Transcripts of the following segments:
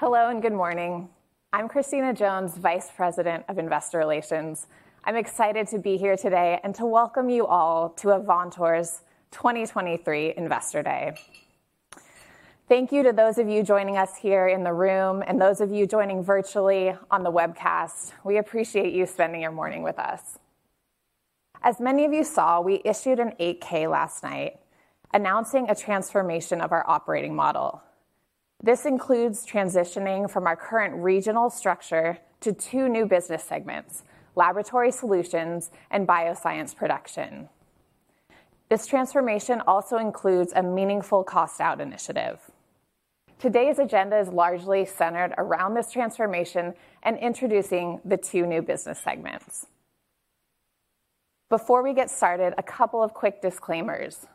Hello, and good morning. I'm Christina Jones, Vice President of Investor Relations. I'm excited to be here today and to welcome you all to Avantor's 2023 Investor Day. Thank you to those of you joining us here in the room, and those of you joining virtually on the webcast. We appreciate you spending your morning with us. As many of you saw, we issued an 8-K last night, announcing a transformation of our operating model. This includes transitioning from our current regional structure to two new business segments: Laboratory Solutions and Bioscience Production. This transformation also includes a meaningful cost-out initiative. Today's agenda is largely centered around this transformation and introducing the two new business segments. Before we get started, a couple of quick disclaimers.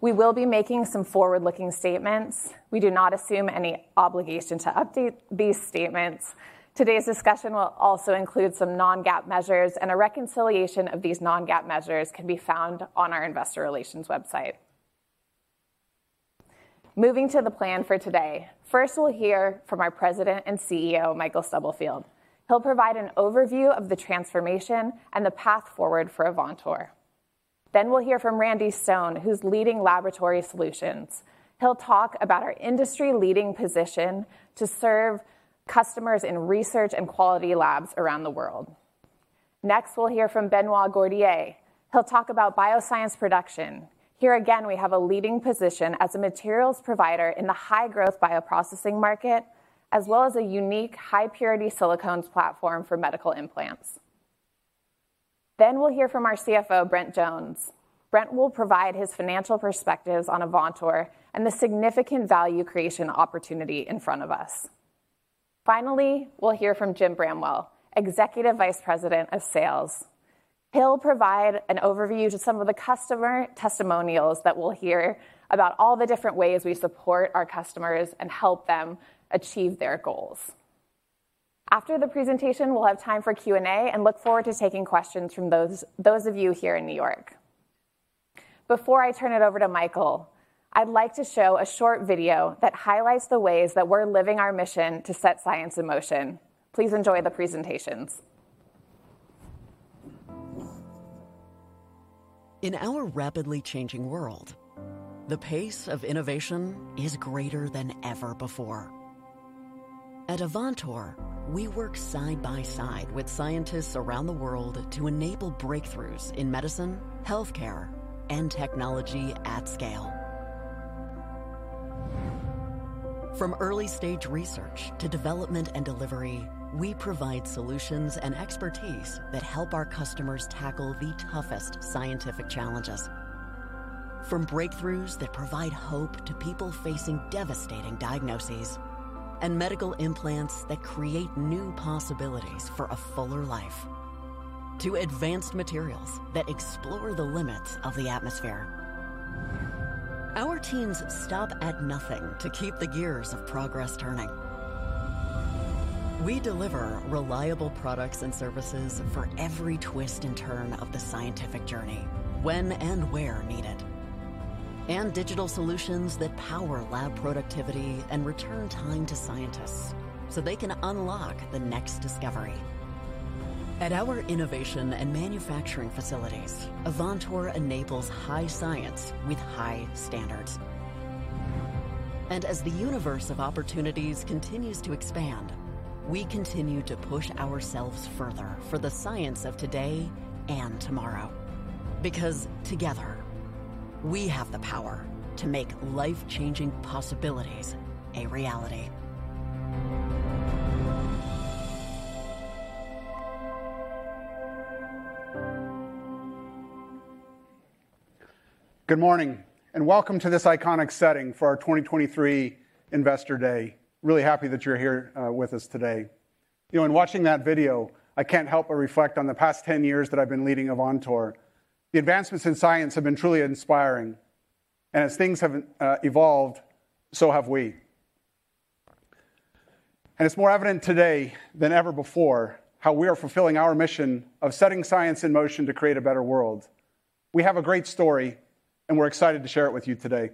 We will be making some forward-looking statements. We do not assume any obligation to update these statements. Today's discussion will also include some non-GAAP measures, and a reconciliation of these non-GAAP measures can be found on our investor relations website. Moving to the plan for today. First, we'll hear from our President and CEO, Michael Stubblefield. He'll provide an overview of the transformation and the path forward for Avantor. Then we'll hear from Randy Stone, who's leading Laboratory Solutions. He'll talk about our industry-leading position to serve customers in research and quality labs around the world. Next, we'll hear from Benoit Gourdier. He'll talk about Bioscience Production. Here again, we have a leading position as a materials provider in the high-growth bioprocessing market, as well as a unique high-purity silicones platform for medical implants. Then we'll hear from our CFO, Brent Jones. Brent will provide his financial perspectives on Avantor and the significant value creation opportunity in front of us. Finally, we'll hear from Jim Bramwell, Executive Vice President of Sales. He'll provide an overview to some of the customer testimonials that we'll hear about all the different ways we support our customers and help them achieve their goals. After the presentation, we'll have time for Q&A and look forward to taking questions from those of you here in New York. Before I turn it over to Michael, I'd like to show a short video that highlights the ways that we're living our mission to set science in motion. Please enjoy the presentations. In our rapidly changing world, the pace of innovation is greater than ever before. At Avantor, we work side by side with scientists around the world to enable breakthroughs in medicine, healthcare, and technology at scale. From early-stage research to development and delivery, we provide solutions and expertise that help our customers tackle the toughest scientific challenges. From breakthroughs that provide hope to people facing devastating diagnoses and medical implants that create new possibilities for a fuller life, to advanced materials that explore the limits of the atmosphere. Our teams stop at nothing to keep the gears of progress turning. We deliver reliable products and services for every twist and turn of the scientific journey, when and where needed. And digital solutions that power lab productivity and return time to scientists so they can unlock the next discovery. At our innovation and manufacturing facilities, Avantor enables high science with high standards. As the universe of opportunities continues to expand, we continue to push ourselves further for the science of today and tomorrow, because together, we have the power to make life-changing possibilities a reality. Good morning, and welcome to this iconic setting for our 2023 Investor Day. Really happy that you're here with us today. You know, in watching that video, I can't help but reflect on the past 10 years that I've been leading Avantor. The advancements in science have been truly inspiring, and as things have evolved, so have we. It's more evident today than ever before, how we are fulfilling our mission of setting science in motion to create a better world. We have a great story, and we're excited to share it with you today.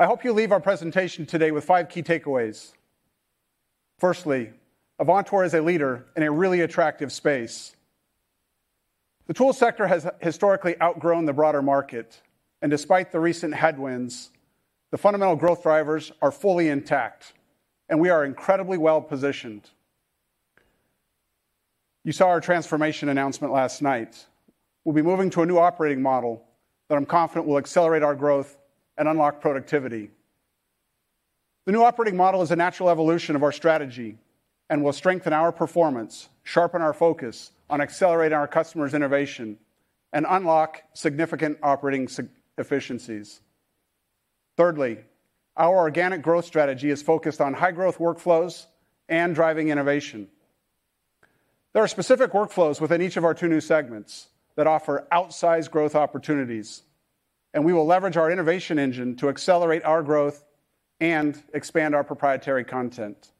I hope you leave our presentation today with five key takeaways. Firstly, Avantor is a leader in a really attractive space. The tool sector has historically outgrown the broader market, and despite the recent headwinds, the fundamental growth drivers are fully intact, and we are incredibly well positioned. You saw our transformation announcement last night. We'll be moving to a new operating model that I'm confident will accelerate our growth and unlock productivity. The new operating model is a natural evolution of our strategy and will strengthen our performance, sharpen our focus on accelerating our customers' innovation, and unlock significant operating efficiencies. Thirdly, our organic growth strategy is focused on high-growth workflows and driving innovation. There are specific workflows within each of our two new segments that offer outsized growth opportunities, and we will leverage our innovation engine to accelerate our growth and expand our proprietary content.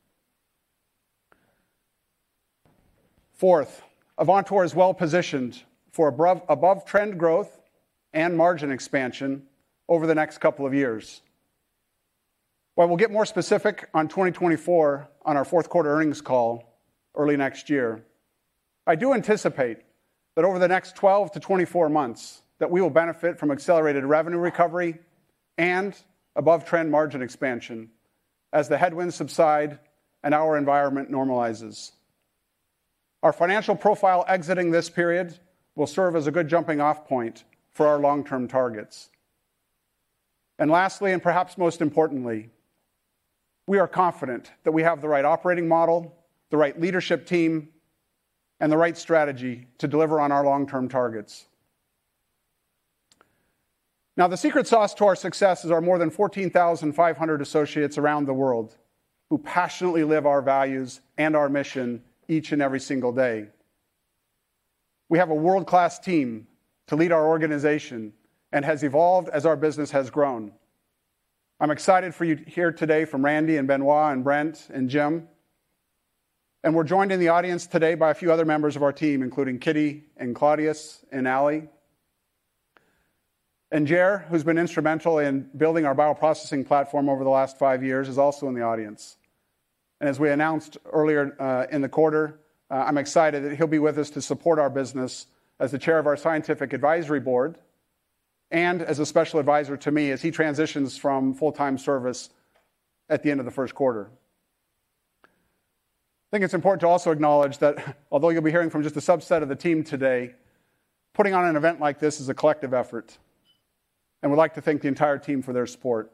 Fourth, Avantor is well-positioned for above-trend growth and margin expansion over the next couple of years. While we'll get more specific on 2024 on our fourth quarter earnings call early next year, I do anticipate that over the next 12-24 months, that we will benefit from accelerated revenue recovery and above-trend margin expansion as the headwinds subside and our environment normalizes. Our financial profile exiting this period will serve as a good jumping-off point for our long-term targets. And lastly, and perhaps most importantly, we are confident that we have the right operating model, the right leadership team, and the right strategy to deliver on our long-term targets. Now, the secret sauce to our success is our more than 14,500 associates around the world, who passionately live our values and our mission each and every single day. We have a world-class team to lead our organization and has evolved as our business has grown. I'm excited for you to hear today from Randy and Benoit and Brent and Jim, and we're joined in the audience today by a few other members of our team, including Kitty and Claudius and Ally. Ger, who's been instrumental in building our bioprocessing platform over the last five years, is also in the audience. As we announced earlier in the quarter, I'm excited that he'll be with us to support our business as the chair of our scientific advisory board and as a special advisor to me as he transitions from full-time service at the end of the first quarter. I think it's important to also acknowledge that although you'll be hearing from just a subset of the team today, putting on an event like this is a collective effort, and we'd like to thank the entire team for their support.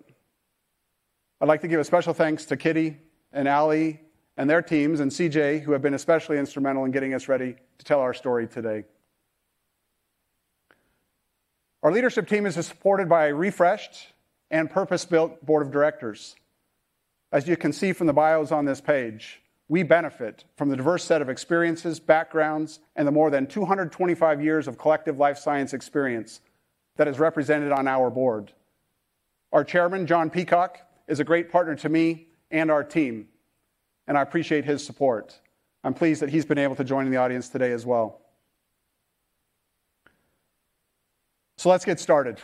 I'd like to give a special thanks to Kitty and Ally and their teams, and CJ, who have been especially instrumental in getting us ready to tell our story today. Our leadership team is supported by a refreshed and purpose-built board of directors. As you can see from the bios on this page, we benefit from the diverse set of experiences, backgrounds, and the more than 225 years of collective life science experience that is represented on our board. Our Chairman, Jonathan Peacock, is a great partner to me and our team, and I appreciate his support. I'm pleased that he's been able to join in the audience today as well. So let's get started.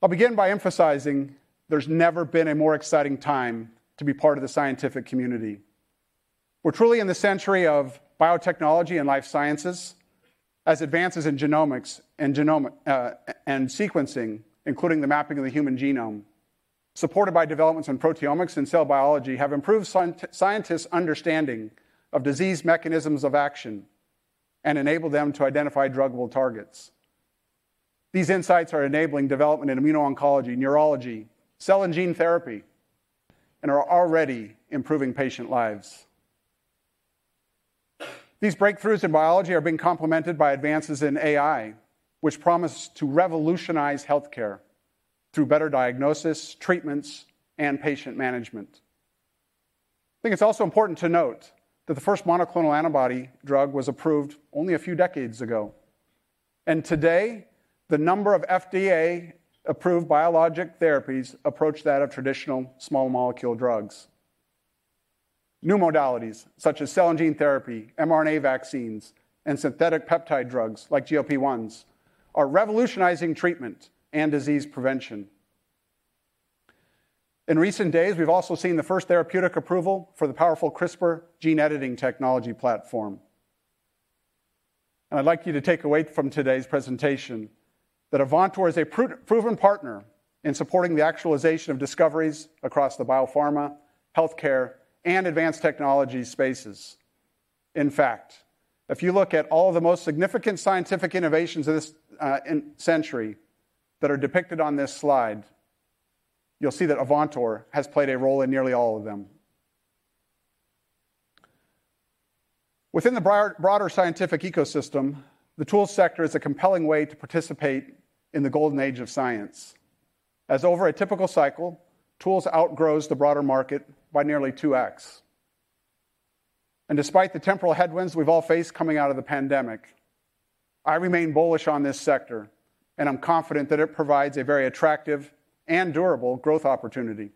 I'll begin by emphasizing there's never been a more exciting time to be part of the scientific community. We're truly in the century of biotechnology and life sciences, as advances in genomics and genome and sequencing, including the mapping of the human genome, supported by developments in proteomics and cell biology, have improved scientists' understanding of disease mechanisms of action and enabled them to identify druggable targets. These insights are enabling development in immuno-oncology, neurology, cell and gene therapy, and are already improving patient lives. These breakthroughs in biology are being complemented by advances in AI, which promise to revolutionize healthcare through better diagnosis, treatments, and patient management. I think it's also important to note that the first monoclonal antibody drug was approved only a few decades ago, and today, the number of FDA-approved biologic therapies approach that of traditional small molecule drugs. New modalities, such as cell and gene therapy, mRNA vaccines, and synthetic peptide drugs, like GLP-1s, are revolutionizing treatment and disease prevention. In recent days, we've also seen the first therapeutic approval for the powerful CRISPR gene editing technology platform. And I'd like you to take away from today's presentation that Avantor is a proven partner in supporting the actualization of discoveries across the biopharma, healthcare, and advanced technology spaces. In fact, if you look at all of the most significant scientific innovations of this in century that are depicted on this slide, you'll see that Avantor has played a role in nearly all of them. Within the broader scientific ecosystem, the tools sector is a compelling way to participate in the golden age of science, as over a typical cycle, tools outgrows the broader market by nearly 2x. Despite the temporal headwinds we've all faced coming out of the pandemic, I remain bullish on this sector, and I'm confident that it provides a very attractive and durable growth opportunity.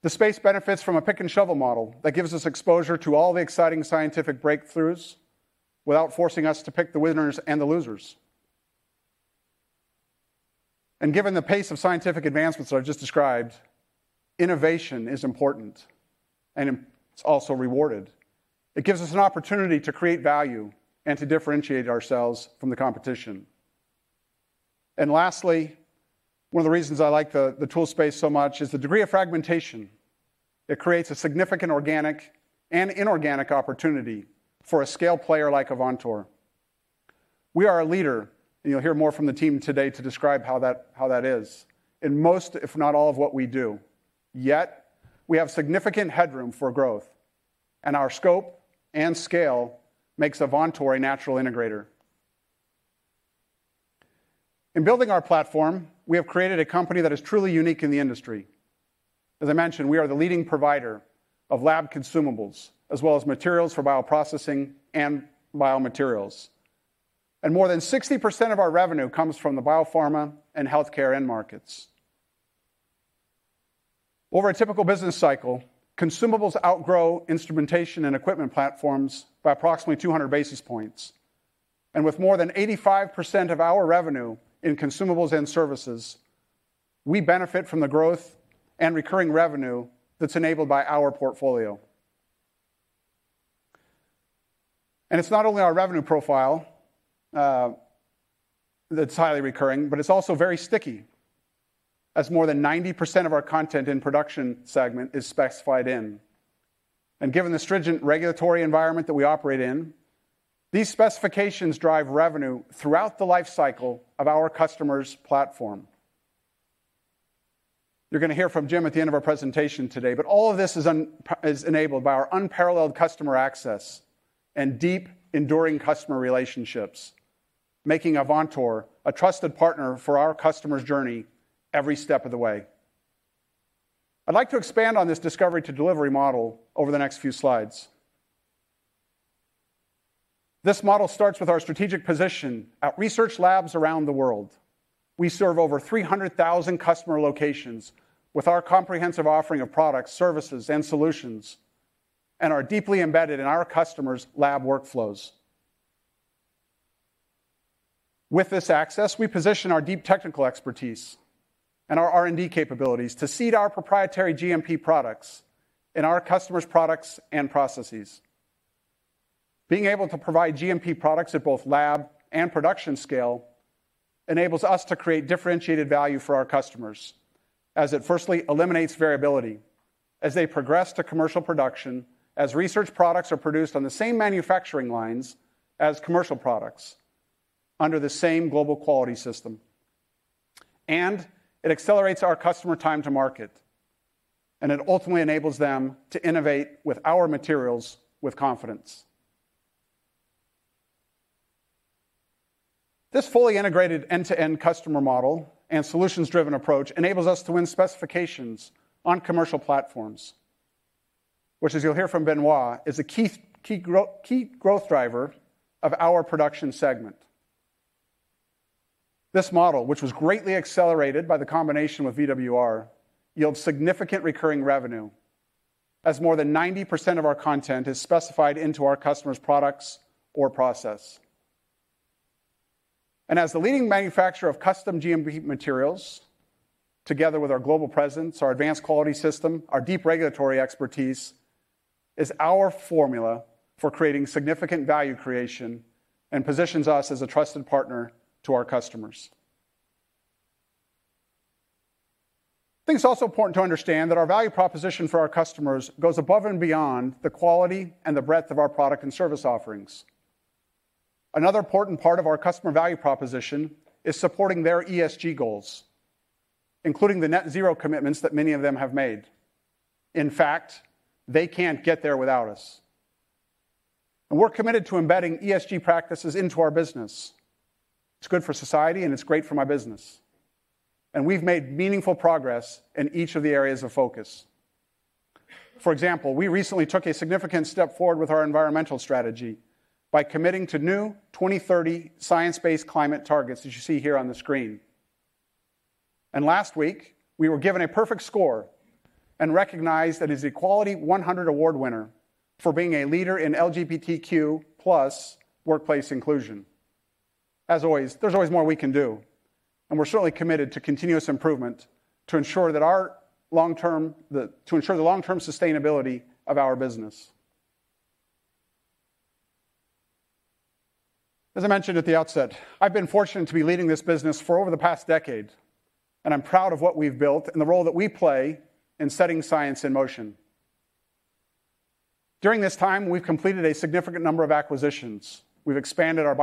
The space benefits from a pick-and-shovel model that gives us exposure to all the exciting scientific breakthroughs without forcing us to pick the winners and the losers. Given the pace of scientific advancements that I've just described, innovation is important, and it's also rewarded. It gives us an opportunity to create value and to differentiate ourselves from the competition. Lastly, one of the reasons I like the tool space so much is the degree of fragmentation that creates a significant organic and inorganic opportunity for a scale player like Avantor. We are a leader, and you'll hear more from the team today to describe how that is, in most, if not all, of what we do. Yet, we have significant headroom for growth, and our scope and scale makes Avantor a natural integrator. In building our platform, we have created a company that is truly unique in the industry. As I mentioned, we are the leading provider of lab consumables, as well as materials for bioprocessing and biomaterials, and more than 60% of our revenue comes from the biopharma and healthcare end markets. Over a typical business cycle, consumables outgrow instrumentation and equipment platforms by approximately 200 basis points. And with more than 85% of our revenue in consumables and services, we benefit from the growth and recurring revenue that's enabled by our portfolio. It's not only our revenue profile that's highly recurring, but it's also very sticky, as more than 90% of our content in production segment is specified in. Given the stringent regulatory environment that we operate in, these specifications drive revenue throughout the life cycle of our customer's platform. You're gonna hear from Jim at the end of our presentation today, but all of this is enabled by our unparalleled customer access and deep, enduring customer relationships, making Avantor a trusted partner for our customer's journey every step of the way. I'd like to expand on this discovery to delivery model over the next few slides. This model starts with our strategic position at research labs around the world. We serve over 300,000 customer locations with our comprehensive offering of products, services, and solutions, and are deeply embedded in our customers' lab workflows. With this access, we position our deep technical expertise and our R&D capabilities to seed our proprietary GMP products in our customers' products and processes. Being able to provide GMP products at both lab and production scale enables us to create differentiated value for our customers, as it firstly eliminates variability as they progress to commercial production, as research products are produced on the same manufacturing lines as commercial products under the same global quality system. And it accelerates our customer time to market, and it ultimately enables them to innovate with our materials with confidence. This fully integrated end-to-end customer model and solutions-driven approach enables us to win specifications on commercial platforms, which, as you'll hear from Benoit, is a key growth driver of our production segment. This model, which was greatly accelerated by the combination with VWR, yields significant recurring revenue, as more than 90% of our content is specified into our customers' products or process. And as the leading manufacturer of custom GMP materials, together with our global presence, our advanced quality system, our deep regulatory expertise, is our formula for creating significant value creation and positions us as a trusted partner to our customers. I think it's also important to understand that our value proposition for our customers goes above and beyond the quality and the breadth of our product and service offerings. Another important part of our customer value proposition is supporting their ESG goals, including the net zero commitments that many of them have made. In fact, they can't get there without us. And we're committed to embedding ESG practices into our business. It's good for society, and it's great for my business, and we've made meaningful progress in each of the areas of focus. For example, we recently took a significant step forward with our environmental strategy by committing to new 2030 science-based climate targets, as you see here on the screen. Last week, we were given a perfect score and recognized as the Equality 100 Award winner for being a leader in LGBTQ+ workplace inclusion. As always, there's always more we can do, and we're certainly committed to continuous improvement to ensure that our long-term sustainability of our business. As I mentioned at the outset, I've been fortunate to be leading this business for over the past decade, and I'm proud of what we've built and the role that we play in setting science in motion. During this time, we've completed a significant number of acquisitions. We've expanded our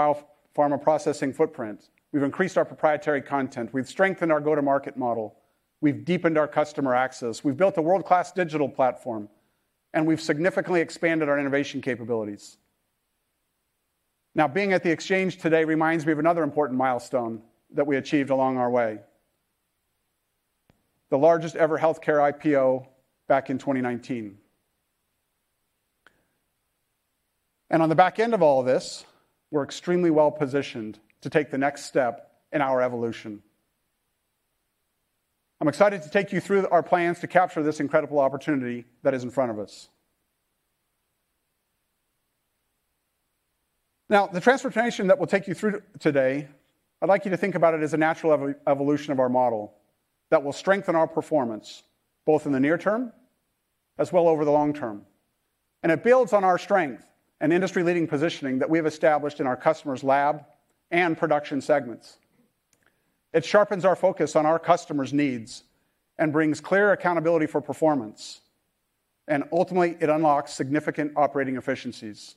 biopharma processing footprint. We've increased our proprietary content. We've strengthened our go-to-market model. We've deepened our customer access. We've built a world-class digital platform, and we've significantly expanded our innovation capabilities. Now, being at the exchange today reminds me of another important milestone that we achieved along our way: the largest-ever healthcare IPO back in 2019. On the back end of all this, we're extremely well-positioned to take the next step in our evolution. I'm excited to take you through our plans to capture this incredible opportunity that is in front of us. Now, the transformation that we'll take you through today, I'd like you to think about it as a natural evolution of our model that will strengthen our performance, both in the near term as well over the long term. It builds on our strength and industry-leading positioning that we have established in our customers' lab and production segments. It sharpens our focus on our customers' needs and brings clear accountability for performance, and ultimately, it unlocks significant operating efficiencies.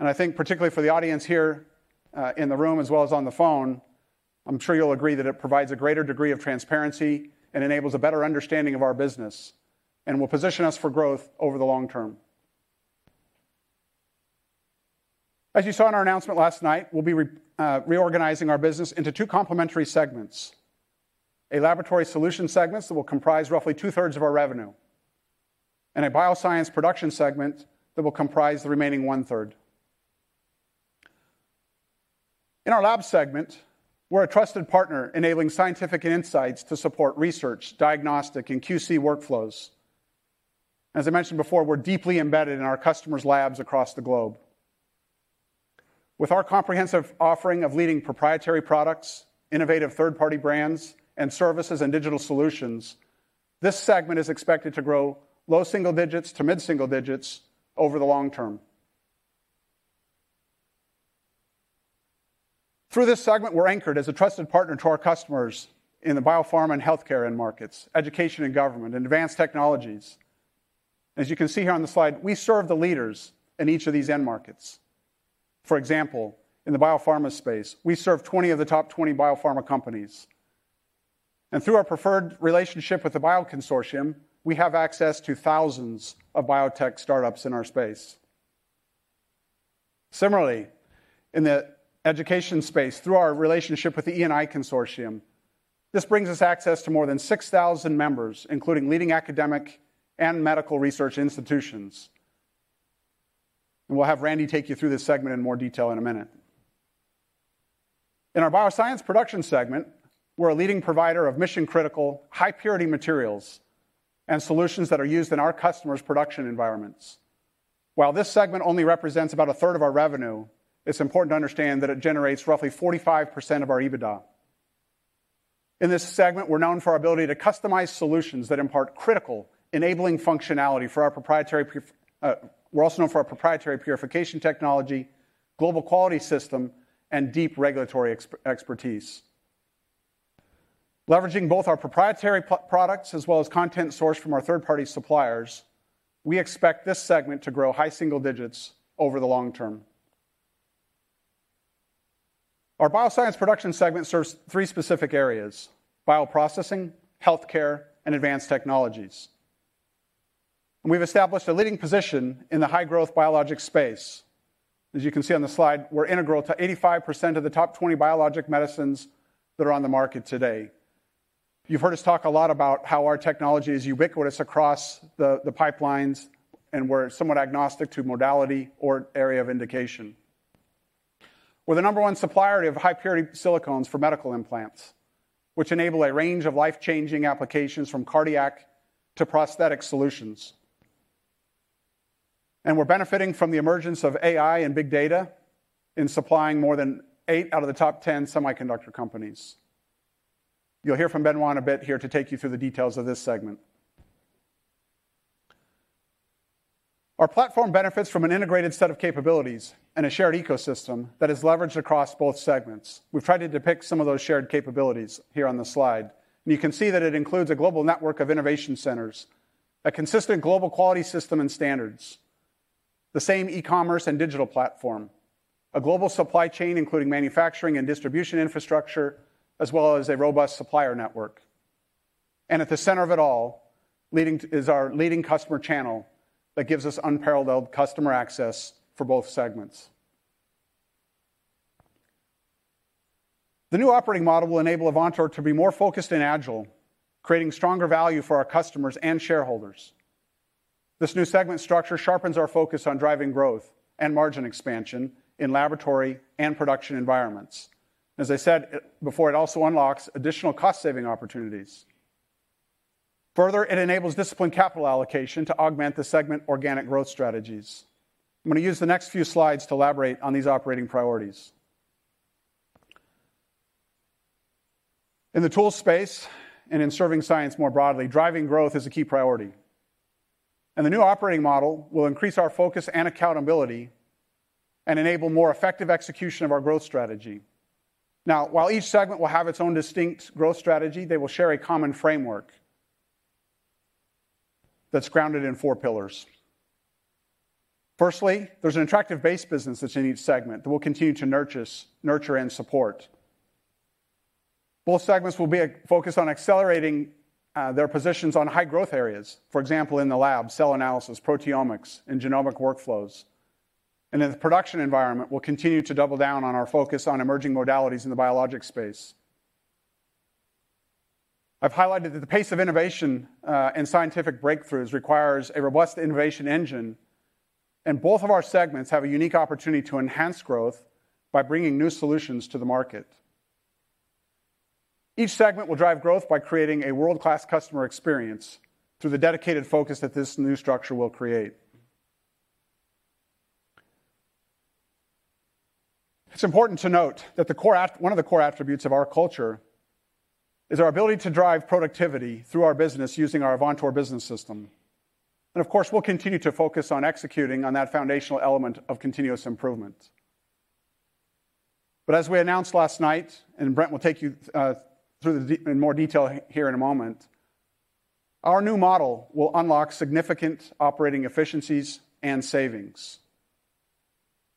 I think particularly for the audience here in the room as well as on the phone, I'm sure you'll agree that it provides a greater degree of transparency and enables a better understanding of our business and will position us for growth over the long term. As you saw in our announcement last night, we'll be reorganizing our business into two complementary segments: a Laboratory Solutions segment that will comprise roughly 2/3 of our revenue and a Bioscience Production segment that will comprise the remaining 1/3. In our lab segment, we're a trusted partner enabling scientific insights to support research, diagnostic, and QC workflows. As I mentioned before, we're deeply embedded in our customers' labs across the globe. With our comprehensive offering of leading proprietary products, innovative third-party brands, and services and digital solutions, this segment is expected to grow low single digits to mid-single digits over the long term. Through this segment, we're anchored as a trusted partner to our customers in the biopharma and healthcare end markets, education and government, and advanced technologies. As you can see here on the slide, we serve the leaders in each of these end markets. For example, in the biopharma space, we serve 20 of the top 20 biopharma companies. Through our preferred relationship with the Bioconsortium, we have access to thousands of biotech startups in our space. Similarly, in the education space, through our relationship with the E&I Cooperative Services, this brings us access to more than 6,000 members, including leading academic and medical research institutions. We'll have Randy take you through this segment in more detail in a minute. In our bioscience production segment, we're a leading provider of mission-critical, high-purity materials and solutions that are used in our customers' production environments. While this segment only represents about a third of our revenue, it's important to understand that it generates roughly 45% of our EBITDA. In this segment, we're known for our ability to customize solutions that impart critical enabling functionality, and we're also known for our proprietary purification technology, global quality system, and deep regulatory expertise. Leveraging both our proprietary products as well as content sourced from our third-party suppliers, we expect this segment to grow high single digits over the long term. Our Bioscience Production segment serves three specific areas: bioprocessing, healthcare, and advanced technologies. We've established a leading position in the high-growth biologic space. As you can see on the slide, we're integral to 85% of the top 20 biologic medicines that are on the market today. You've heard us talk a lot about how our technology is ubiquitous across the pipelines, and we're somewhat agnostic to modality or area of indication. We're the number one supplier of high-purity silicones for medical implants, which enable a range of life-changing applications from cardiac to prosthetic solutions. We're benefiting from the emergence of AI and big data in supplying more than eight out of the top 10 semiconductor companies. You'll hear from Benoit in a bit here to take you through the details of this segment. Our platform benefits from an integrated set of capabilities and a shared ecosystem that is leveraged across both segments. We've tried to depict some of those shared capabilities here on the slide, and you can see that it includes a global network of innovation centers, a consistent global quality system and standards, the same e-commerce and digital platform, a global supply chain, including manufacturing and distribution infrastructure, as well as a robust supplier network. And at the center of it all, leading to, is our leading customer channel that gives us unparalleled customer access for both segments. The new operating model will enable Avantor to be more focused and agile, creating stronger value for our customers and shareholders. This new segment structure sharpens our focus on driving growth and margin expansion in laboratory and production environments. As I said before, it also unlocks additional cost-saving opportunities. Further, it enables disciplined capital allocation to augment the segment organic growth strategies. I'm gonna use the next few slides to elaborate on these operating priorities. In the tool space and in serving science more broadly, driving growth is a key priority, and the new operating model will increase our focus and accountability and enable more effective execution of our growth strategy. Now, while each segment will have its own distinct growth strategy, they will share a common framework that's grounded in four pillars. Firstly, there's an attractive base business that's in each segment that we'll continue to nurture and support. Both segments will be focused on accelerating their positions on high-growth areas. For example, in the lab, cell analysis, proteomics, and genomic workflows. In the production environment, we'll continue to double down on our focus on emerging modalities in the biologic space. I've highlighted that the pace of innovation and scientific breakthroughs requires a robust innovation engine, and both of our segments have a unique opportunity to enhance growth by bringing new solutions to the market. Each segment will drive growth by creating a world-class customer experience through the dedicated focus that this new structure will create. It's important to note that one of the core attributes of our culture is our ability to drive productivity through our business using our Avantor Business System. Of course, we'll continue to focus on executing on that foundational element of continuous improvement. But as we announced last night, and Brent will take you through the details in more detail here in a moment, our new model will unlock significant operating efficiencies and savings.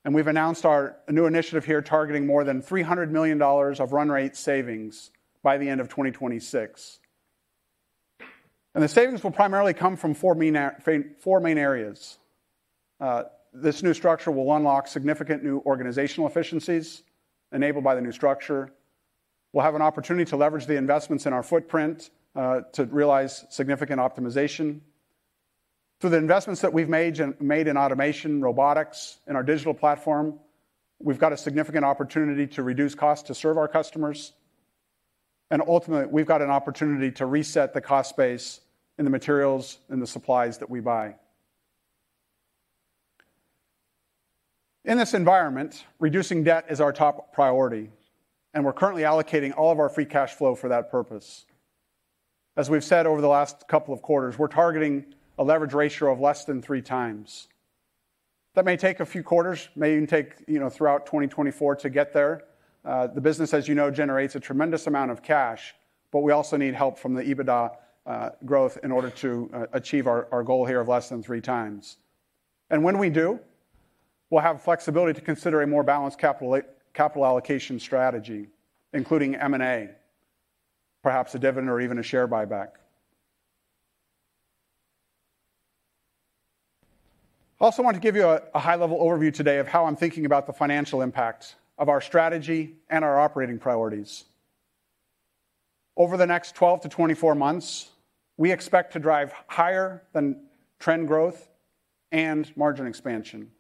We've announced a new initiative here, targeting more than $300 million of run rate savings by the end of 2026. The savings will primarily come from four main areas. This new structure will unlock significant new organizational efficiencies enabled by the new structure. We'll have an opportunity to leverage the investments in our footprint to realize significant optimization. Through the investments that we've made in automation, robotics, and our digital platform, we've got a significant opportunity to reduce costs to serve our customers, and ultimately, we've got an opportunity to reset the cost base in the materials and the supplies that we buy. In this environment, reducing debt is our top priority, and we're currently allocating all of our free cash flow for that purpose. As we've said over the last couple of quarters, we're targeting a leverage ratio of less than three times. That may take a few quarters, may even take, you know, throughout 2024 to get there. The business, as you know, generates a tremendous amount of cash, but we also need help from the EBITDA growth in order to achieve our goal here of less than three times. And when we do, we'll have flexibility to consider a more balanced capital allocation strategy, including M&A, perhaps a dividend or even a share buyback. I also want to give you a high-level overview today of how I'm thinking about the financial impact of our strategy and our operating priorities. Over the next 12-24 months, we expect to drive higher than trend growth and margin expansion.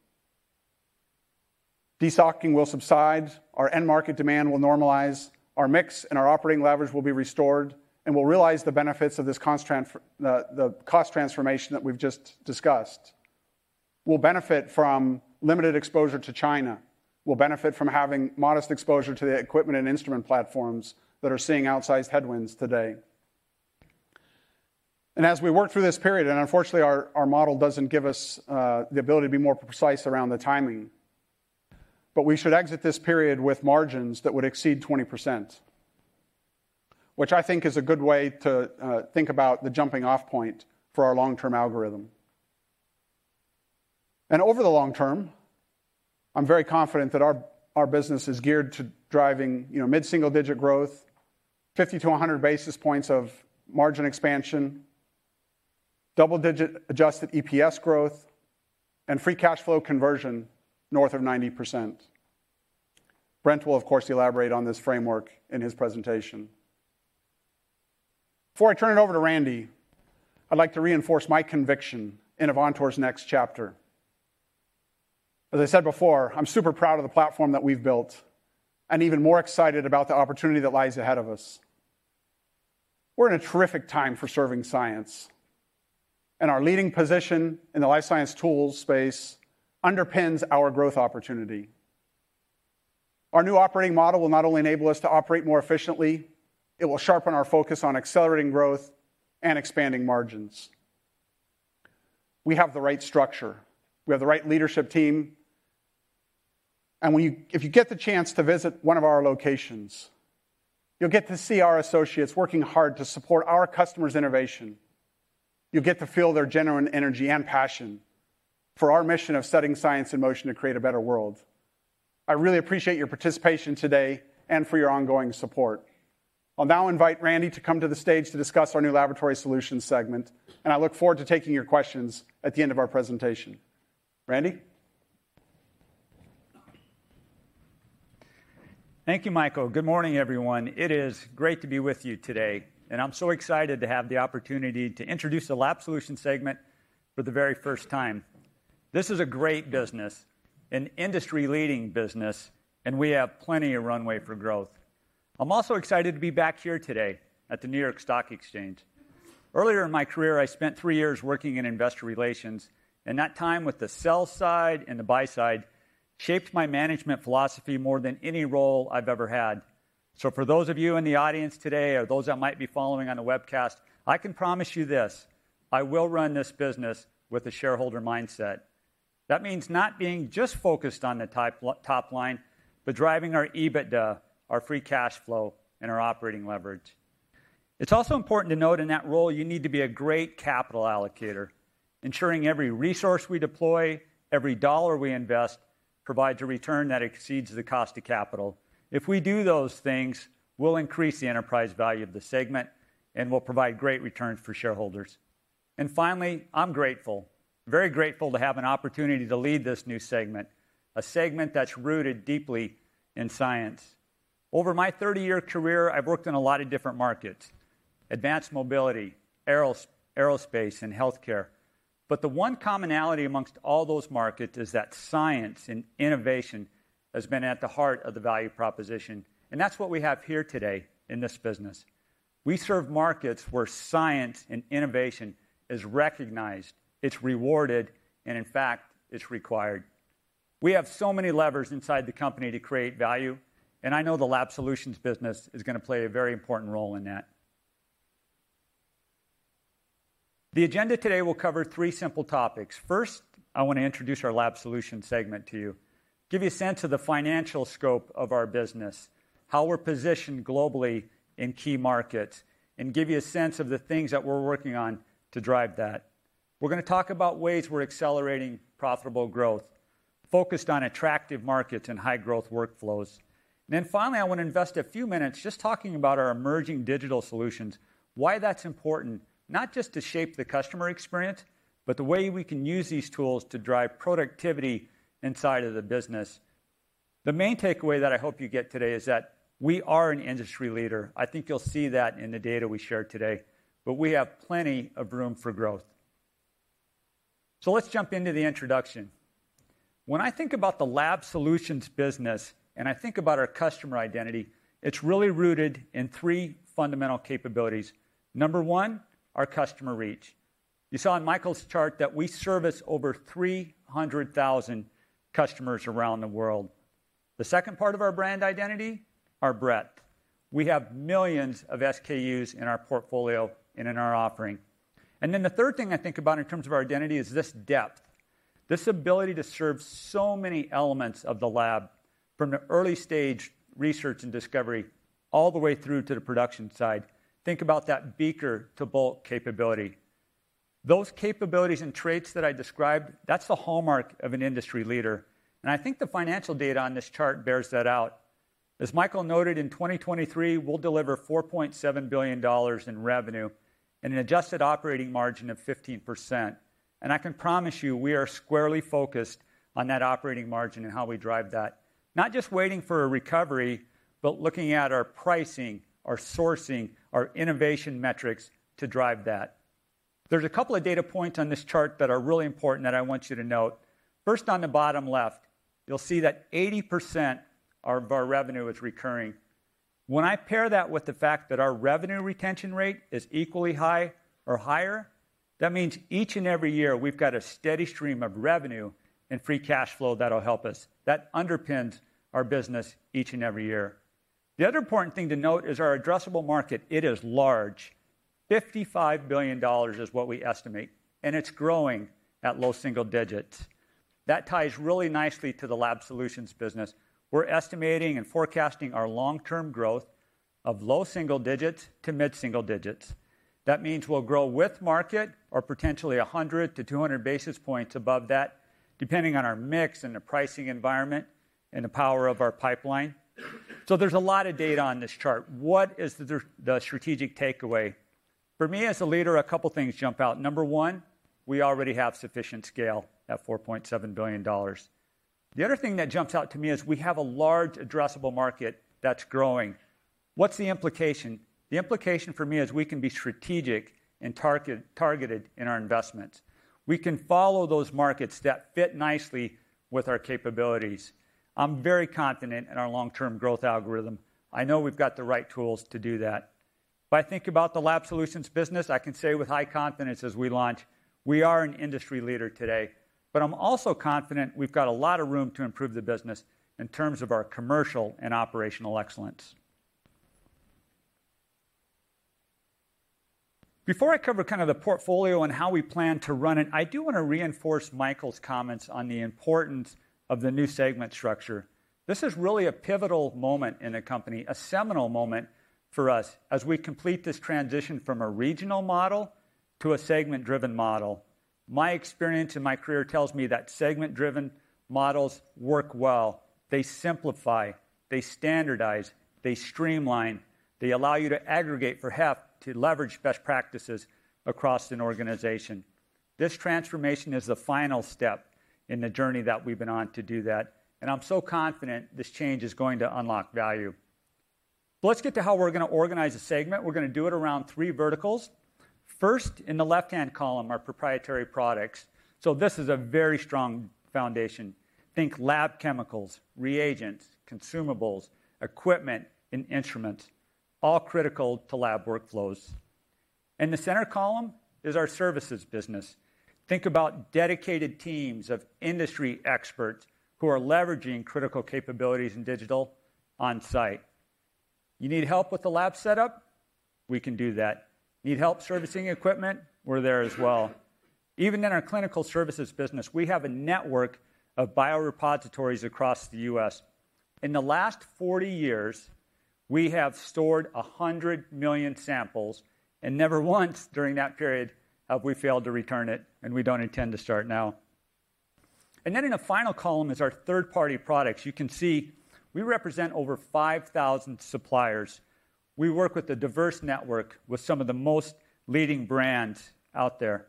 Destocking will subside, our end market demand will normalize, our mix and our operating leverage will be restored, and we'll realize the benefits of the cost transformation that we've just discussed. We'll benefit from limited exposure to China. We'll benefit from having modest exposure to the equipment and instrument platforms that are seeing outsized headwinds today. As we work through this period, and unfortunately, our model doesn't give us the ability to be more precise around the timing, but we should exit this period with margins that would exceed 20%, which I think is a good way to think about the jumping-off point for our long-term algorithm. Over the long term, I'm very confident that our business is geared to driving, you know, mid-single-digit growth, 50-100 basis points of margin expansion, double-digit adjusted EPS growth, and free cash flow conversion north of 90%. Brent will, of course, elaborate on this framework in his presentation. Before I turn it over to Randy, I'd like to reinforce my conviction in Avantor's next chapter. As I said before, I'm super proud of the platform that we've built and even more excited about the opportunity that lies ahead of us. We're in a terrific time for serving science, and our leading position in the life science tools space underpins our growth opportunity. Our new operating model will not only enable us to operate more efficiently, it will sharpen our focus on accelerating growth and expanding margins. We have the right structure. We have the right leadership team, and if you get the chance to visit one of our locations, you'll get to see our associates working hard to support our customers' innovation. You'll get to feel their genuine energy and passion for our mission of studying science in motion to create a better world. I really appreciate your participation today and for your ongoing support. I'll now invite Randy to come to the stage to discuss our new Laboratory Solutions segment, and I look forward to taking your questions at the end of our presentation. Randy? Thank you, Michael. Good morning, everyone. It is great to be with you today, and I'm so excited to have the opportunity to introduce Lab Solutions segment for the very first time. This is a great business, an industry-leading business, and we have plenty of runway for growth. I'm also excited to be back here today at the New York Stock Exchange. Earlier in my career, I spent three years working in investor relations, and that time with the sell side and the buy side shaped my management philosophy more than any role I've ever had. So for those of you in the audience today or those that might be following on the webcast, I can promise you this: I will run this business with a shareholder mindset. That means not being just focused on the top line, but driving our EBITDA, our free cash flow, and our operating leverage. It's also important to note in that role, you need to be a great capital allocator, ensuring every resource we deploy, every dollar we invest, provides a return that exceeds the cost of capital. If we do those things, we'll increase the enterprise value of the segment, and we'll provide great returns for shareholders. And finally, I'm grateful, very grateful to have an opportunity to lead this new segment, a segment that's rooted deeply in science. Over my 30-year career, I've worked in a lot of different markets: advanced mobility, aerospace, and healthcare. But the one commonality amongst all those markets is that science and innovation has been at the heart of the value proposition, and that's what we have here today in this business. We serve markets where science and innovation is recognized, it's rewarded, and in fact, it's required. We have so many levers inside the company to create value, and I know Lab Solutions business is gonna play a very important role in that. The agenda today will cover three simple topics. First, I want to introduce Lab Solutions segment to you, give you a sense of the financial scope of our business, how we're positioned globally in key markets, and give you a sense of the things that we're working on to drive that. We're gonna talk about ways we're accelerating profitable growth, focused on attractive markets and high-growth workflows. And then finally, I want to invest a few minutes just talking about our emerging digital solutions, why that's important, not just to shape the customer experience, but the way we can use these tools to drive productivity inside of the business. The main takeaway that I hope you get today is that we are an industry leader. I think you'll see that in the data we share today, but we have plenty of room for growth. So let's jump into the introduction. When I think about Lab Solutions business, and I think about our customer identity, it's really rooted in three fundamental capabilities. Number one, our customer reach. You saw in Michael's chart that we service over 300,000 customers around the world. The second part of our brand identity, our breadth. We have millions of SKUs in our portfolio and in our offering. Then the third thing I think about in terms of our identity is this depth, this ability to serve so many elements of the lab, from the early stage, research and discovery, all the way through to the production side. Think about that beaker-to-bulk capability. Those capabilities and traits that I described, that's the hallmark of an industry leader, and I think the financial data on this chart bears that out. As Michael noted, in 2023, we'll deliver $4.7 billion in revenue and an adjusted operating margin of 15%. I can promise you, we are squarely focused on that operating margin and how we drive that. Not just waiting for a recovery, but looking at our pricing, our sourcing, our innovation metrics to drive that. There's a couple of data points on this chart that are really important that I want you to note. First, on the bottom left, you'll see that 80% of our revenue is recurring. When I pair that with the fact that our revenue retention rate is equally high or higher, that means each and every year we've got a steady stream of revenue and free cash flow that'll help us. That underpins our business each and every year. The other important thing to note is our addressable market. It is large. $55 billion is what we estimate, and it's growing at low single digits. That ties really nicely to Lab Solutions business. We're estimating and forecasting our long-term growth of low single digits to mid single digits. That means we'll grow with market or potentially 100-200 basis points above that, depending on our mix and the pricing environment and the power of our pipeline. So there's a lot of data on this chart. What is the strategic takeaway? For me, as a leader, a couple things jump out. Number one, we already have sufficient scale at $4.7 billion. The other thing that jumps out to me is we have a large addressable market that's growing. What's the implication? The implication for me is we can be strategic and target, targeted in our investments. We can follow those markets that fit nicely with our capabilities. I'm very confident in our long-term growth algorithm. I know we've got the right tools to do that. If I think about Lab Solutions business, I can say with high confidence as we launch, we are an industry leader today. But I'm also confident we've got a lot of room to improve the business in terms of our commercial and operational excellence. Before I cover kind of the portfolio and how we plan to run it, I do want to reinforce Michael's comments on the importance of the new segment structure. This is really a pivotal moment in the company, a seminal moment for us, as we complete this transition from a regional model to a segment-driven model. My experience and my career tells me that segment-driven models work well. They simplify, they standardize, they streamline, they allow you to aggregate, perhaps, to leverage best practices across an organization. This transformation is the final step in the journey that we've been on to do that, and I'm so confident this change is going to unlock value. Let's get to how we're gonna organize the segment. We're gonna do it around three verticals. First, in the left-hand column, are proprietary products. So this is a very strong foundation. Think lab chemicals, reagents, consumables, equipment, and instruments, all critical to lab workflows. In the center column is our services business. Think about dedicated teams of industry experts who are leveraging critical capabilities in digital on-site. You need help with the lab setup? We can do that. Need help servicing equipment? We're there as well. Even in our clinical services business, we have a network of biorepositories across the U.S. In the last 40 years, we have stored 100 million samples, and never once during that period have we failed to return it, and we don't intend to start now. Then in the final column is our third-party products. You can see we represent over 5,000 suppliers. We work with a diverse network, with some of the most leading brands out there.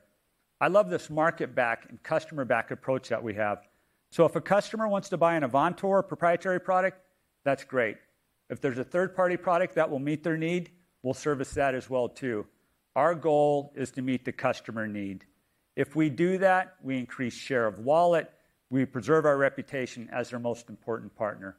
I love this market-back and customer-back approach that we have. So if a customer wants to buy an Avantor proprietary product, that's great. If there's a third-party product that will meet their need, we'll service that as well, too. Our goal is to meet the customer need. If we do that, we increase share of wallet, we preserve our reputation as their most important partner.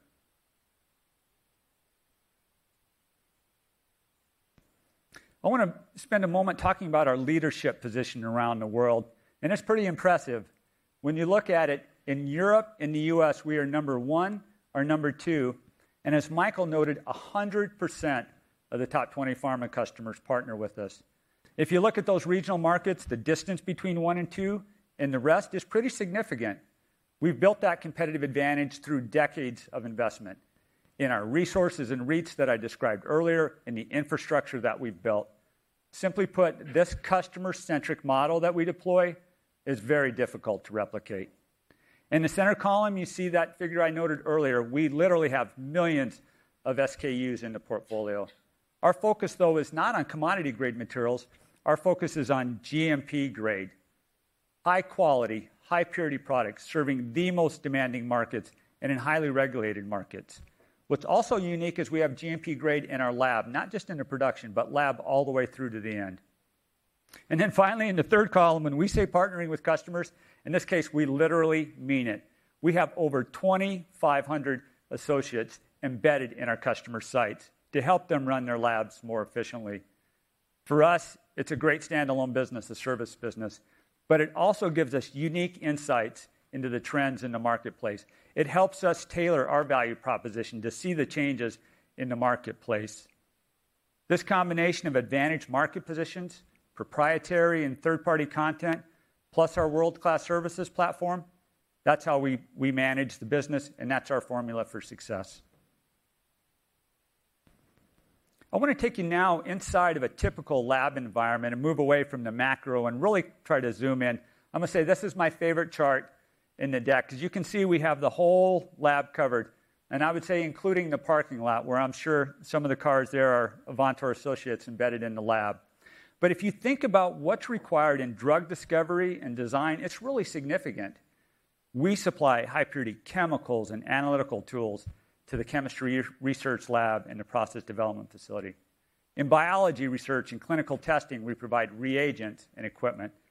I want to spend a moment talking about our leadership position around the world, and it's pretty impressive. When you look at it, in Europe and the US, we are number one or number two, and as Michael noted, 100% of the top 20 pharma customers partner with us. If you look at those regional markets, the distance between one and two and the rest is pretty significant. We've built that competitive advantage through decades of investment in our resources and reach that I described earlier and the infrastructure that we've built. Simply put, this customer-centric model that we deploy is very difficult to replicate. In the center column, you see that figure I noted earlier. We literally have millions of SKUs in the portfolio. Our focus, though, is not on commodity-grade materials. Our focus is on GMP grade, high quality, high purity products serving the most demanding markets and in highly regulated markets. What's also unique is we have GMP grade in our lab, not just in the production, but lab all the way through to the end. And then finally, in the third column, when we say partnering with customers, in this case, we literally mean it. We have over 2,500 associates embedded in our customer sites to help them run their labs more efficiently. For us, it's a great standalone business, the service business, but it also gives us unique insights into the trends in the marketplace. It helps us tailor our value proposition to see the changes in the marketplace. This combination of advantage market positions, proprietary and third-party content, plus our world-class services platform, that's how we manage the business, and that's our formula for success. I wanna take you now inside of a typical lab environment and move away from the macro and really try to zoom in. I'm gonna say this is my favorite chart in the deck, 'cause you can see we have the whole lab covered, and I would say including the parking lot, where I'm sure some of the cars there are Avantor associates embedded in the lab. But if you think about what's required in drug discovery and design, it's really significant. We supply high-purity chemicals and analytical tools to the chemistry research lab and the process development facility. In biology research and clinical testing, we provide reagents and equipment, and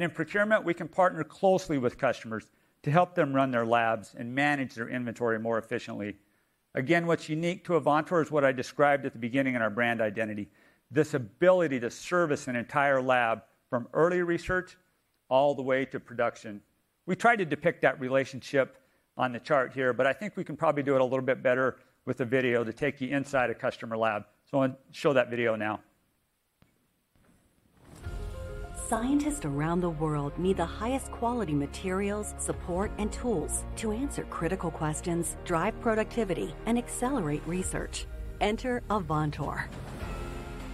in procurement, we can partner closely with customers to help them run their labs and manage their inventory more efficiently. Again, what's unique to Avantor is what I described at the beginning in our brand identity, this ability to service an entire lab from early research all the way to production. We tried to depict that relationship on the chart here, but I think we can probably do it a little bit better with a video to take you inside a customer lab. So I'm gonna show that video now. Scientists around the world need the highest quality materials, support, and tools to answer critical questions, drive productivity, and accelerate research. Enter Avantor.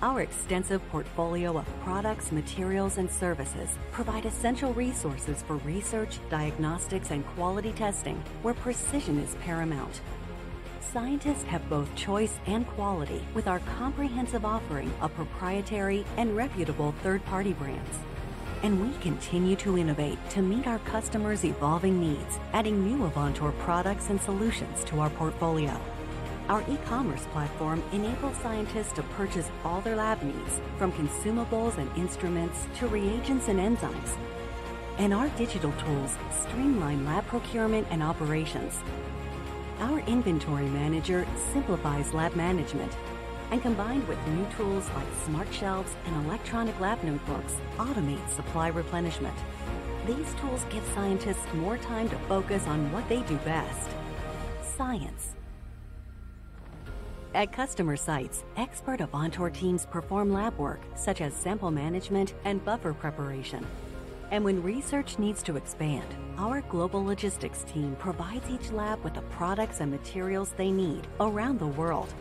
Our extensive portfolio of products, materials, and services provide essential resources for research, diagnostics, and quality testing, where precision is paramount. Scientists have both choice and quality with our comprehensive offering of proprietary and reputable third-party brands. We continue to innovate to meet our customers' evolving needs, adding new Avantor products and solutions to our portfolio. Our e-commerce platform enables scientists to purchase all their lab needs, from consumables and instruments to reagents and enzymes, and our digital tools streamline lab procurement and operations. Our inventory manager simplifies lab management, and combined with new tools like smart shelves and electronic lab notebooks, automates supply replenishment. These tools give scientists more time to focus on what they do best, science. At customer sites, expert Avantor teams perform lab work such as sample management and buffer preparation. When research needs to expand, our global logistics team provides each lab with the products and materials they need around the world.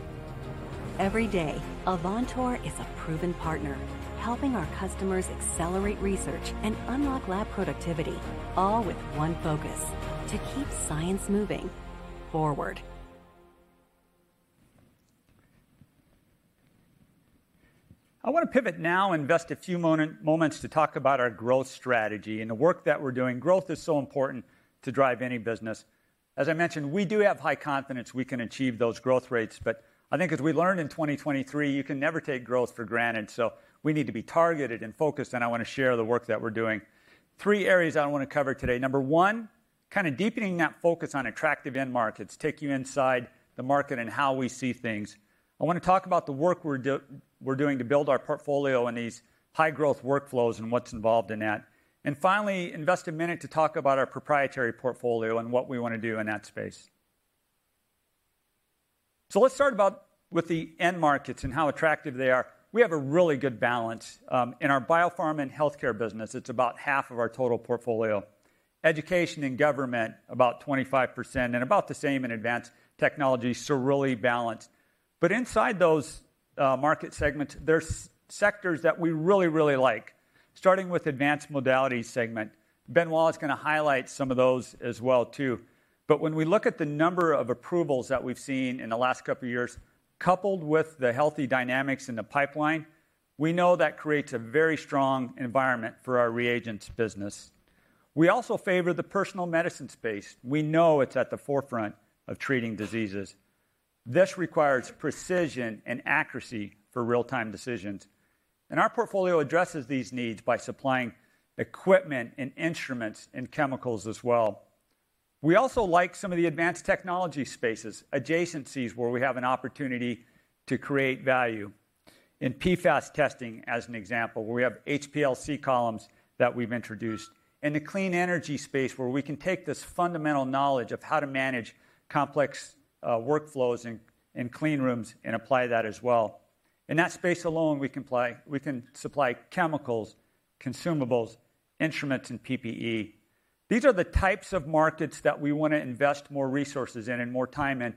Every day, Avantor is a proven partner, helping our customers accelerate research and unlock lab productivity, all with one focus: to keep science moving forward. I wanna pivot now, invest a few moments to talk about our growth strategy and the work that we're doing. Growth is so important to drive any business. As I mentioned, we do have high confidence we can achieve those growth rates, but I think as we learned in 2023, you can never take growth for granted, so we need to be targeted and focused, and I wanna share the work that we're doing. Three areas I wanna cover today. Number one, kinda deepening that focus on attractive end markets, take you inside the market and how we see things. I wanna talk about the work we're doing to build our portfolio in these high-growth workflows and what's involved in that. And finally, invest a minute to talk about our proprietary portfolio and what we wanna do in that space. So let's start with the end markets and how attractive they are. We have a really good balance in our biopharm and healthcare business. It's about half of our total portfolio. Education and government, about 25%, and about the same in advanced technology, so really balanced. But inside those market segments, there's sectors that we really, really like, starting with advanced modalities segment. Benoit gonna highlight some of those as well too. But when we look at the number of approvals that we've seen in the last couple of years, coupled with the healthy dynamics in the pipeline, we know that creates a very strong environment for our reagents business. We also favor the personal medicine space. We know it's at the forefront of treating diseases. This requires precision and accuracy for real-time decisions, and our portfolio addresses these needs by supplying equipment and instruments and chemicals as well. We also like some of the advanced technology spaces, adjacencies where we have an opportunity to create value. In PFAS testing, as an example, where we have HPLC columns that we've introduced, and the clean energy space, where we can take this fundamental knowledge of how to manage complex workflows and clean rooms and apply that as well. In that space alone, we can supply chemicals, consumables, instruments, and PPE. These are the types of markets that we wanna invest more resources in and more time in,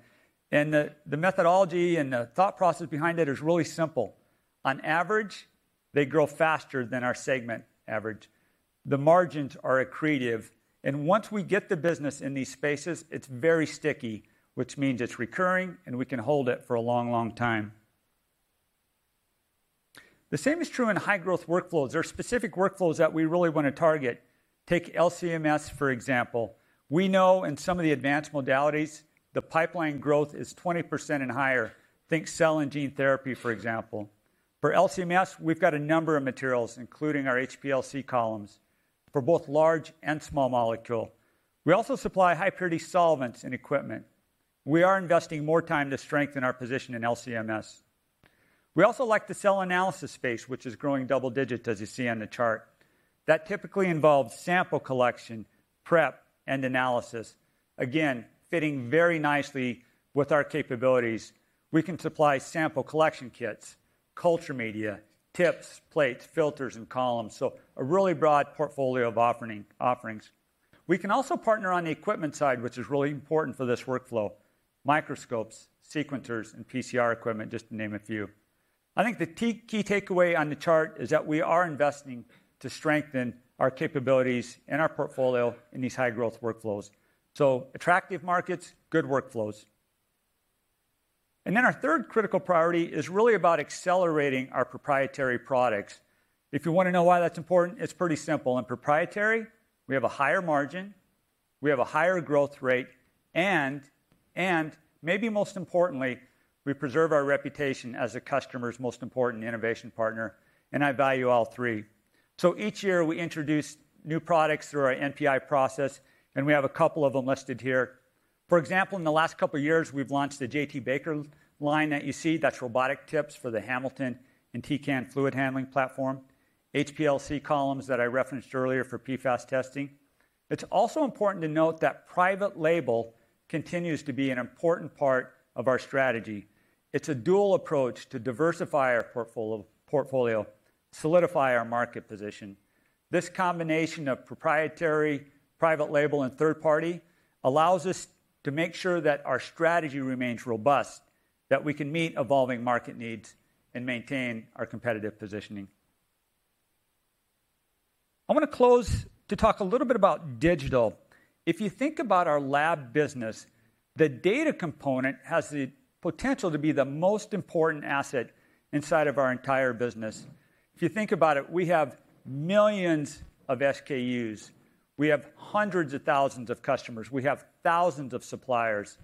and the methodology and the thought process behind it is really simple. On average, they grow faster than our segment average. The margins are accretive, and once we get the business in these spaces, it's very sticky, which means it's recurring, and we can hold it for a long, long time... The same is true in high-growth workflows. There are specific workflows that we really want to target. Take LC-MS, for example. We know in some of the advanced modalities, the pipeline growth is 20% and higher. Think cell and gene therapy, for example. For LC-MS, we've got a number of materials, including our HPLC columns, for both large and small molecule. We also supply high-purity solvents and equipment. We are investing more time to strengthen our position in LC-MS. We also like the cell analysis space, which is growing double-digits, as you see on the chart. That typically involves sample collection, prep, and analysis, again, fitting very nicely with our capabilities. We can supply sample collection kits, culture media, tips, plates, filters, and columns, so a really broad portfolio of offerings. We can also partner on the equipment side, which is really important for this workflow: microscopes, sequencers, and PCR equipment, just to name a few. I think the key takeaway on the chart is that we are investing to strengthen our capabilities and our portfolio in these high-growth workflows. So attractive markets, good workflows. And then our third critical priority is really about accelerating our proprietary products. If you wanna know why that's important, it's pretty simple. In proprietary, we have a higher margin, we have a higher growth rate, and maybe most importantly, we preserve our reputation as a customer's most important innovation partner, and I value all three. So each year, we introduce new products through our NPI process, and we have a couple of them listed here. For example, in the last couple of years, we've launched the J.T.Baker line that you see. That's robotic tips for the Hamilton and Tecan fluid handling platform, HPLC columns that I referenced earlier for PFAS testing. It's also important to note that private label continues to be an important part of our strategy. It's a dual approach to diversify our portfolio, solidify our market position. This combination of proprietary, private label, and third party allows us to make sure that our strategy remains robust, that we can meet evolving market needs and maintain our competitive positioning. I'm gonna close to talk a little bit about digital. If you think about our lab business, the data component has the potential to be the most important asset inside of our entire business. If you think about it, we have millions of SKUs. We have hundreds of thousands of customers. We have thousands of suppliers.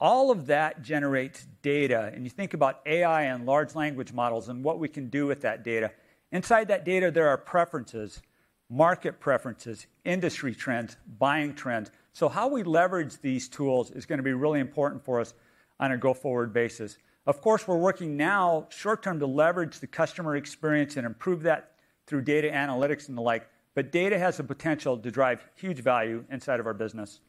All of that generates data, and you think about AI and large language models and what we can do with that data. Inside that data, there are preferences, market preferences, industry trends, buying trends. So how we leverage these tools is gonna be really important for us on a go-forward basis. Of course, we're working now short term to leverage the customer experience and improve that through data analytics and the like, but data has the potential to drive huge value inside of our business.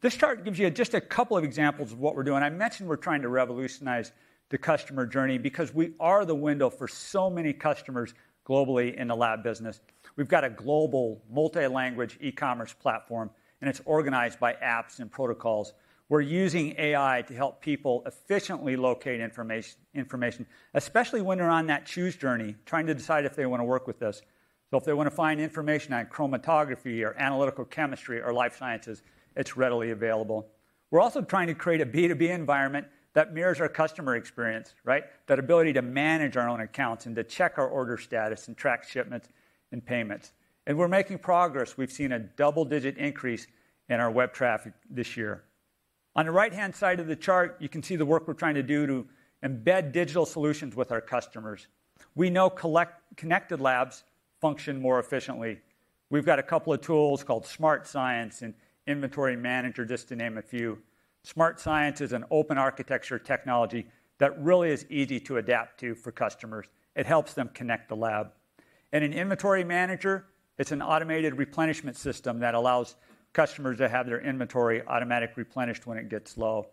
This chart gives you just a couple of examples of what we're doing. I mentioned we're trying to revolutionize the customer journey because we are the window for so many customers globally in the lab business. We've got a global multi-language e-commerce platform, and it's organized by apps and protocols. We're using AI to help people efficiently locate information, especially when they're on that choose journey, trying to decide if they wanna work with us. So if they wanna find information on chromatography or analytical chemistry or life sciences, it's readily available. We're also trying to create a B2B environment that mirrors our customer experience, right? That ability to manage our own accounts and to check our order status and track shipments and payments. We're making progress. We've seen a double-digit increase in our web traffic this year. On the right-hand side of the chart, you can see the work we're trying to do to embed digital solutions with our customers. We know connected labs function more efficiently. We've got a couple of tools called Smart Science and Inventory Manager, just to name a few. Smart Science is an open architecture technology that really is easy to adapt to for customers. It helps them connect the lab. And in Inventory Manager, it's an automated replenishment system that allows customers to have their inventory automatically replenished when it gets low.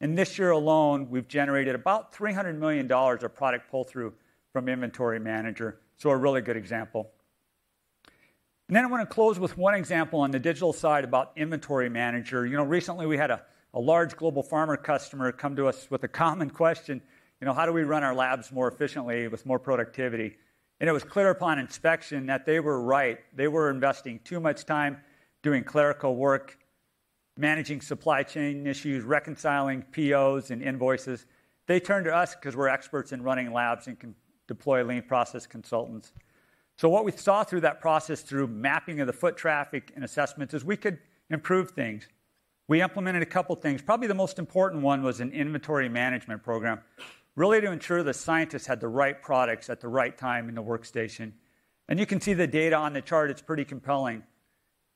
And this year alone, we've generated about $300 million of product pull-through from Inventory Manager, so a really good example. And then I wanna close with one example on the digital side about Inventory Manager. You know, recently we had a large global pharma customer come to us with a common question: "You know, how do we run our labs more efficiently with more productivity?" And it was clear upon inspection that they were right. They were investing too much time doing clerical work, managing supply chain issues, reconciling POs and invoices. They turned to us 'cause we're experts in running labs and can deploy lean process consultants. So what we saw through that process, through mapping of the foot traffic and assessments, is we could improve things. We implemented a couple of things. Probably the most important one was an inventory management program, really to ensure the scientists had the right products at the right time in the workstation. And you can see the data on the chart, it's pretty compelling.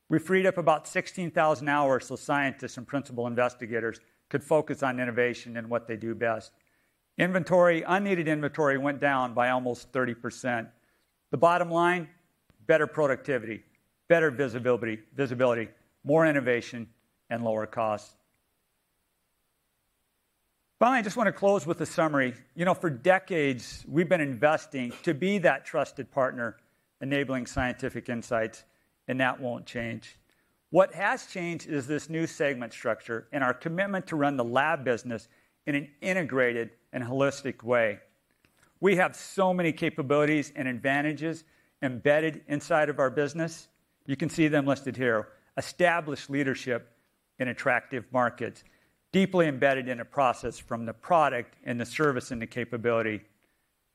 We freed up about 16,000 hours, so scientists and principal investigators could focus on innovation and what they do best. Inventory, unneeded inventory went down by almost 30%. The bottom line, better productivity, better visibility, visibility, more innovation, and lower costs. Finally, I just wanna close with a summary. You know, for decades, we've been investing to be that trusted partner, enabling scientific insights, and that won't change. What has changed is this new segment structure and our commitment to run the lab business in an integrated and holistic way. We have so many capabilities and advantages embedded inside of our business. You can see them listed here: established leadership in attractive markets, deeply embedded in a process from the product and the service and the capability.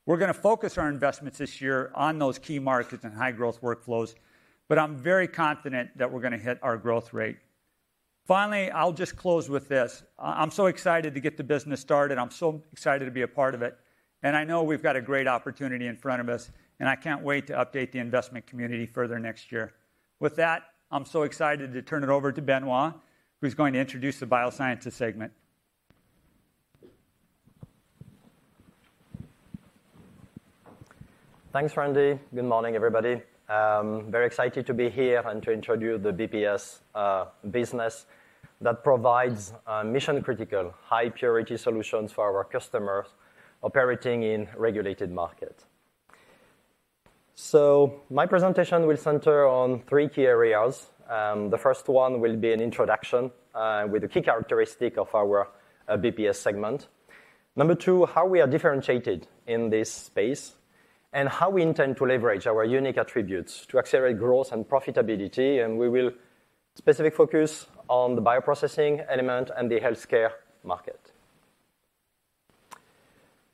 We're gonna focus our investments this year on those key markets and high-growth workflows, but I'm very confident that we're gonna hit our growth rate. Finally, I'll just close with this. I, I'm so excited to get the business started. I'm so excited to be a part of it, and I know we've got a great opportunity in front of us, and I can't wait to update the investment community further next year. With that, I'm so excited to turn it over to Benoit, who's going to introduce the Biosciences segment. Thanks, Randy. Good morning, everybody. Very excited to be here and to introduce the BPS business that provides mission-critical, high-purity solutions for our customers operating in regulated markets. So my presentation will center on three key areas. The first one will be an introduction with the key characteristic of our BPS segment. Number two, how we are differentiated in this space, and how we intend to leverage our unique attributes to accelerate growth and profitability, and we will specific focus on the bioprocessing element and the healthcare market.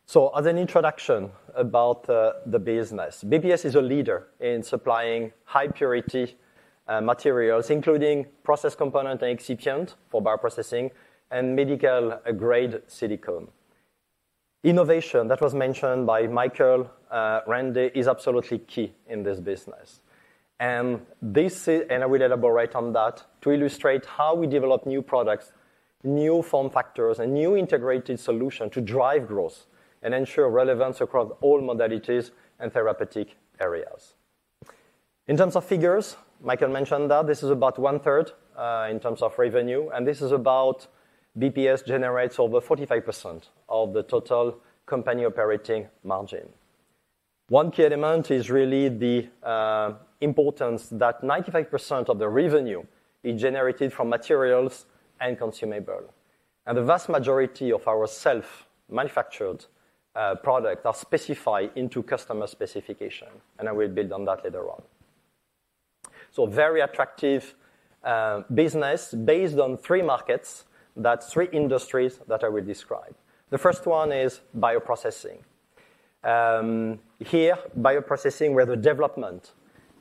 So as an introduction about the business, BPS is a leader in supplying high-purity materials, including process component and excipient for bioprocessing and medical-grade silicone. Innovation, that was mentioned by Michael, Randy, is absolutely key in this business. I will elaborate on that to illustrate how we develop new products, new form factors, and new integrated solution to drive growth and ensure relevance across all modalities and therapeutic areas. In terms of figures, Michael mentioned that this is about 1/3 in terms of revenue, and this is about BPS generates over 45% of the total company operating margin. One key element is really the importance that 95% of the revenue is generated from materials and consumable. And the vast majority of our self-manufactured product are specified into customer specification, and I will build on that later on. So very attractive business based on three markets, that's three industries that I will describe. The first one is bioprocessing. Here, bioprocessing, where the development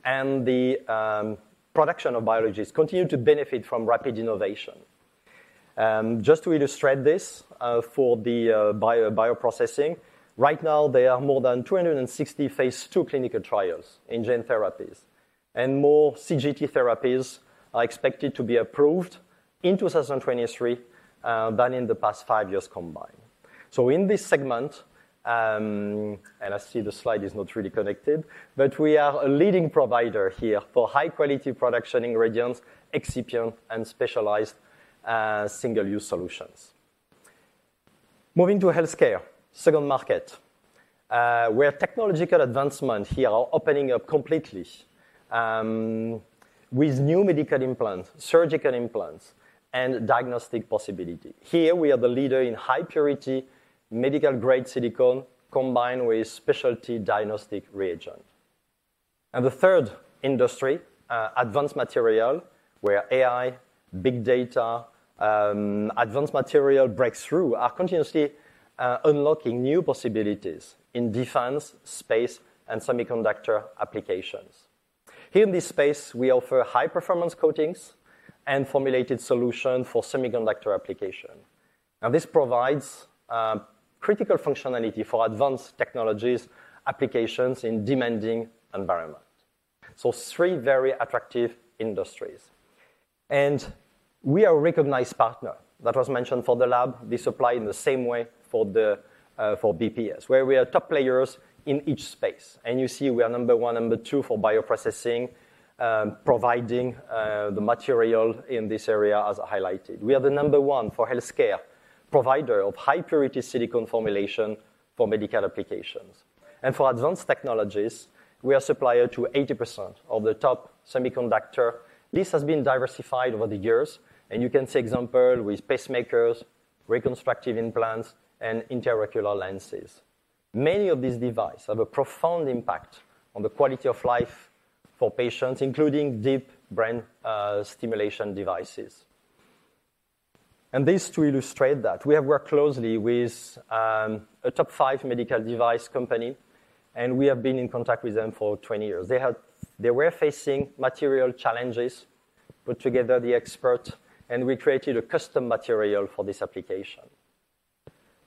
and the production of biologics continue to benefit from rapid innovation. Just to illustrate this, for the bioprocessing, right now, there are more than 260 phase II clinical trials in gene therapies, and more CGT therapies are expected to be approved in 2023 than in the past five years combined. So in this segment, and I see the slide is not really connected, but we are a leading provider here for high-quality production ingredients, excipient, and specialized single-use solutions. Moving to healthcare, second market, where technological advancement here are opening up completely with new medical implants, surgical implants, and diagnostic possibility. Here, we are the leader in high-purity, medical-grade silicone, combined with specialty diagnostic reagent. And the third industry, advanced material, where AI, big data, advanced material breakthrough are continuously unlocking new possibilities in defense, space, and semiconductor applications. Here in this space, we offer high-performance coatings and formulated solution for semiconductor application. Now, this provides critical functionality for advanced technologies, applications in demanding environment. So three very attractive industries. And we are a recognized partner. That was mentioned for the lab. We supply in the same way for BPS, where we are top players in each space. And you see, we are number one and number two for bioprocessing, providing the material in this area as highlighted. We are the number one for healthcare, provider of high-purity silicone formulation for medical applications. And for advanced technologies, we are supplier to 80% of the top semiconductor. This has been diversified over the years, and you can see example with pacemakers, reconstructive implants, and intraocular lenses. Many of these device have a profound impact on the quality of life for patients, including deep brain stimulation devices. And this to illustrate that. We have worked closely with a top five medical device company, and we have been in contact with them for 20 years. They were facing material challenges, put together the expert, and we created a custom material for this application.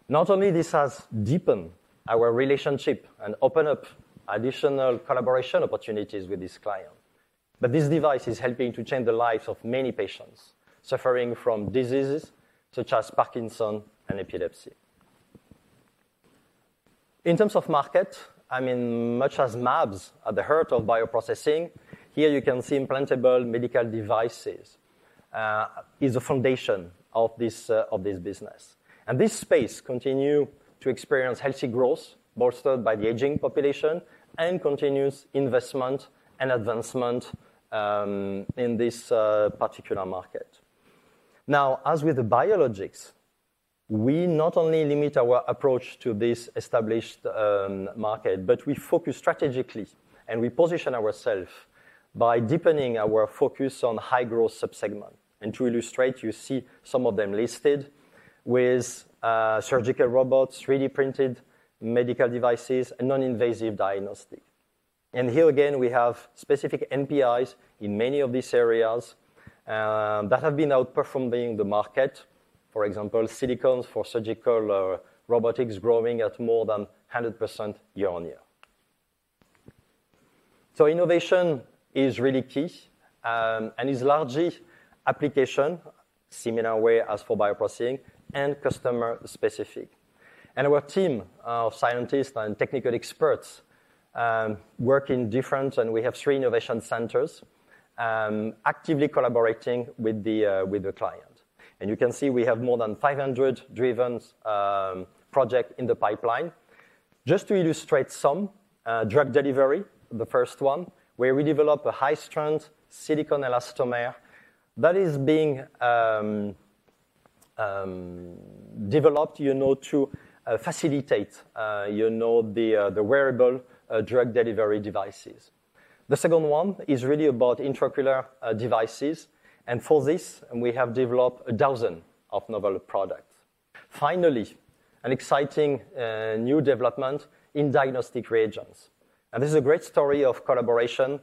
Not only this has deepened our relationship and opened up additional collaboration opportunities with this client, but this device is helping to change the lives of many patients suffering from diseases such as Parkinson and epilepsy. In terms of market, I mean, much as mAbs are the heart of bioprocessing, here you can see implantable medical devices is a foundation of this business. And this space continues to experience healthy growth, bolstered by the aging population and continuous investment and advancement in this particular market. Now, as with the biologics, we not only limit our approach to this established market, but we focus strategically, and we position ourselves by deepening our focus on high-growth sub-segment. And to illustrate, you see some of them listed with surgical robots, 3D printed medical devices, and non-invasive diagnostic. And here again, we have specific NPIs in many of these areas that have been outperforming the market. For example, silicones for surgical or robotics growing at more than 100% year-over-year. So innovation is really key, and is largely application, similar way as for bioprocessing and customer specific. Our team of scientists and technical experts work in different, and we have three innovation centers actively collaborating with the client. You can see we have more than 500 driven project in the pipeline. Just to illustrate some drug delivery, the first one, where we develop a high-strength silicone elastomer that is being developed, you know, to facilitate you know the wearable drug delivery devices. The second one is really about intraocular devices, and for this, we have developed a dozen of novel products. Finally, an exciting new development in diagnostic reagents. This is a great story of collaboration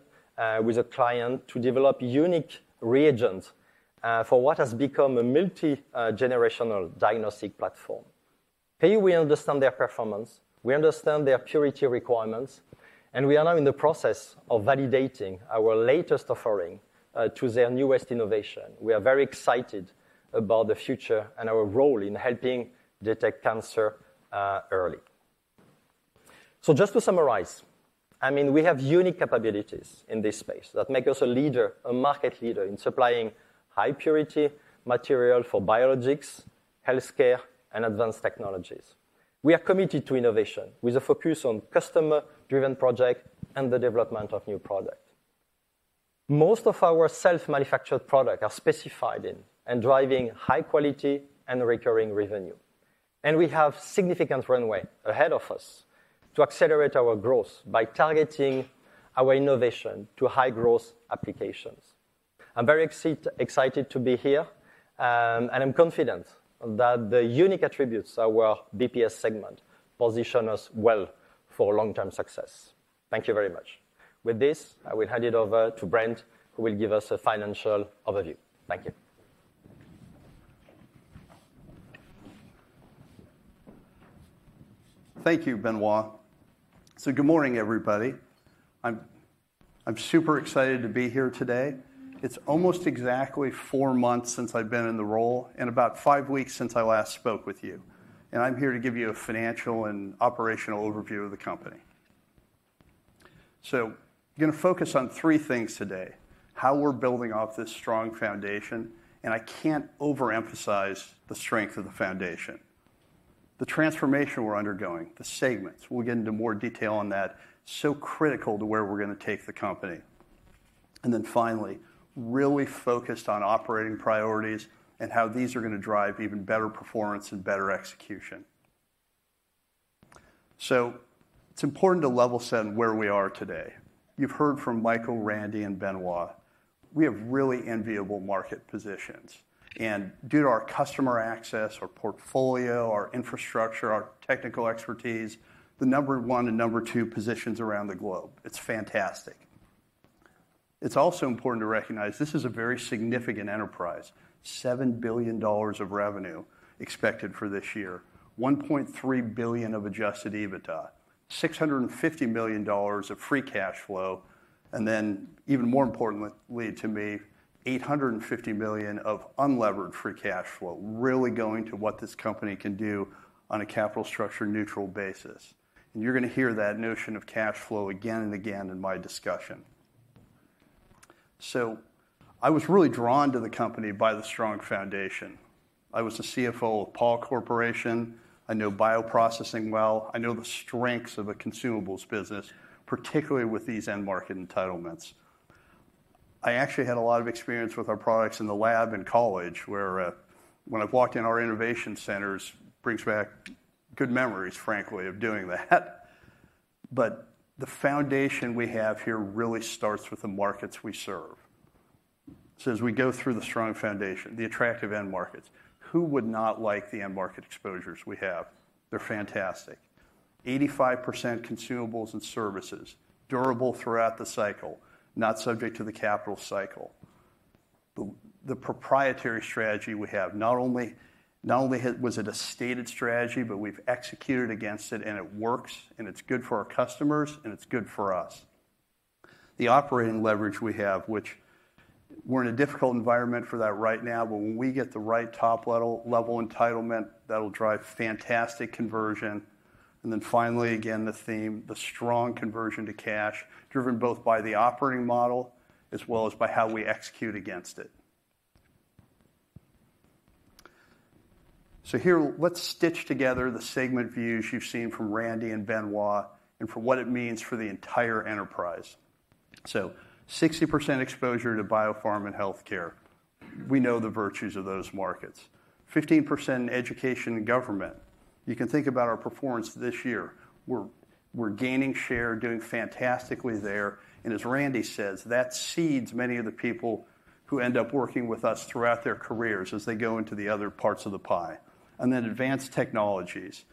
with a client to develop unique reagents for what has become a multi-generational diagnostic platform. Here we understand their performance, we understand their purity requirements, and we are now in the process of validating our latest offering to their newest innovation. We are very excited about the future and our role in helping detect cancer early. So just to summarize, I mean, we have unique capabilities in this space that make us a leader, a market leader in supplying high-purity material for biologics, healthcare, and advanced technologies. We are committed to innovation, with a focus on customer-driven project and the development of new products. Most of our self-manufactured product are specified in and driving high quality and recurring revenue. And we have significant runway ahead of us to accelerate our growth by targeting our innovation to high-growth applications. I'm very excited to be here, and I'm confident that the unique attributes of our BPS segment position us well for long-term success. Thank you very much. With this, I will hand it over to Brent, who will give us a financial overview. Thank you. Thank you, Benoit. So good morning, everybody. I'm super excited to be here today. It's almost exactly four months since I've been in the role, and about five weeks since I last spoke with you. I'm here to give you a financial and operational overview of the company. So I'm gonna focus on three things today: how we're building off this strong foundation, and I can't overemphasize the strength of the foundation. The transformation we're undergoing, the segments, we'll get into more detail on that, so critical to where we're gonna take the company. Then finally, really focused on operating priorities and how these are gonna drive even better performance and better execution. So it's important to level set where we are today. You've heard from Michael, Randy, and Benoit. We have really enviable market positions, and due to our customer access, our portfolio, our infrastructure, our technical expertise, the number one and number two positions around the globe. It's fantastic. It's also important to recognize this is a very significant enterprise, $7 billion of revenue expected for this year, $1.3 billion of adjusted EBITDA, $650 million of free cash flow, and then, even more importantly to me, $850 million of unlevered free cash flow, really going to what this company can do on a capital structure neutral basis. You're gonna hear that notion of cash flow again and again in my discussion. I was really drawn to the company by the strong foundation. I was the CFO of Pall Corporation. I know bioprocessing well. I know the strengths of a consumables business, particularly with these end market entitlements. I actually had a lot of experience with our products in the lab in college, where, when I've walked in our innovation centers, brings back good memories, frankly, of doing that. But the foundation we have here really starts with the markets we serve. So as we go through the strong foundation, the attractive end markets, who would not like the end market exposures we have? They're fantastic. 85% consumables and services, durable throughout the cycle, not subject to the capital cycle. The proprietary strategy we have, not only was it a stated strategy, but we've executed against it, and it works, and it's good for our customers, and it's good for us. The operating leverage we have, which we're in a difficult environment for that right now, but when we get the right top-level, level entitlement, that'll drive fantastic conversion. And then finally, again, the theme, the strong conversion to cash, driven both by the operating model as well as by how we execute against it. So here, let's stitch together the segment views you've seen from Randy and Benoit, and for what it means for the entire enterprise. So 60% exposure to biopharm and healthcare. We know the virtues of those markets. 15% in education and government. You can think about our performance this year. We're, we're gaining share, doing fantastically there, and as Randy says, that seeds many of the people who end up working with us throughout their careers as they go into the other parts of the pie. And then advanced technologies.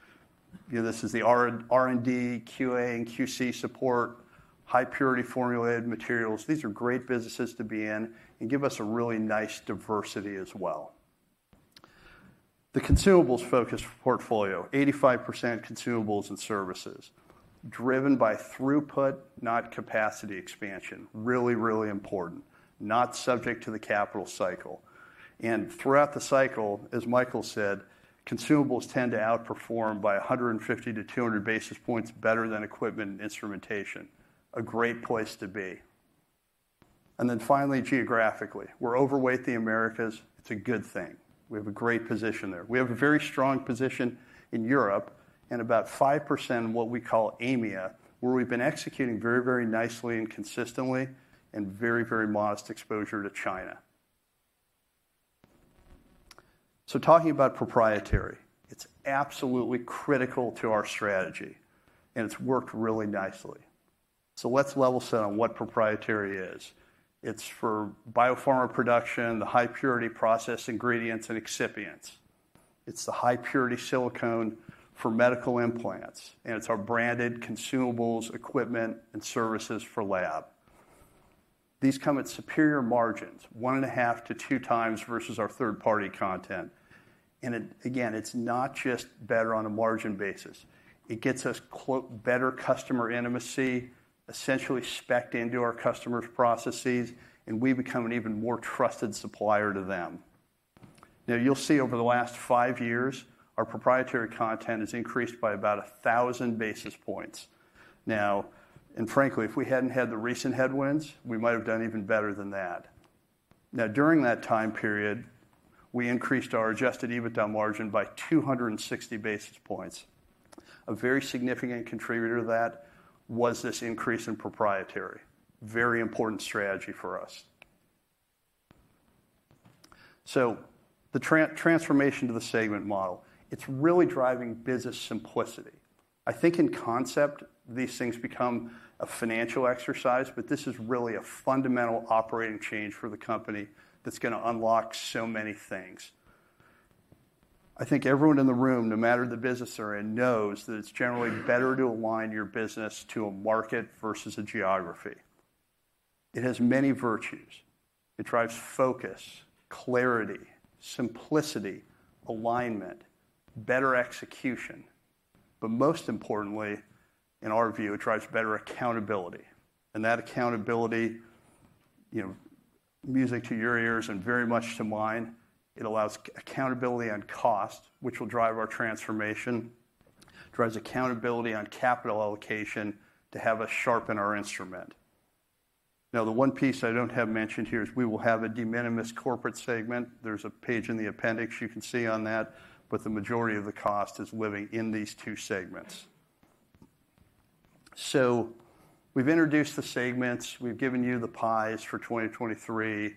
You know, this is the R&D, QA, and QC support, high-purity formulated materials. These are great businesses to be in and give us a really nice diversity as well. The consumables-focused portfolio, 85% consumables and services, driven by throughput, not capacity expansion. Really, really important. Not subject to the capital cycle. And throughout the cycle, as Michael said, consumables tend to outperform by 150-200 basis points better than equipment and instrumentation. A great place to be. And then finally, geographically, we're overweight the Americas. It's a good thing. We have a great position there. We have a very strong position in Europe and about 5% in what we call AMEA, where we've been executing very, very nicely and consistently, and very, very modest exposure to China. So talking about proprietary, it's absolutely critical to our strategy, and it's worked really nicely. So let's level set on what proprietary is. It's for biopharma production, the high-purity process ingredients and excipients. It's the high-purity silicone for medical implants, and it's our branded consumables, equipment, and services for lab. These come at superior margins, 1.5x-2x versus our third-party content. And it, again, it's not just better on a margin basis. It gets us “better customer intimacy,” essentially specced into our customers' processes, and we become an even more trusted supplier to them. Now, you'll see over the last five years, our proprietary content has increased by about 1,000 basis points. Now, and frankly, if we hadn't had the recent headwinds, we might have done even better than that. Now, during that time period, we increased our Adjusted EBITDA margin by 260 basis points. A very significant contributor to that was this increase in proprietary. Very important strategy for us. So the transformation to the segment model, it's really driving business simplicity. I think in concept, these things become a financial exercise, but this is really a fundamental operating change for the company that's gonna unlock so many things. I think everyone in the room, no matter the business they're in, knows that it's generally better to align your business to a market versus a geography. It has many virtues. It drives focus, clarity, simplicity, alignment, better execution, but most importantly, in our view, it drives better accountability. That accountability, you know, music to your ears and very much to mine. It allows accountability on cost, which will drive our transformation, drives accountability on capital allocation to have us sharpen our instrument. Now, the one piece I haven't mentioned here is we will have a de minimis corporate segment. There's a page in the appendix you can see on that, but the majority of the cost is living in these two segments. So we've introduced the segments, we've given you the pies for 2023.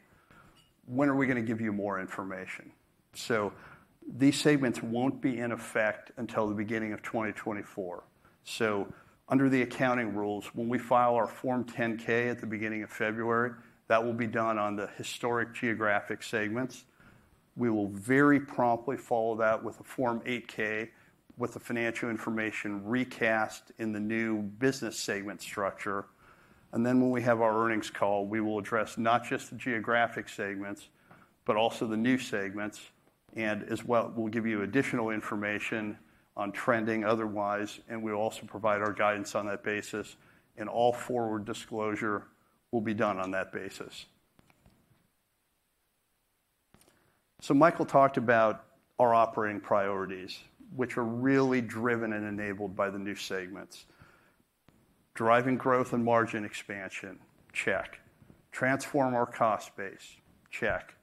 When are we gonna give you more information? So these segments won't be in effect until the beginning of 2024. So under the accounting rules, when we file our Form 10-K at the beginning of February, that will be done on the historic geographic segments. We will very promptly follow that with a Form 8-K, with the financial information recast in the new business segment structure. And then when we have our earnings call, we will address not just the geographic segments, but also the new segments, and as well, we'll give you additional information on trending otherwise, and we'll also provide our guidance on that basis, and all forward disclosure will be done on that basis. So Michael talked about our operating priorities, which are really driven and enabled by the new segments. Driving growth and margin expansion, check. Transform our cost base, check.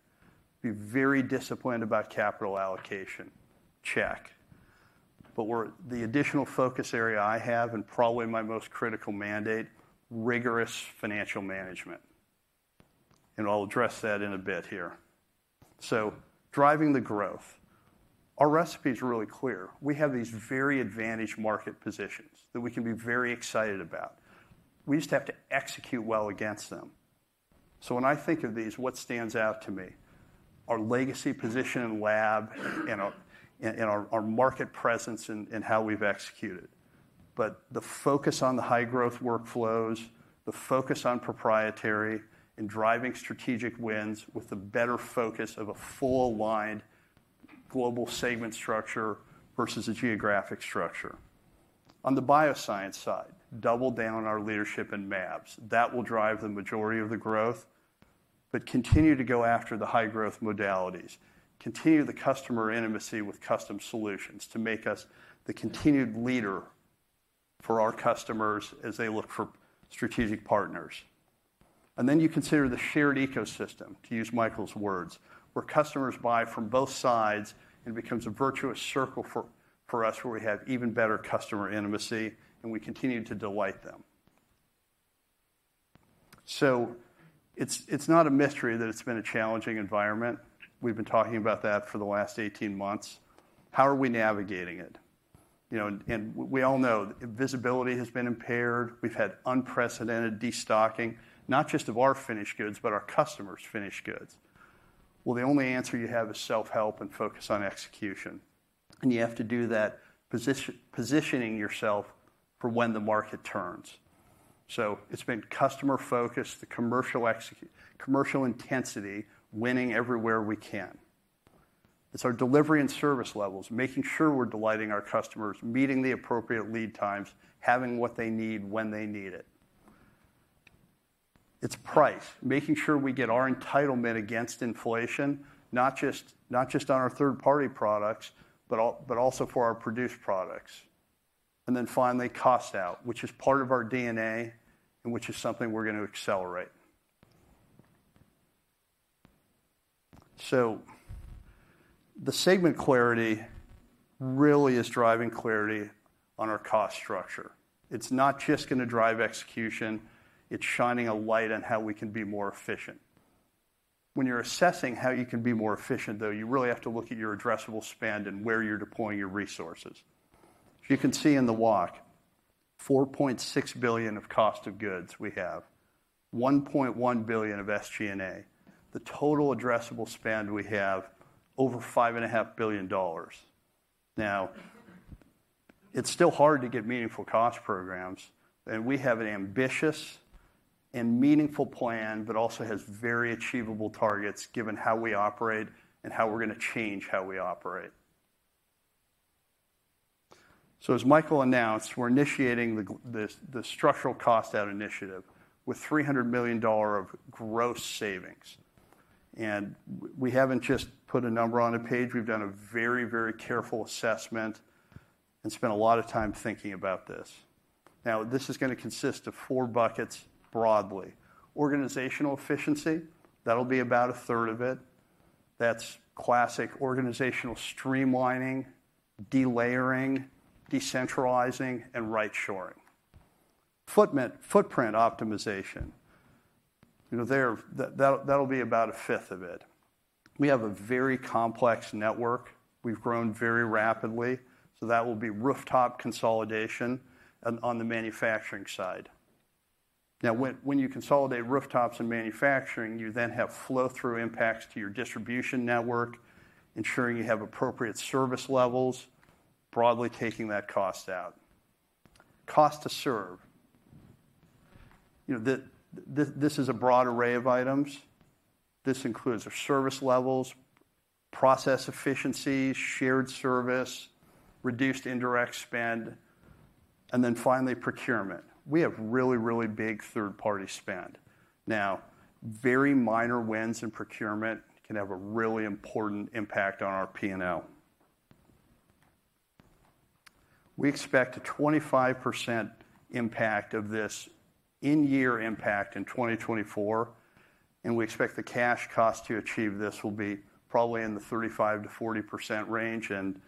Be very disciplined about capital allocation, check. But the additional focus area I have, and probably my most critical mandate, rigorous financial management, and I'll address that in a bit here. So driving the growth. Our recipe is really clear. We have these very advantaged market positions that we can be very excited about. We just have to execute well against them. So when I think of these, what stands out to me? Our legacy position in lab, and our market presence and how we've executed. But the focus on the high-growth workflows, the focus on proprietary and driving strategic wins with the better focus of a full-aligned global segment structure versus a geographic structure. On the bioscience side, double down on our leadership in mAbs. That will drive the majority of the growth, but continue to go after the high-growth modalities, continue the customer intimacy with custom solutions to make us the continued leader for our customers as they look for strategic partners. And then you consider the shared ecosystem, to use Michael's words, where customers buy from both sides, and it becomes a virtuous circle for us, where we have even better customer intimacy, and we continue to delight them. So it's not a mystery that it's been a challenging environment. We've been talking about that for the last 18 months. How are we navigating it? You know, and we all know visibility has been impaired. We've had unprecedented destocking, not just of our finished goods, but our customers' finished goods. Well, the only answer you have is self-help and focus on execution, and you have to do that positioning yourself for when the market turns. So it's been customer focus, the commercial intensity, winning everywhere we can. It's our delivery and service levels, making sure we're delighting our customers, meeting the appropriate lead times, having what they need when they need it. It's price, making sure we get our entitlement against inflation, not just, not just on our third-party products, but also for our produced products. And then finally, cost out, which is part of our DNA and which is something we're going to accelerate. So the segment clarity really is driving clarity on our cost structure. It's not just gonna drive execution. It's shining a light on how we can be more efficient. When you're assessing how you can be more efficient, though, you really have to look at your addressable spend and where you're deploying your resources. You can see in the walk, $4.6 billion of cost of goods we have, $1.1 billion of SG&A. The total addressable spend, we have over $5.5 billion. Now, it's still hard to get meaningful cost programs, and we have an ambitious and meaningful plan, but also has very achievable targets given how we operate and how we're gonna change how we operate. So as Michael announced, we're initiating the the structural cost-out initiative with $300 million of gross savings. We haven't just put a number on a page, we've done a very, very careful assessment and spent a lot of time thinking about this. Now, this is gonna consist of four buckets, broadly. Organizational efficiency, that'll be about a third of it. That's classic organizational streamlining, delayering, decentralizing, and right shoring. Footprint optimization, you know, there, that, that'll, that'll be about a fifth of it. We have a very complex network. We've grown very rapidly, so that will be rooftop consolidation on the manufacturing side. Now, when you consolidate rooftops in manufacturing, you then have flow-through impacts to your distribution network, ensuring you have appropriate service levels, broadly taking that cost out. Cost to serve. You know, this is a broad array of items. This includes our service levels, process efficiency, shared service, reduced indirect spend, and then finally, procurement. We have really, really big third-party spend. Now, very minor wins in procurement can have a really important impact on our P&L. We expect a 25% impact of this in-year impact in 2024, and we expect the cash cost to achieve this will be probably in the 35%-40% range, and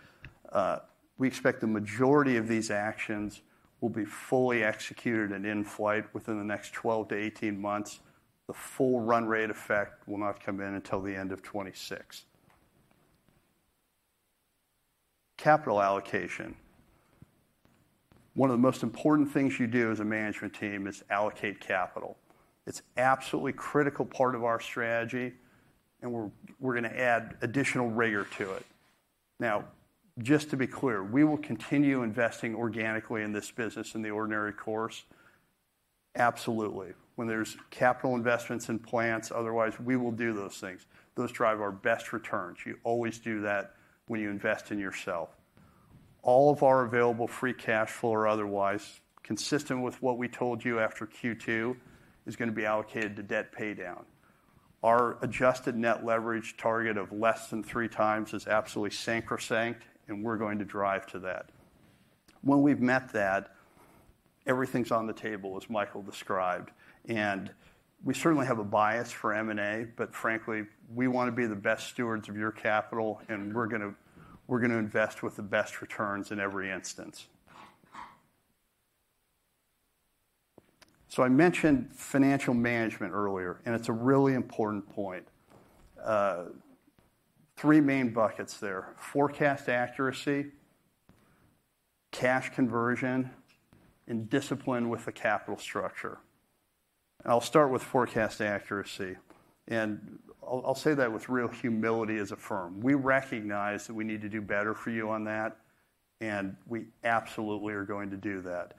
we expect the majority of these actions will be fully executed and in flight within the next 12-18 months. The full run rate effect will not come in until the end of 2026. Capital allocation. One of the most important things you do as a management team is allocate capital. It's absolutely critical part of our strategy, and we're gonna add additional rigor to it. Now, just to be clear, we will continue investing organically in this business in the ordinary course. Absolutely. When there's capital investments in plants, otherwise, we will do those things. Those drive our best returns. You always do that when you invest in yourself. All of our available free cash flow or otherwise, consistent with what we told you after Q2, is gonna be allocated to debt paydown. Our Adjusted net leverage target of less than three times is absolutely sacrosanct, and we're going to drive to that. When we've met that, everything's on the table, as Michael described, and we certainly have a bias for M&A, but frankly, we wanna be the best stewards of your capital, and we're gonna invest with the best returns in every instance. So I mentioned financial management earlier, and it's a really important point. Three main buckets there: forecast accuracy, cash conversion, and discipline with the capital structure. I'll start with forecast accuracy, and I'll say that with real humility as a firm. We recognize that we need to do better for you on that, and we absolutely are going to do that.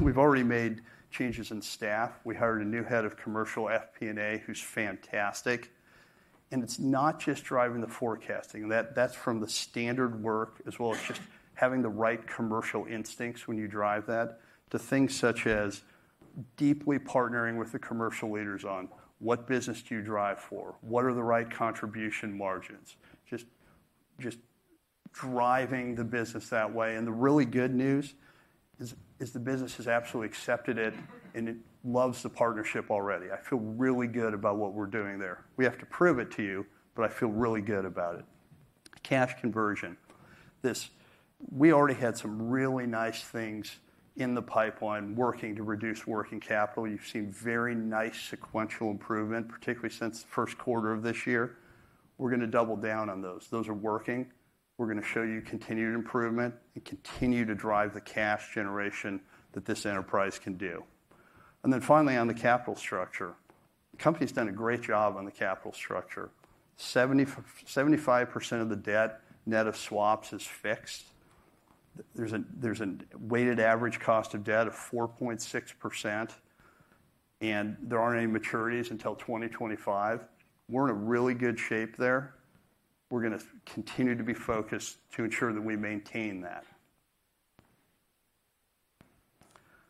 We've already made changes in staff. We hired a new head of commercial FP&A, who's fantastic, and it's not just driving the forecasting. That, that's from the standard work, as well as just having the right commercial instincts when you drive that, to things such as deeply partnering with the commercial leaders on: What business do you drive for? What are the right contribution margins? Just, just-... driving the business that way. And the really good news is, is the business has absolutely accepted it, and it loves the partnership already. I feel really good about what we're doing there. We have to prove it to you, but I feel really good about it. Cash conversion. This - we already had some really nice things in the pipeline working to reduce working capital. You've seen very nice sequential improvement, particularly since the first quarter of this year. We're gonna double down on those. Those are working. We're gonna show you continued improvement and continue to drive the cash generation that this enterprise can do. And then finally, on the capital structure, the company's done a great job on the capital structure. 75% of the debt, net of swaps, is fixed. There's a weighted average cost of debt of 4.6%, and there aren't any maturities until 2025. We're in a really good shape there. We're gonna continue to be focused to ensure that we maintain that.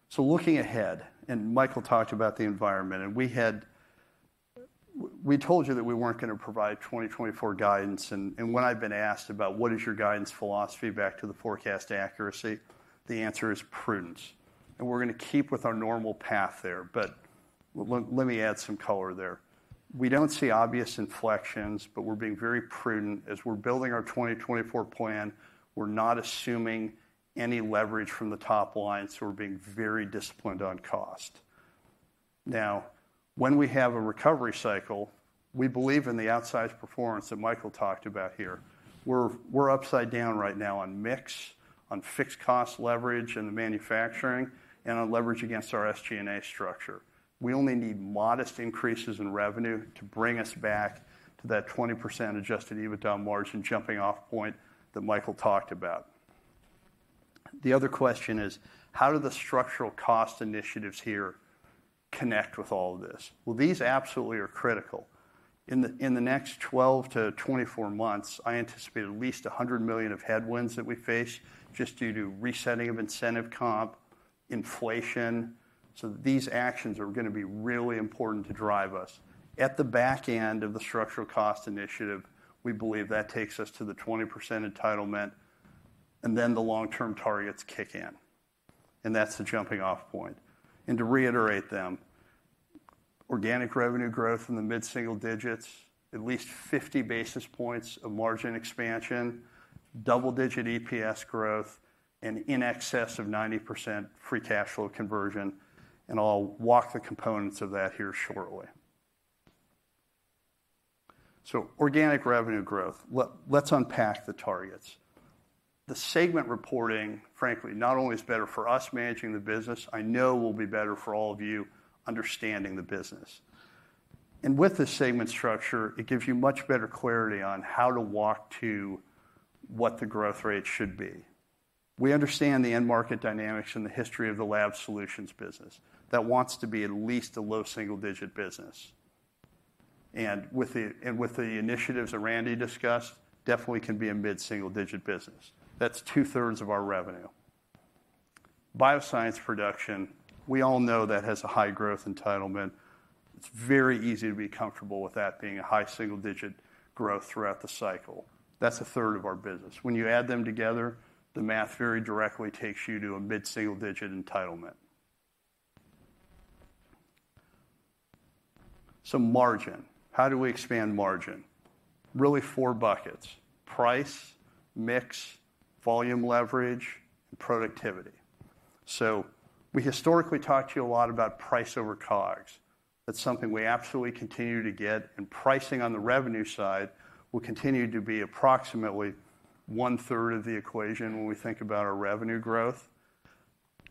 So looking ahead, and Michael talked about the environment, and we had—we told you that we weren't gonna provide 2024 guidance, and when I've been asked about: What is your guidance philosophy back to the forecast accuracy? The answer is prudence, and we're gonna keep with our normal path there. But let me add some color there. We don't see obvious inflections, but we're being very prudent. As we're building our 2024 plan, we're not assuming any leverage from the top line, so we're being very disciplined on cost. Now, when we have a recovery cycle, we believe in the outsized performance that Michael talked about here. We're upside down right now on mix, on fixed cost leverage in the manufacturing, and on leverage against our SG&A structure. We only need modest increases in revenue to bring us back to that 20% Adjusted EBITDA margin jumping-off point that Michael talked about. The other question is: How do the structural cost initiatives here connect with all of this? Well, these absolutely are critical. In the next 12-24 months, I anticipate at least $100 million of headwinds that we face just due to resetting of incentive comp, inflation. So these actions are gonna be really important to drive us. At the back end of the structural cost initiative, we believe that takes us to the 20% entitlement, and then the long-term targets kick in, and that's the jumping-off point. To reiterate them, organic revenue growth in the mid-single digits, at least 50 basis points of margin expansion, double-digit EPS growth, and in excess of 90% free cash flow conversion, and I'll walk the components of that here shortly. Organic revenue growth. Let's unpack the targets. The segment reporting, frankly, not only is better for us managing the business, I know will be better for all of you understanding the business. With this segment structure, it gives you much better clarity on how to walk to what the growth rate should be. We understand the end market dynamics and the history of Lab Solutions business. That wants to be at least a low single-digit business. And with the initiatives that Randy discussed, definitely can be a mid-single-digit business. That's 2/3 of our revenue. Bioscience Production, we all know that has a high growth entitlement. It's very easy to be comfortable with that being a high single-digit growth throughout the cycle. That's a third of our business. When you add them together, the math very directly takes you to a mid-single-digit entitlement. So margin, how do we expand margin? Really four buckets: price, mix, volume leverage, and productivity. So we historically talked to you a lot about price over COGS. That's something we absolutely continue to get, and pricing on the revenue side will continue to be approximately 1/3 of the equation when we think about our revenue growth.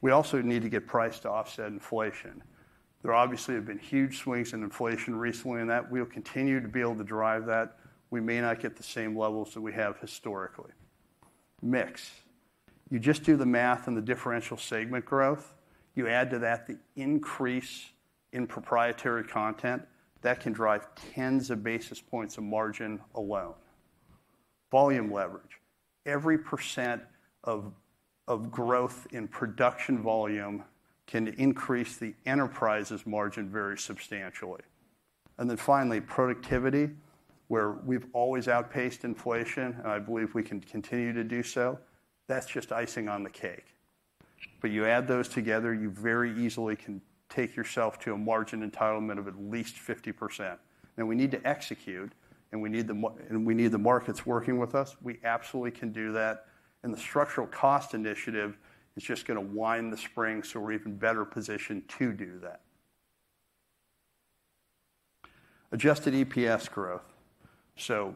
We also need to get price to offset inflation. There obviously have been huge swings in inflation recently, and that we'll continue to be able to drive that. We may not get the same levels that we have historically. Mix. You just do the math and the differential segment growth, you add to that the increase in proprietary content, that can drive tens of basis points of margin alone. Volume leverage. Every percent of growth in production volume can increase the enterprise's margin very substantially. And then finally, productivity, where we've always outpaced inflation, and I believe we can continue to do so, that's just icing on the cake. But you add those together, you very easily can take yourself to a margin entitlement of at least 50%. Now, we need to execute, and we need the markets working with us. We absolutely can do that, and the structural cost initiative is just gonna wind the spring, so we're even better positioned to do that. Adjusted EPS growth. So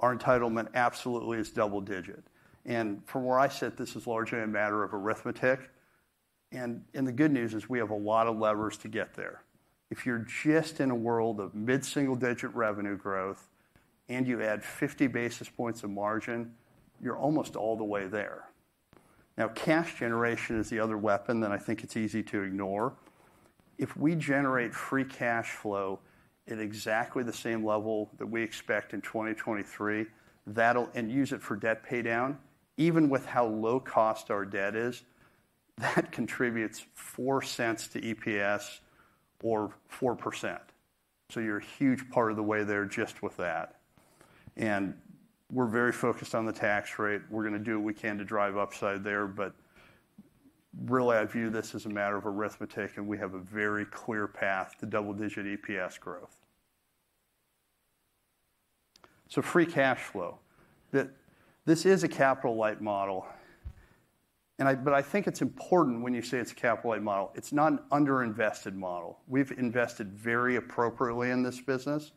our entitlement absolutely is double-digit, and from where I sit, this is largely a matter of arithmetic. And, and the good news is we have a lot of levers to get there. If you're just in a world of mid-single-digit revenue growth and you add 50 basis points of margin, you're almost all the way there. Now, cash generation is the other weapon that I think it's easy to ignore. If we generate free cash flow at exactly the same level that we expect in 2023, that'll... and use it for debt paydown, even with how low cost our debt is-... that contributes $0.04 to EPS or 4%. So you're a huge part of the way there just with that. And we're very focused on the tax rate. We're gonna do what we can to drive upside there, but really, I view this as a matter of arithmetic, and we have a very clear path to double-digit EPS growth. So free cash flow. This is a capital-light model, and, but I think it's important when you say it's a capital-light model, it's not an underinvested model. We've invested very appropriately in this business,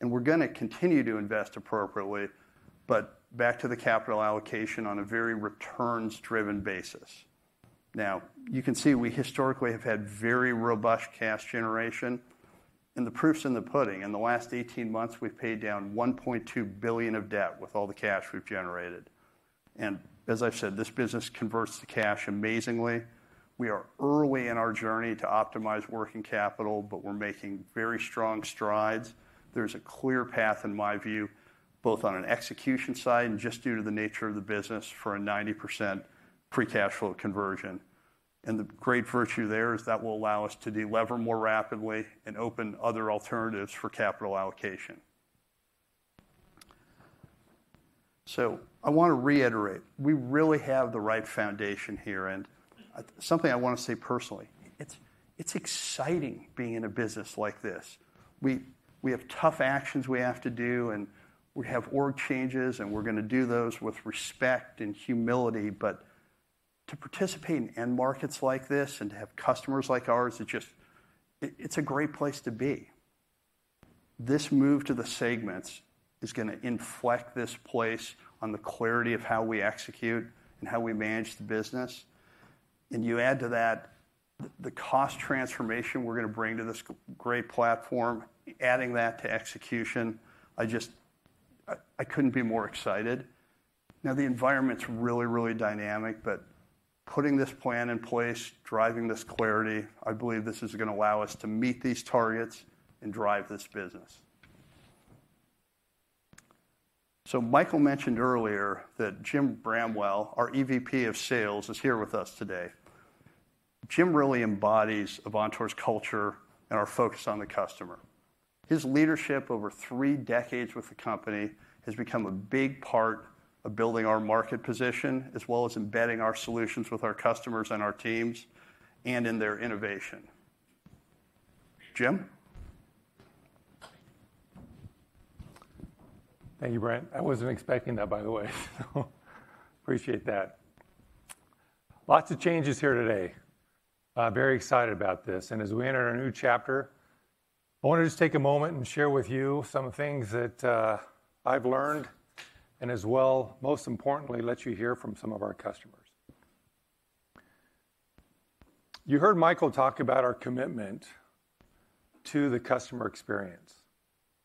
and we're gonna continue to invest appropriately, but back to the capital allocation on a very returns-driven basis. Now, you can see we historically have had very robust cash generation, and the proof's in the pudding. In the last 18 months, we've paid down $1.2 billion of debt with all the cash we've generated. And as I've said, this business converts to cash amazingly. We are early in our journey to optimize working capital, but we're making very strong strides. There's a clear path, in my view, both on an execution side and just due to the nature of the business, for a 90% free cash flow conversion. And the great virtue there is that will allow us to delever more rapidly and open other alternatives for capital allocation. So I want to reiterate, we really have the right foundation here, and something I want to say personally, it's exciting being in a business like this. We have tough actions we have to do, and we have org changes, and we're gonna do those with respect and humility. But to participate in end markets like this and to have customers like ours, it's just-- it, it's a great place to be. This move to the segments is gonna inflect this place on the clarity of how we execute and how we manage the business. And you add to that the cost transformation we're gonna bring to this great platform, adding that to execution, I just... I, I couldn't be more excited. Now, the environment's really, really dynamic, but putting this plan in place, driving this clarity, I believe this is gonna allow us to meet these targets and drive this business. So Michael mentioned earlier that Jim Bramwell, our EVP of Sales, is here with us today. Jim really embodies Avantor's culture and our focus on the customer. His leadership over three decades with the company has become a big part of building our market position, as well as embedding our solutions with our customers and our teams, and in their innovation. Jim? Thank you, Brent. I wasn't expecting that, by the way, so appreciate that. Lots of changes here today. Very excited about this, and as we enter a new chapter, I wanna just take a moment and share with you some things that, I've learned, and as well, most importantly, let you hear from some of our customers. You heard Michael talk about our commitment to the customer experience.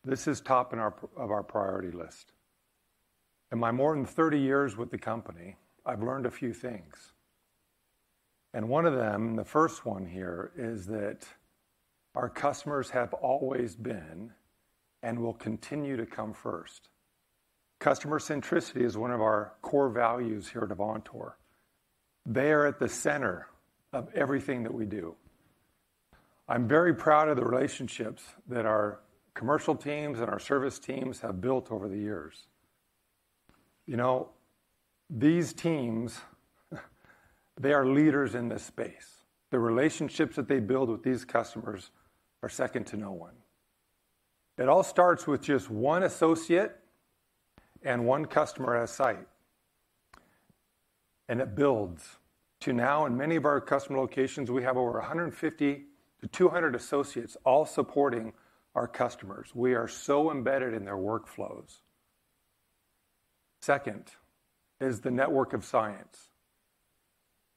This is top of our priority list. In my more than 30 years with the company, I've learned a few things, and one of them, the first one here, is that our customers have always been, and will continue to come first. Customer centricity is one of our core values here at Avantor. They are at the center of everything that we do. I'm very proud of the relationships that our commercial teams and our service teams have built over the years. You know, these teams, they are leaders in this space. The relationships that they build with these customers are second to no one. It all starts with just one associate and one customer at a site, and it builds to now in many of our customer locations, we have over 150-200 associates, all supporting our customers. We are so embedded in their workflows. Second is the network of science.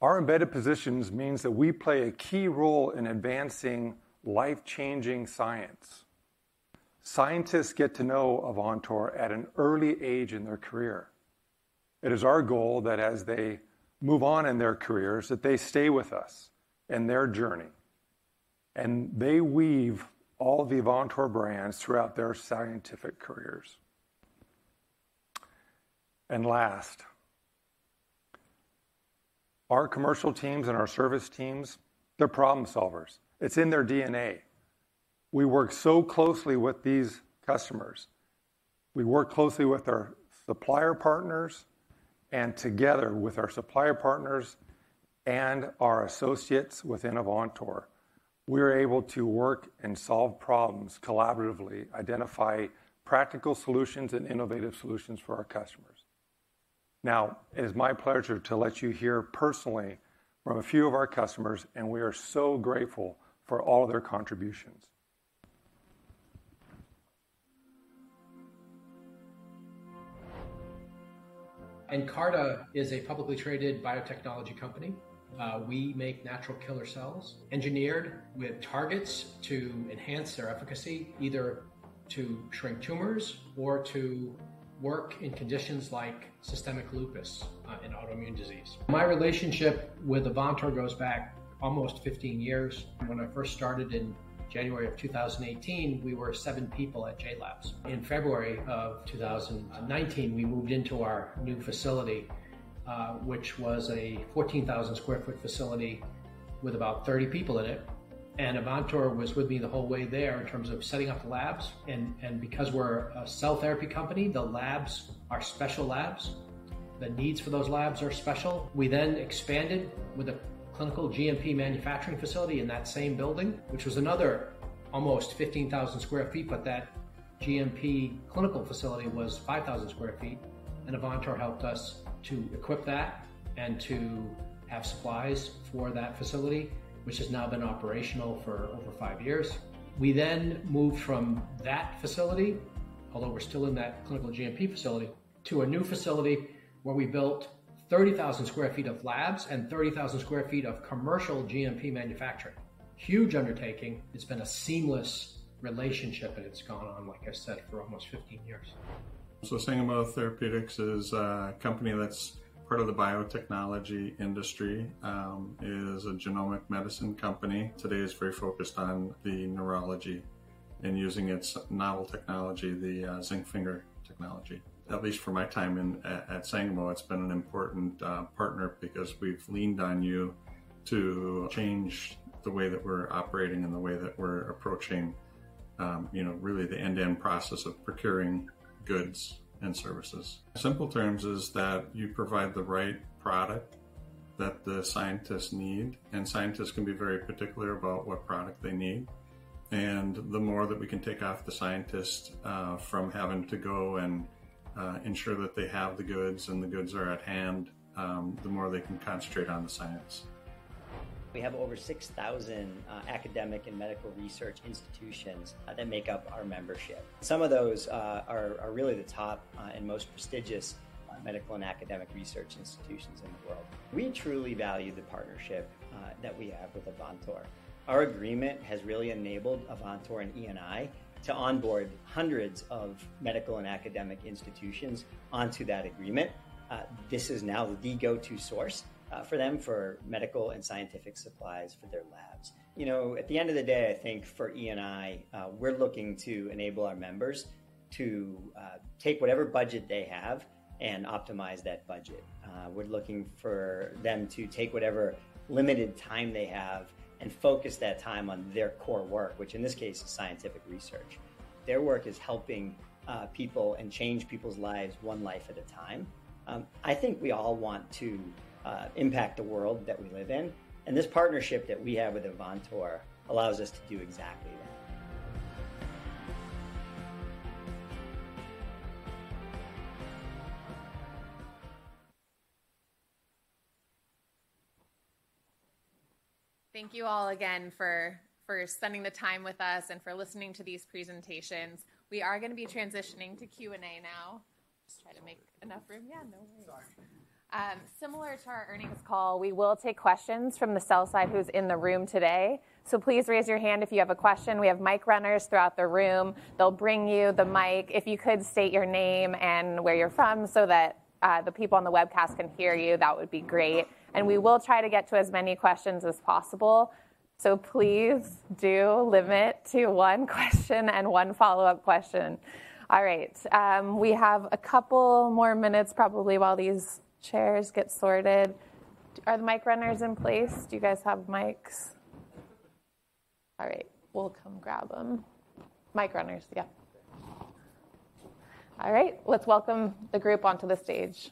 Our embedded positions means that we play a key role in advancing life-changing science. Scientists get to know Avantor at an early age in their career. It is our goal that as they move on in their careers, that they stay with us in their journey, and they weave all the Avantor brands throughout their scientific careers. And last, our commercial teams and our service teams, they're problem solvers. It's in their DNA. We work so closely with these customers. We work closely with our supplier partners, and together with our supplier partners and our associates within Avantor, we're able to work and solve problems collaboratively, identify practical solutions and innovative solutions for our customers. Now, it is my pleasure to let you hear personally from a few of our customers, and we are so grateful for all of their contributions. Incyte is a publicly traded biotechnology company. We make natural killer cells, engineered with targets to enhance their efficacy, either to shrink tumors or to work in conditions like systemic lupus, an autoimmune disease. My relationship with Avantor goes back almost 15 years. When I first started in January 2018, we were seven people at JLABS. In February 2019, we moved into our new facility, which was a 14,000 sq ft facility with about 30 people in it, and Avantor was with me the whole way there in terms of setting up the labs. Because we're a cell therapy company, the labs are special labs. The needs for those labs are special. We then expanded with a clinical GMP manufacturing facility in that same building, which was another almost 15,000 sq ft, but that GMP clinical facility was 5,000 sq ft, and Avantor helped us to equip that and to have supplies for that facility, which has now been operational for over five years. We then moved from that facility, although we're still in that clinical GMP facility, to a new facility where we built 30,000 sq ft of labs and 30,000 sq ft of commercial GMP manufacturing. Huge undertaking. It's been a seamless relationship, and it's gone on, like I said, for almost 15 years. So Sangamo Therapeutics is a company that's part of the biotechnology industry, it is a genomic medicine company. Today, it's very focused on the neurology and using its novel technology, the zinc finger technology. At least for my time at Sangamo, it's been an important partner because we've leaned on you to change the way that we're operating and the way that we're approaching, you know, really the end-to-end process of procuring goods and services. Simple terms is that you provide the right product that the scientists need, and scientists can be very particular about what product they need. And the more that we can take off the scientists from having to go and ensure that they have the goods and the goods are at hand, the more they can concentrate on the science. We have over 6,000 academic and medical research institutions that make up our membership. Some of those are really the top and most prestigious medical and academic research institutions in the world. We truly value the partnership that we have with Avantor. Our agreement has really enabled Avantor and E&I to onboard hundreds of medical and academic institutions onto that agreement. This is now the go-to source for them for medical and scientific supplies for their labs. You know, at the end of the day, I think for E&I, we're looking to enable our members to take whatever budget they have and optimize that budget. We're looking for them to take whatever limited time they have and focus that time on their core work, which in this case is scientific research. Their work is helping people and change people's lives one life at a time. I think we all want to impact the world that we live in, and this partnership that we have with Avantor allows us to do exactly that. Thank you all again for spending the time with us and for listening to these presentations. We are gonna be transitioning to Q&A now. Just try to make enough room. Yeah, no worries. Similar to our earnings call, we will take questions from the sell side who's in the room today. So please raise your hand if you have a question. We have mic runners throughout the room. They'll bring you the mic. If you could state your name and where you're from so that the people on the webcast can hear you, that would be great. And we will try to get to as many questions as possible, so please do limit to one question and one follow-up question. All right, we have a couple more minutes probably while these chairs get sorted. Are the mic runners in place? Do you guys have mics? All right, we'll come grab them. Mic runners, yeah. All right, let's welcome the group onto the stage.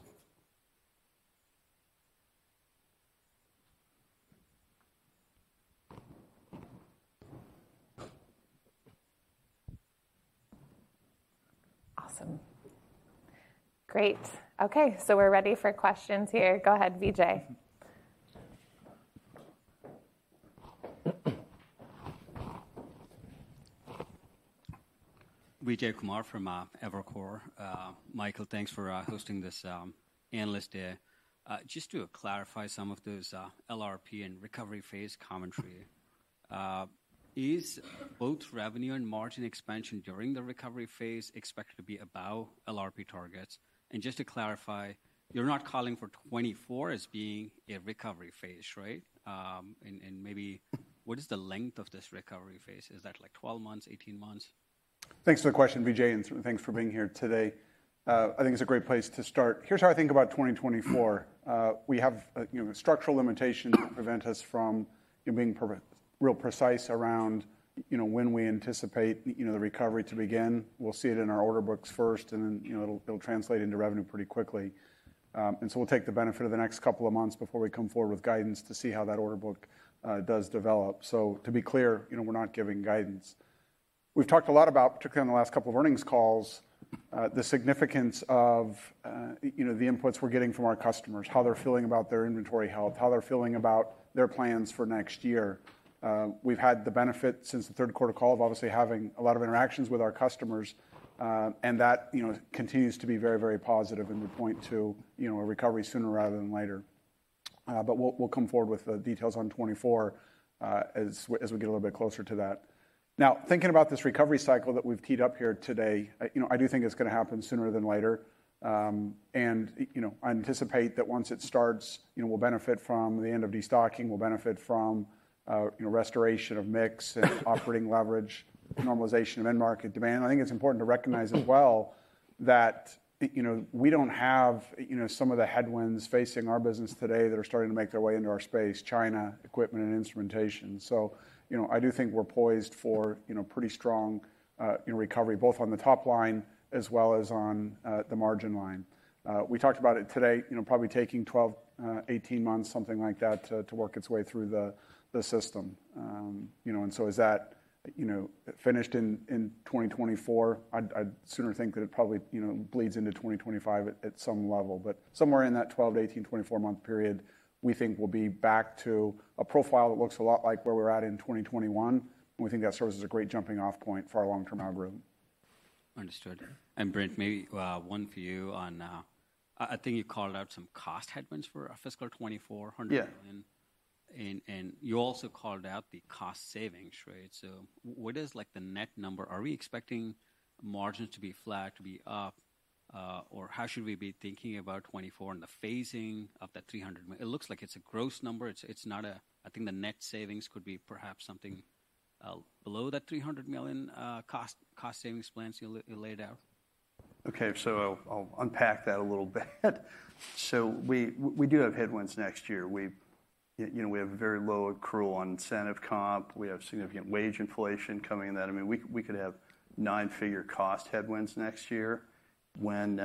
Awesome. Great. Okay, so we're ready for questions here. Go ahead, Vijay. Vijay Kumar from Evercore. Michael, thanks for hosting this analyst day. Just to clarify some of those LRP and recovery phase commentary, is both revenue and margin expansion during the recovery phase expected to be above LRP targets? And just to clarify, you're not calling for 2024 as being a recovery phase, right? And maybe what is the length of this recovery phase? Is that, like, 12 months, 18 months? Thanks for the question, Vijay, and thanks for being here today. I think it's a great place to start. Here's how I think about 2024. We have, you know, structural limitations that prevent us from, you know, being really precise around, you know, when we anticipate, you know, the recovery to begin. We'll see it in our order books first, and then, you know, it'll translate into revenue pretty quickly. And so we'll take the benefit of the next couple of months before we come forward with guidance to see how that order book does develop. So to be clear, you know, we're not giving guidance. We've talked a lot about, particularly on the last couple of earnings calls, the significance of, you know, the inputs we're getting from our customers, how they're feeling about their inventory health, how they're feeling about their plans for next year. We've had the benefit since the third quarter call of obviously having a lot of interactions with our customers, and that, you know, continues to be very, very positive and would point to, you know, a recovery sooner rather than later. But we'll, we'll come forward with the details on 2024, as we, as we get a little bit closer to that. Now, thinking about this recovery cycle that we've teed up here today, I, you know, I do think it's gonna happen sooner than later. And, you know, I anticipate that once it starts, you know, we'll benefit from the end of destocking, we'll benefit from restoration of mix and operating leverage, normalization of end market demand. I think it's important to recognize as well that, you know, we don't have, you know, some of the headwinds facing our business today that are starting to make their way into our space: China, equipment, and instrumentation. So, you know, I do think we're poised for, you know, pretty strong recovery, both on the top line as well as on the margin line. We talked about it today, you know, probably taking 12, 18 months, something like that, to work its way through the system. And so is that finished in 2024? I'd sooner think that it probably, you know, bleeds into 2025 at some level. But somewhere in that 12-18, 24-month period, we think we'll be back to a profile that looks a lot like where we're at in 2021, and we think that serves as a great jumping-off point for our long-term algorithm. Understood. Brent, maybe one for you on... I think you called out some cost headwinds for our fiscal 2024, $100 million. Yeah. And you also called out the cost savings, right? So what is like the net number? Are we expecting margins to be flat, to be up, or how should we be thinking about 2024 and the phasing of that $300 million? It looks like it's a gross number. It's not a—I think the net savings could be perhaps something below that $300 million cost savings plans you laid out. Okay, so I'll unpack that a little bit. So we do have headwinds next year. You know, we have a very low accrual on incentive comp. We have significant wage inflation coming in that. I mean, we could have nine-figure cost headwinds next year. When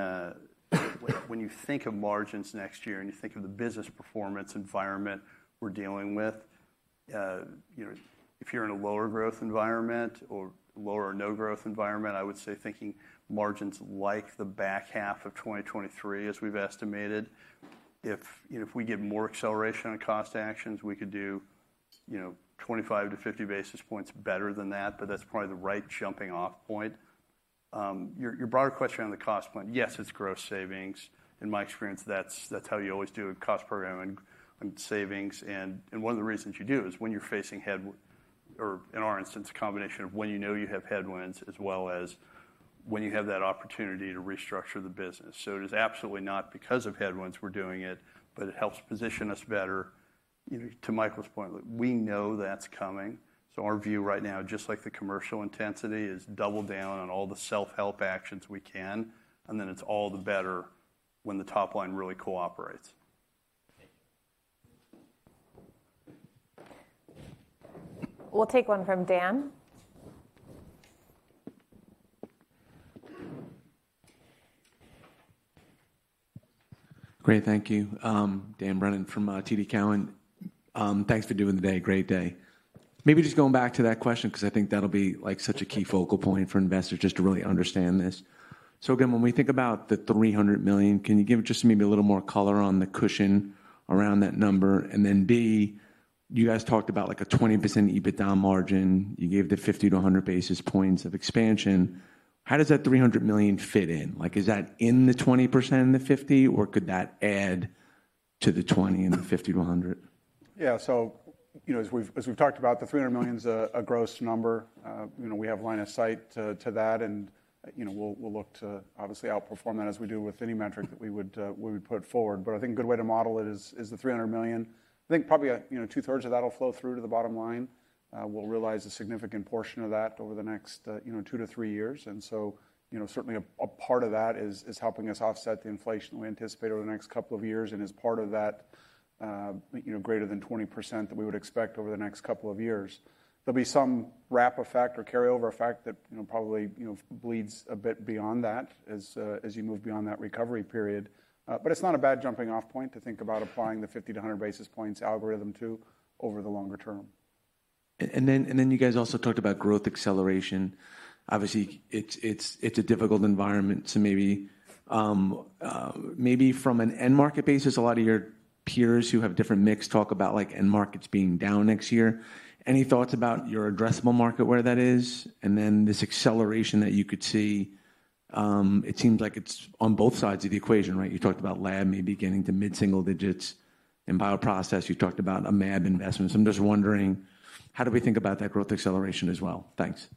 you think of margins next year and you think of the business performance environment we're dealing with, you know, if you're in a lower growth environment or lower or no growth environment, I would say thinking margins like the back half of 2023, as we've estimated. If you know, if we get more acceleration on cost actions, we could do, you know, 25-50 basis points better than that, but that's probably the right jumping-off point. Your broader question on the cost point, yes, it's gross savings. In my experience, that's how you always do a cost program and savings. One of the reasons you do is when you're facing headwinds or, in our instance, a combination of when you know you have headwinds, as well as when you have that opportunity to restructure the business. So it is absolutely not because of headwinds we're doing it, but it helps position us better. You know, to Michael's point, look, we know that's coming, so our view right now, just like the commercial intensity, is double down on all the self-help actions we can, and then it's all the better when the top line really cooperates. Okay. We'll take one from Dan. Great, thank you. Dan Brennan from TD Cowen. Thanks for doing the day. Great day. Maybe just going back to that question, 'cause I think that'll be, like, such a key focal point for investors just to really understand this. So again, when we think about the $300 million, can you give just maybe a little more color on the cushion around that number? And then, B, you guys talked about, like, a 20% EBITDA margin. You gave the 50-100 basis points of expansion. How does that $300 million fit in? Like, is that in the 20% and the 50, or could that add to the 20% and the 50-100? Yeah. So, you know, as we've talked about, the $300 million is a gross number. You know, we have line of sight to that, and, you know, we'll look to obviously outperform that, as we do with any metric that we would put forward. But I think a good way to model it is the $300 million. I think probably, you know, 2/3 of that will flow through to the bottom line. We'll realize a significant portion of that over the next two to three years, and so, you know, certainly a part of that is helping us offset the inflation we anticipate over the next couple of years and is part of that greater than 20% that we would expect over the next couple of years. There'll be some wrap effect or carryover effect that, you know, probably, you know, bleeds a bit beyond that as you move beyond that recovery period. But it's not a bad jumping-off point to think about applying the 50-100 basis points algorithm to over the longer term. And then, and then you guys also talked about growth acceleration. Obviously, it's a difficult environment, so maybe, maybe from an end market basis, a lot of your peers who have different mix talk about, like, end markets being down next year. Any thoughts about your addressable market, where that is? And then this acceleration that you could see, it seems like it's on both sides of the equation, right? You talked about lab maybe getting to mid-single digits. In bioprocess, you talked about a mAb investment. So I'm just wondering, how do we think about that growth acceleration as well? Thanks.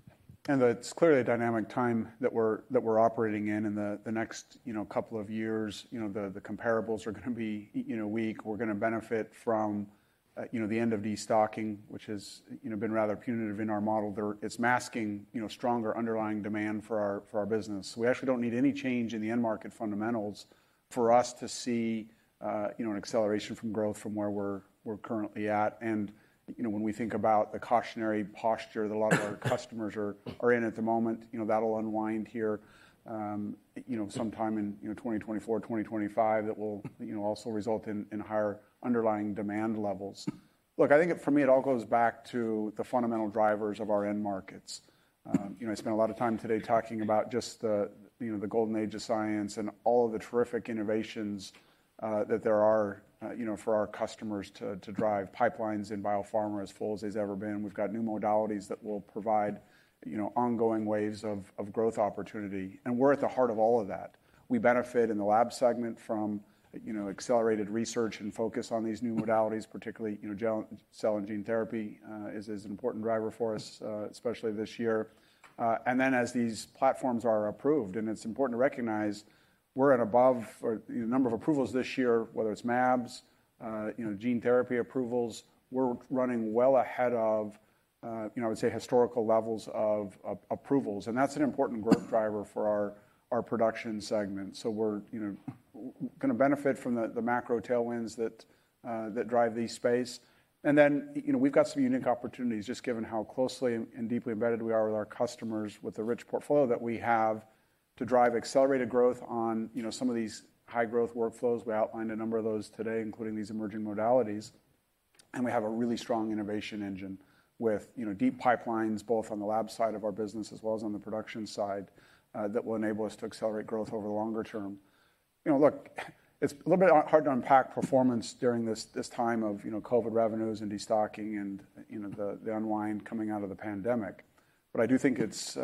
And it's clearly a dynamic time that we're operating in, and the next, you know, couple of years, you know, the comparables are gonna be, you know, weak. We're gonna benefit from, you know, the end of destocking, which has, you know, been rather punitive in our model. It's masking, you know, stronger underlying demand for our business. We actually don't need any change in the end market fundamentals for us to see, you know, an acceleration from growth from where we're currently at. And, you know, when we think about the cautionary posture that a lot of our customers are in at the moment, you know, that'll unwind here, you know, sometime in, you know, 2024, 2025. That will, you know, also result in higher underlying demand levels. Look, I think for me, it all goes back to the fundamental drivers of our end markets. You know, I spent a lot of time today talking about just the, you know, the golden age of science and all of the terrific innovations, that there are, you know, for our customers to drive pipelines in biopharma as full as it's ever been. We've got new modalities that will provide, you know, ongoing waves of growth opportunity, and we're at the heart of all of that. We benefit in the lab segment from, you know, accelerated research and focus on these new modalities, particularly, you know, cell and gene therapy is an important driver for us, especially this year. And then as these platforms are approved, and it's important to recognize we're at above or, you know, number of approvals this year, whether it's mAbs, you know, gene therapy approvals, we're running well ahead of, you know, I would say, historical levels of approvals, and that's an important growth driver for our production segment. So we're, you know, gonna benefit from the macro tailwinds that that drive the space. And then, you know, we've got some unique opportunities, just given how closely and deeply embedded we are with our customers, with the rich portfolio that we have... to drive accelerated growth on, you know, some of these high growth workflows. We outlined a number of those today, including these emerging modalities, and we have a really strong innovation engine with, you know, deep pipelines, both on the lab side of our business as well as on the production side, that will enable us to accelerate growth over the longer term. You know, look, it's a little bit hard to unpack performance during this time of, you know, COVID revenues and destocking and, you know, the unwind coming out of the pandemic. But I do think it's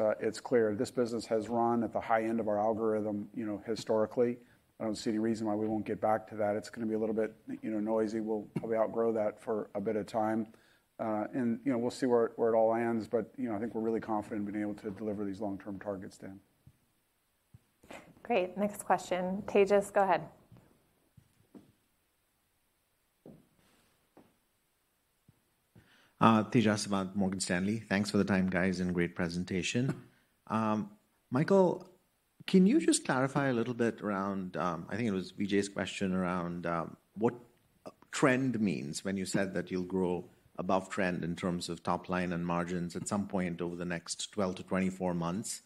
clear this business has run at the high end of our algorithm, you know, historically. I don't see any reason why we won't get back to that. It's gonna be a little bit, you know, noisy. We'll probably outgrow that for a bit of time. And, you know, we'll see where it, where it all lands, but, you know, I think we're really confident in being able to deliver these long-term targets, Dan. Great. Next question. Tejas, go ahead. Tejas Savant, Morgan Stanley. Thanks for the time, guys, and great presentation. Michael, can you just clarify a little bit around... I think it was Vijay's question around, what trend means when you said that you'll grow above trend in terms of top line and margins at some point over the next 12-24 months?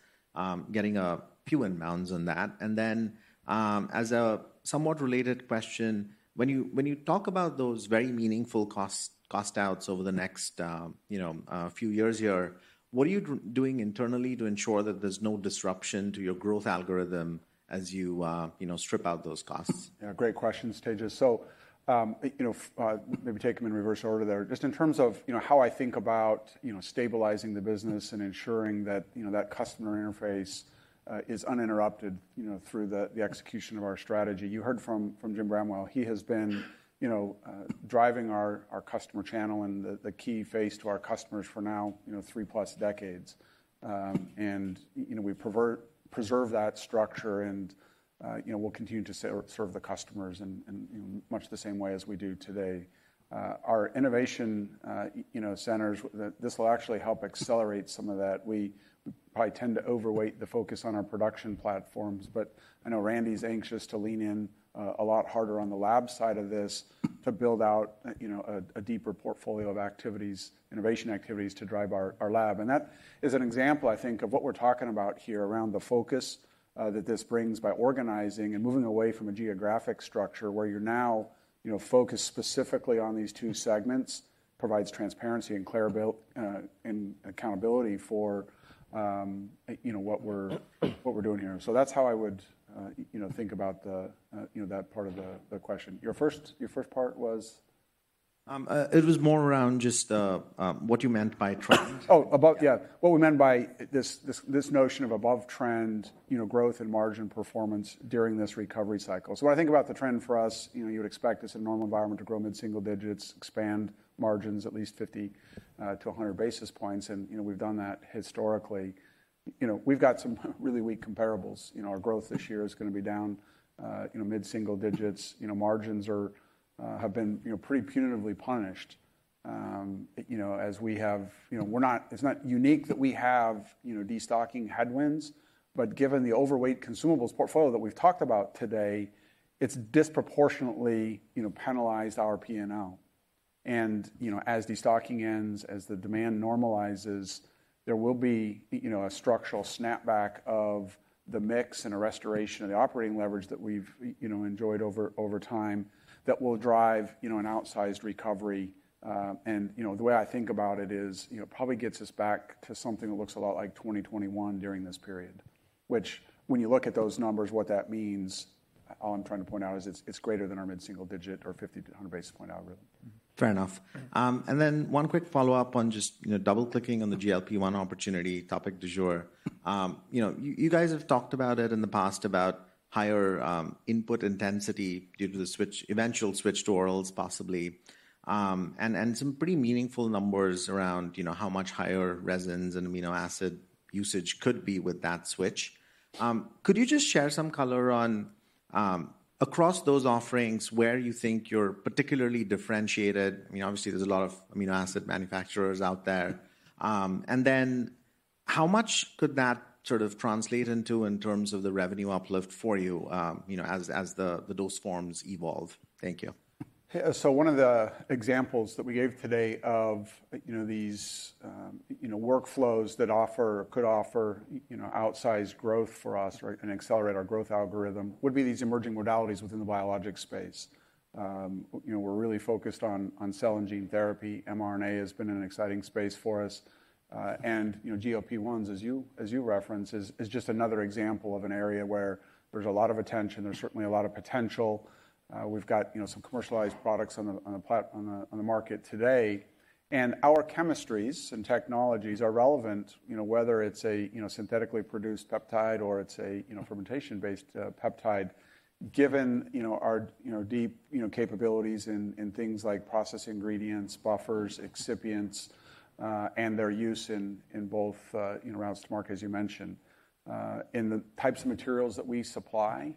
Getting a few inbounds on that. And then, as a somewhat related question, when you, when you talk about those very meaningful costs, cost outs over the next, you know, few years here, what are you doing internally to ensure that there's no disruption to your growth algorithm as you, you know, strip out those costs? Yeah, great questions, Tejas. So, you know, maybe take them in reverse order there. Just in terms of, you know, how I think about, you know, stabilizing the business and ensuring that, you know, that customer interface is uninterrupted, you know, through the execution of our strategy. You heard from Jim Bramwell. He has been, you know, driving our customer channel and the key face to our customers for now, you know, three-plus decades. And, you know, we preserve that structure and, you know, we'll continue to serve the customers in much the same way as we do today. Our innovation, you know, centers, this will actually help accelerate some of that. We probably tend to overweight the focus on our production platforms, but I know Randy's anxious to lean in a lot harder on the lab side of this to build out, you know, a deeper portfolio of activities, innovation activities to drive our lab. And that is an example, I think, of what we're talking about here around the focus that this brings by organizing and moving away from a geographic structure where you're now, you know, focused specifically on these two segments, provides transparency and clear ability and accountability for, you know, what we're doing here. So that's how I would, you know, think about the, you know, that part of the question. Your first part was? It was more around just what you meant by trend. Oh, above, yeah. What we meant by this notion of above trend, you know, growth and margin performance during this recovery cycle. So when I think about the trend for us, you know, you would expect us in a normal environment to grow mid-single digits, expand margins at least 50-100 basis points, and, you know, we've done that historically. You know, we've got some really weak comparables. You know, our growth this year is gonna be down, you know, mid-single digits. You know, margins have been, you know, pretty punitively punished. You know, as we have... You know, we're not. It's not unique that we have, you know, destocking headwinds, but given the overweight consumables portfolio that we've talked about today, it's disproportionately, you know, penalized our P&L. And, you know, as destocking ends, as the demand normalizes, there will be, you know, a structural snapback of the mix and a restoration of the operating leverage that we've, you know, enjoyed over, over time, that will drive, you know, an outsized recovery. And, you know, the way I think about it is, you know, probably gets us back to something that looks a lot like 2021 during this period, which when you look at those numbers, what that means, all I'm trying to point out is it's, it's greater than our mid-single digit or 50-100 basis point algorithm. Fair enough. Yeah. And then one quick follow-up on just, you know, double-clicking on the GLP-1 opportunity, topic du jour. You know, you guys have talked about it in the past about higher input intensity due to the eventual switch to orals, possibly, and some pretty meaningful numbers around, you know, how much higher resins and amino acid usage could be with that switch. Could you just share some color on across those offerings, where you think you're particularly differentiated? I mean, obviously, there's a lot of amino acid manufacturers out there. And then how much could that sort of translate into in terms of the revenue uplift for you, you know, as the dose forms evolve? Thank you. So one of the examples that we gave today of, you know, these, you know, workflows that offer or could offer, you know, outsized growth for us, right, and accelerate our growth algorithm, would be these emerging modalities within the biologic space. You know, we're really focused on cell and gene therapy. mRNA has been an exciting space for us. And, you know, GLP-1s, as you referenced, is just another example of an area where there's a lot of attention, there's certainly a lot of potential. We've got, you know, some commercialized products on the market today, and our chemistries and technologies are relevant, you know, whether it's a, you know, synthetically produced peptide or it's a, you know, fermentation-based peptide, given, you know, our, you know, deep, you know, capabilities in, in things like process ingredients, buffers, excipients, and their use in, in both, you know, routes to market, as you mentioned. In the types of materials that we supply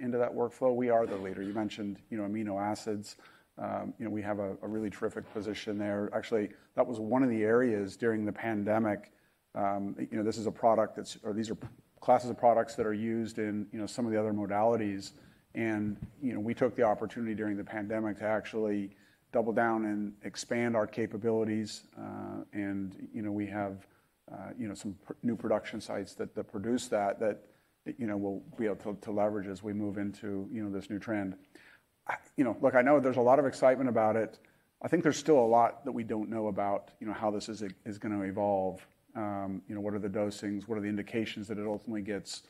into that workflow, we are the leader. You mentioned, you know, amino acids. You know, we have a really terrific position there. Actually, that was one of the areas during the pandemic. You know, this is a product that's or these are classes of products that are used in, you know, some of the other modalities. You know, we took the opportunity during the pandemic to actually double down and expand our capabilities. And, you know, we have some new production sites that, you know, we'll be able to leverage as we move into, you know, this new trend. You know, look, I know there's a lot of excitement about it. I think there's still a lot that we don't know about, you know, how this is gonna evolve. You know, what are the dosings? What are the indications that it ultimately gets,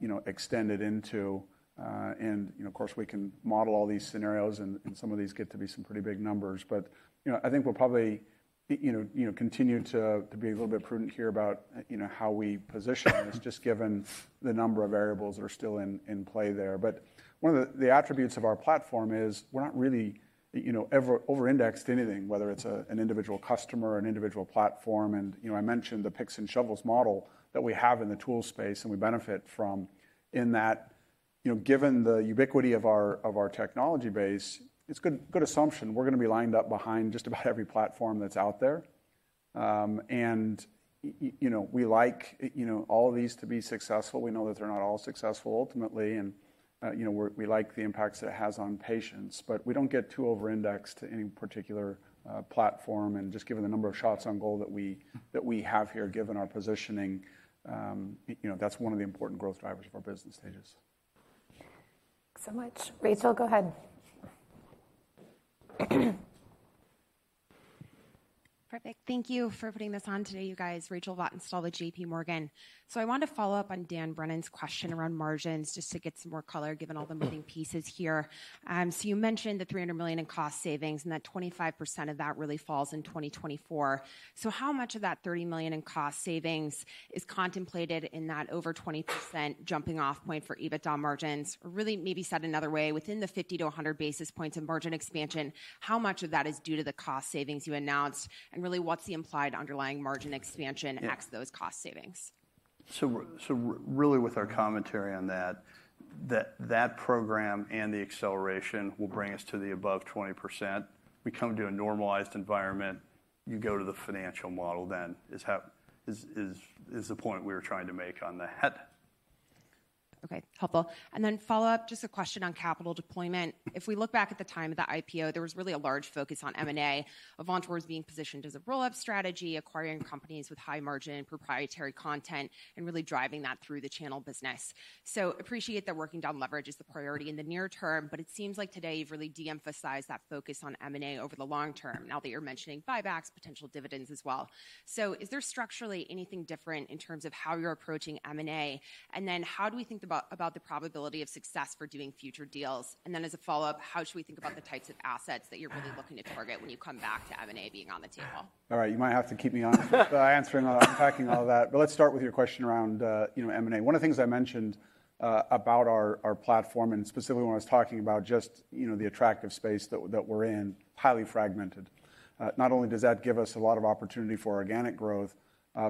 you know, extended into? And, you know, of course, we can model all these scenarios, and some of these get to be some pretty big numbers. But, you know, I think we'll probably, you know, continue to be a little bit prudent here about, you know, how we position this, just given the number of variables that are still in play there. But one of the attributes of our platform is we're not really, you know, ever overindexed anything, whether it's an individual customer or an individual platform. And, you know, I mentioned the picks and shovels model that we have in the tool space, and we benefit from, in that, you know, given the ubiquity of our technology base, it's good assumption we're gonna be lined up behind just about every platform that's out there. And you know, we like, you know, all of these to be successful. We know that they're not all successful ultimately, and, you know, we like the impacts it has on patients. But we don't get too overindexed to any particular platform, and just given the number of shots on goal that we have here, given our positioning, you know, that's one of the important growth drivers of our business stages. Thanks so much. Rachel, go ahead. Perfect. Thank you for putting this on today, you guys. Rachel Vatnsdal with JPMorgan. So I want to follow up on Dan Brennan's question around margins, just to get some more color, given all the moving pieces here. So you mentioned the $300 million in cost savings, and that 25% of that really falls in 2024. So how much of that $30 million in cost savings is contemplated in that over 20% jumping off point for EBITDA margins? Or really maybe said another way, within the 50-100 basis points in margin expansion, how much of that is due to the cost savings you announced, and really, what's the implied underlying margin expansion- Yeah. Except those cost savings? So we're really, with our commentary on that program and the acceleration will bring us to above 20%. We come to a normalized environment, you go to the financial model, then is the point we were trying to make on the head. Okay. Helpful. Then, a follow-up question on capital deployment. If we look back at the time of the IPO, there was really a large focus on M&A. Avantor's being positioned as a roll-up strategy, acquiring companies with high margin and proprietary content, and really driving that through the channel business. So, I appreciate that working down leverage is the priority in the near term, but it seems like today you've really de-emphasized that focus on M&A over the long term, now that you're mentioning buybacks, potential dividends as well. So, is there structurally anything different in terms of how you're approaching M&A? And then, how do we think about the probability of success for doing future deals? And then, as a follow-up, how should we think about the types of assets that you're really looking to target when you come back to M&A being on the table? All right. You might have to keep me honest by answering or unpacking all that. But let's start with your question around, you know, M&A. One of the things I mentioned about our platform, and specifically when I was talking about just, you know, the attractive space that we're in, highly fragmented. Not only does that give us a lot of opportunity for organic growth,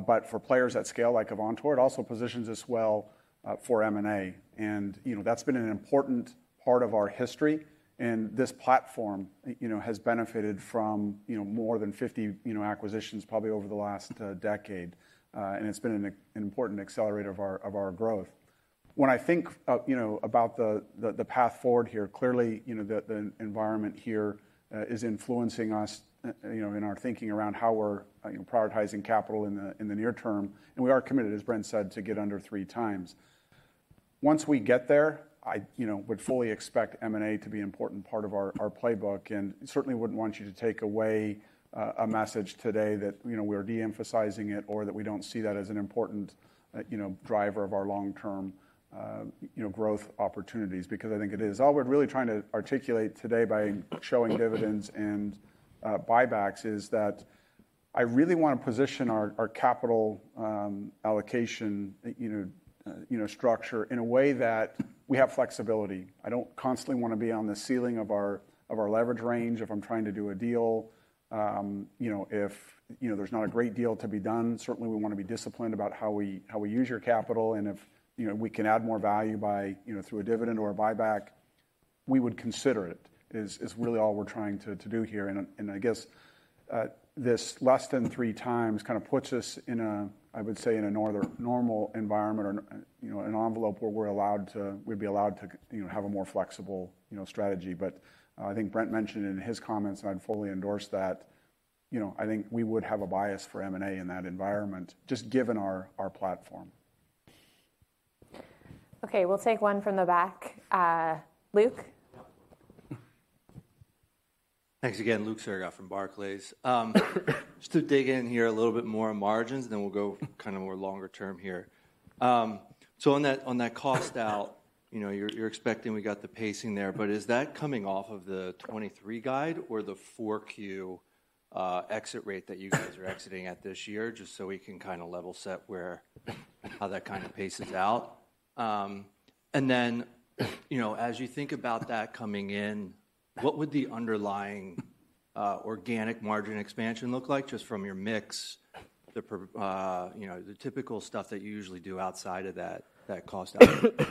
but for players at scale like Avantor, it also positions us well for M&A. And, you know, that's been an important part of our history, and this platform, you know, has benefited from, you know, more than 50, you know, acquisitions, probably over the last decade. And it's been an important accelerator of our growth. When I think, you know, about the path forward here, clearly, you know, the environment here is influencing us, you know, in our thinking around how we're, you know, prioritizing capital in the near term. We are committed, as Brent said, to get under three times. Once we get there, I, you know, would fully expect M&A to be an important part of our playbook, and certainly wouldn't want you to take away a message today that, you know, we're de-emphasizing it or that we don't see that as an important, you know, driver of our long-term, you know, growth opportunities, because I think it is. All we're really trying to articulate today by showing dividends and buybacks is that I really wanna position our our capital allocation you know you know structure in a way that we have flexibility. I don't constantly wanna be on the ceiling of our of our leverage range if I'm trying to do a deal. You know if you know there's not a great deal to be done certainly we wanna be disciplined about how we how we use your capital and if you know we can add more value by you know through a dividend or a buyback we would consider it is is really all we're trying to to do here. I guess this less than three times kind of puts us in a, I would say, in a normal environment or, you know, an envelope where we're allowed to—we'd be allowed to, you know, have a more flexible, you know, strategy. But I think Brent mentioned in his comments, and I'd fully endorse that, you know, I think we would have a bias for M&A in that environment, just given our platform. Okay, we'll take one from the back. Luke? Thanks again. Luke Sergott from Barclays. Just to dig in here a little bit more on margins, then we'll go kind of more longer term here. So on that, on that cost out, you know, you're, you're expecting we got the pacing there, but is that coming off of the 2023 guide or the 4Q exit rate that you guys are exiting at this year? Just so we can kinda level set where how that kind of paces out. And then, you know, as you think about that coming in, what would the underlying organic margin expansion look like, just from your mix? The pro, you know, the typical stuff that you usually do outside of that, that cost out?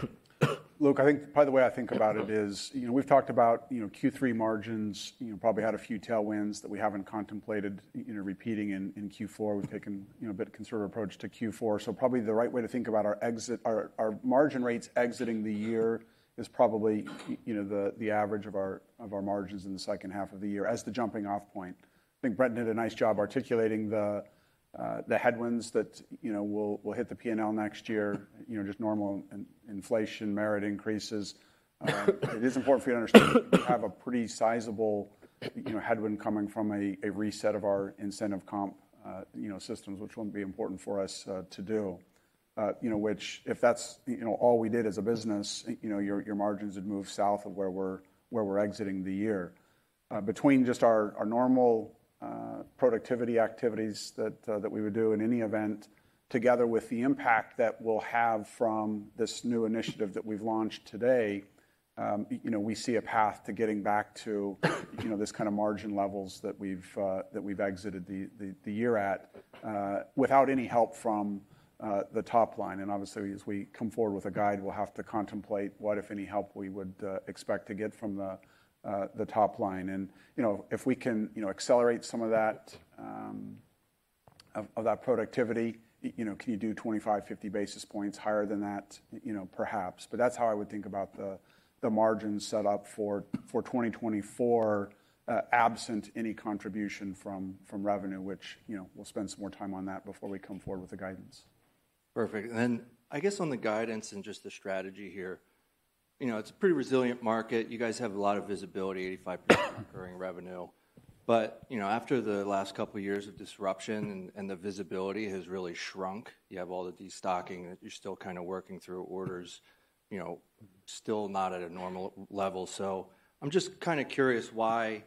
Luke, I think, part of the way I think about it is, you know, we've talked about, you know, Q3 margins, you know, probably had a few tailwinds that we haven't contemplated, you know, repeating in Q4. We've taken, you know, a bit conservative approach to Q4. So probably the right way to think about our exit... Our margin rates exiting the year is probably, you know, the average of our margins in the second half of the year as the jumping off point. I think Brent did a nice job articulating the headwinds that, you know, will hit the P&L next year, you know, just normal inflation, merit increases. It is important for you to understand we have a pretty sizable, you know, headwind coming from a reset of our incentive comp, you know, systems, which wouldn't be important for us to do. You know, which if that's, you know, all we did as a business, you know, your margins would move south of where we're exiting the year. Between just our normal productivity activities that we would do in any event, together with the impact that we'll have from this new initiative that we've launched today, you know, we see a path to getting back to, you know, this kind of margin levels that we've exited the year at, without any help from the top line. Obviously, as we come forward with a guide, we'll have to contemplate what, if any, help we would expect to get from the top line. And, you know, if we can, you know, accelerate some of that productivity, you know, can you do 25-50 basis points higher than that? You know, perhaps. But that's how I would think about the margin set up for 2024, absent any contribution from revenue, which, you know, we'll spend some more time on that before we come forward with the guidance. Perfect. And then, I guess, on the guidance and just the strategy here, you know, it's a pretty resilient market. You guys have a lot of visibility, 85% recurring revenue. But, you know, after the last couple of years of disruption and the visibility has really shrunk, you have all the destocking, and you're still kind of working through orders, you know, still not at a normal level. So I'm just kind of curious why,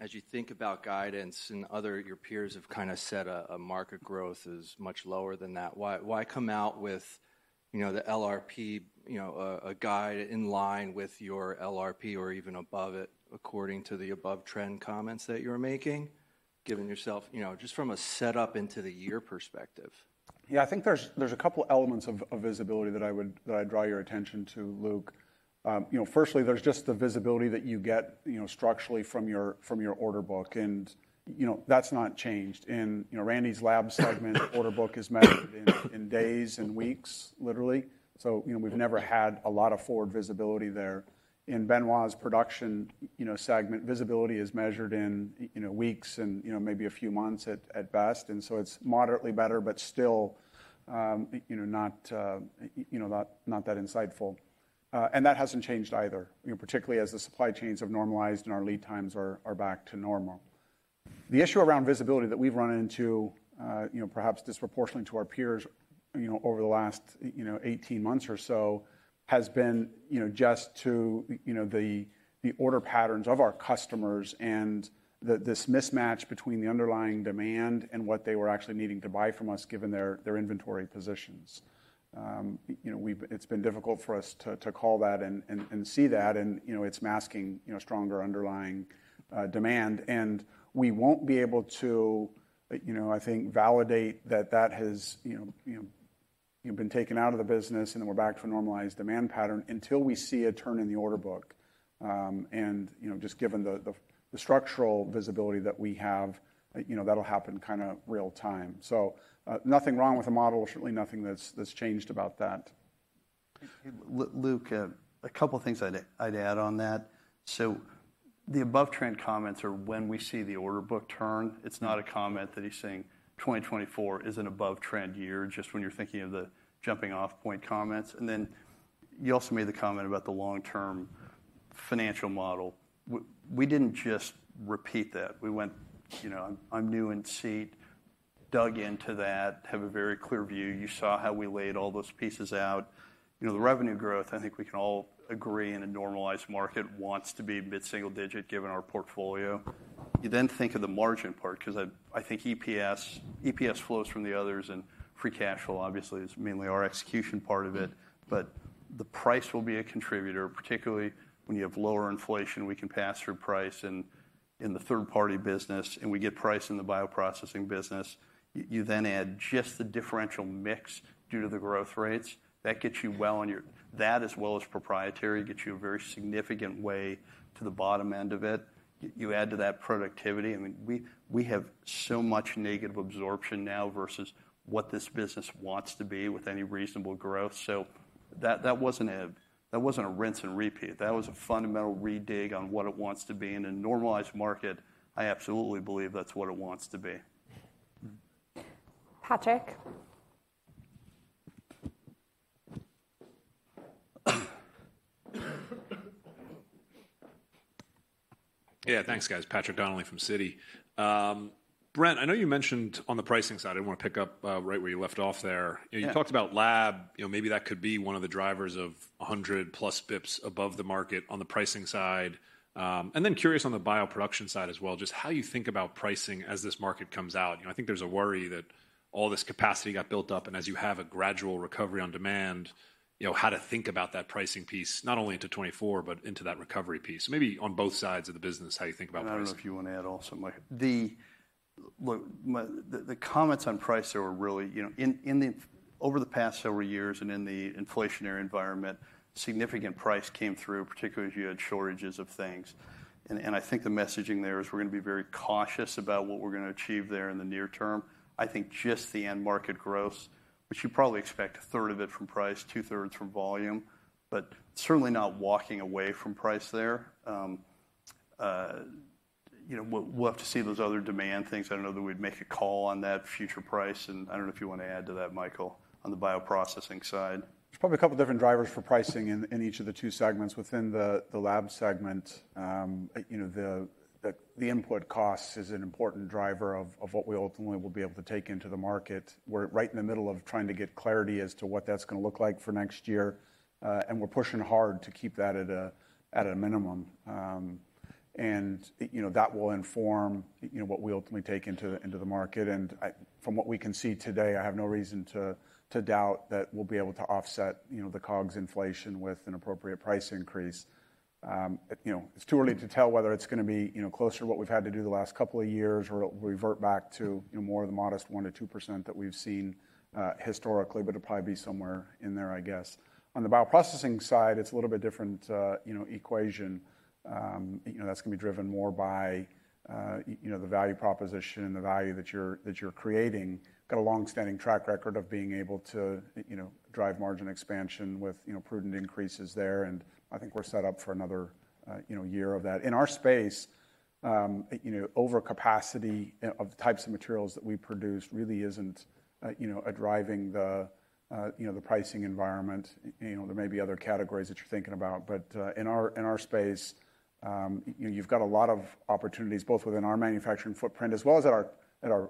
as you think about guidance and other... your peers have kind of set a market growth is much lower than that. Why, why come out with, you know, the LRP, you know, a guide in line with your LRP or even above it, according to the above trend comments that you're making, giving yourself, you know, just from a set-up into the year perspective? Yeah, I think there's a couple elements of visibility that I'd draw your attention to, Luke. You know, firstly, there's just the visibility that you get, you know, structurally from your order book, and, you know, that's not changed. And, you know, Randy's lab segment order book is measured in days and weeks, literally. So, you know, we've never had a lot of forward visibility there. In Benoit's production segment, visibility is measured in weeks and maybe a few months at best, and so it's moderately better, but still, you know, not that insightful. And that hasn't changed either, you know, particularly as the supply chains have normalized and our lead times are back to normal. The issue around visibility that we've run into, you know, perhaps disproportionately to our peers, you know, over the last 18 months or so, has been, you know, the order patterns of our customers and this mismatch between the underlying demand and what they were actually needing to buy from us, given their inventory positions. You know, it's been difficult for us to call that and see that, and, you know, it's masking stronger underlying demand. And we won't be able to, you know, I think, validate that that has, you know, you've been taken out of the business, and then we're back to a normalized demand pattern until we see a turn in the order book. And you know, just given the structural visibility that we have, you know, that'll happen kind of real time. So, nothing wrong with the model. Certainly nothing that's changed about that. Luke, a couple of things I'd add on that. So the above trend comments are when we see the order book turn, it's not a comment that he's saying 2024 is an above trend year, just when you're thinking of the jumping off point comments. And then you also made the comment about the long-term financial model. We didn't just repeat that. We went, you know, I'm new in seat, dug into that, have a very clear view. You saw how we laid all those pieces out. You know, the revenue growth, I think we can all agree in a normalized market, wants to be mid-single digit, given our portfolio. You then think of the margin part, 'cause I think EPS flows from the others, and free cash flow obviously is mainly our execution part of it. But the price will be a contributor, particularly when you have lower inflation, we can pass through price in, in the third-party business, and we get price in the bioprocessing business. You then add just the differential mix due to the growth rates. That gets you well on your way. That, as well as proprietary, gets you a very significant way to the bottom end of it. You add to that productivity, I mean, we have so much negative absorption now versus what this business wants to be with any reasonable growth. So that wasn't a rinse and repeat. That was a fundamental re-dig on what it wants to be. In a normalized market, I absolutely believe that's what it wants to be. Patrick? Yeah, thanks, guys. Patrick Donnelly from Citi. Brent, I know you mentioned on the pricing side, I wanna pick up right where you left off there. Yeah. You know, you talked about lab, you know, maybe that could be one of the drivers of 100+ basis points above the market on the pricing side. And then curious on the bioproduction side as well, just how you think about pricing as this market comes out? You know, I think there's a worry that all this capacity got built up, and as you have a gradual recovery on demand, you know, how to think about that pricing piece, not only into 2024, but into that recovery piece. Maybe on both sides of the business, how you think about pricing. I don't know if you wanna add also, like, the- Look, the comments on price there were really, you know, over the past several years and in the inflationary environment, significant price came through, particularly as you had shortages of things. And I think the messaging there is we're gonna be very cautious about what we're gonna achieve there in the near term. I think just the end market growth, we should probably expect a third of it from price, 2/3 from volume, but certainly not walking away from price there. You know, we'll have to see those other demand things. I don't know that we'd make a call on that future price, and I don't know if you want to add to that, Michael, on the bioprocessing side. There's probably a couple different drivers for pricing in each of the two segments. Within the lab segment, you know, the input cost is an important driver of what we ultimately will be able to take into the market. We're right in the middle of trying to get clarity as to what that's gonna look like for next year, and we're pushing hard to keep that at a minimum. And you know, that will inform, you know, what we ultimately take into the market. And from what we can see today, I have no reason to doubt that we'll be able to offset the COGS inflation with an appropriate price increase. You know, it's too early to tell whether it's gonna be, you know, closer to what we've had to do the last couple of years, or it'll revert back to, you know, more of the modest 1%-2% that we've seen historically, but it'll probably be somewhere in there, I guess. On the Bioprocessing side, it's a little bit different, you know, equation. You know, that's gonna be driven more by, you know, the value proposition and the value that you're creating. Got a long-standing track record of being able to, you know, drive margin expansion with, you know, prudent increases there, and I think we're set up for another, you know, year of that. In our space, you know, overcapacity of the types of materials that we produce really isn't, you know, driving the, you know, the pricing environment. You know, there may be other categories that you're thinking about, but, in our space, you know, you've got a lot of opportunities, both within our manufacturing footprint as well as at our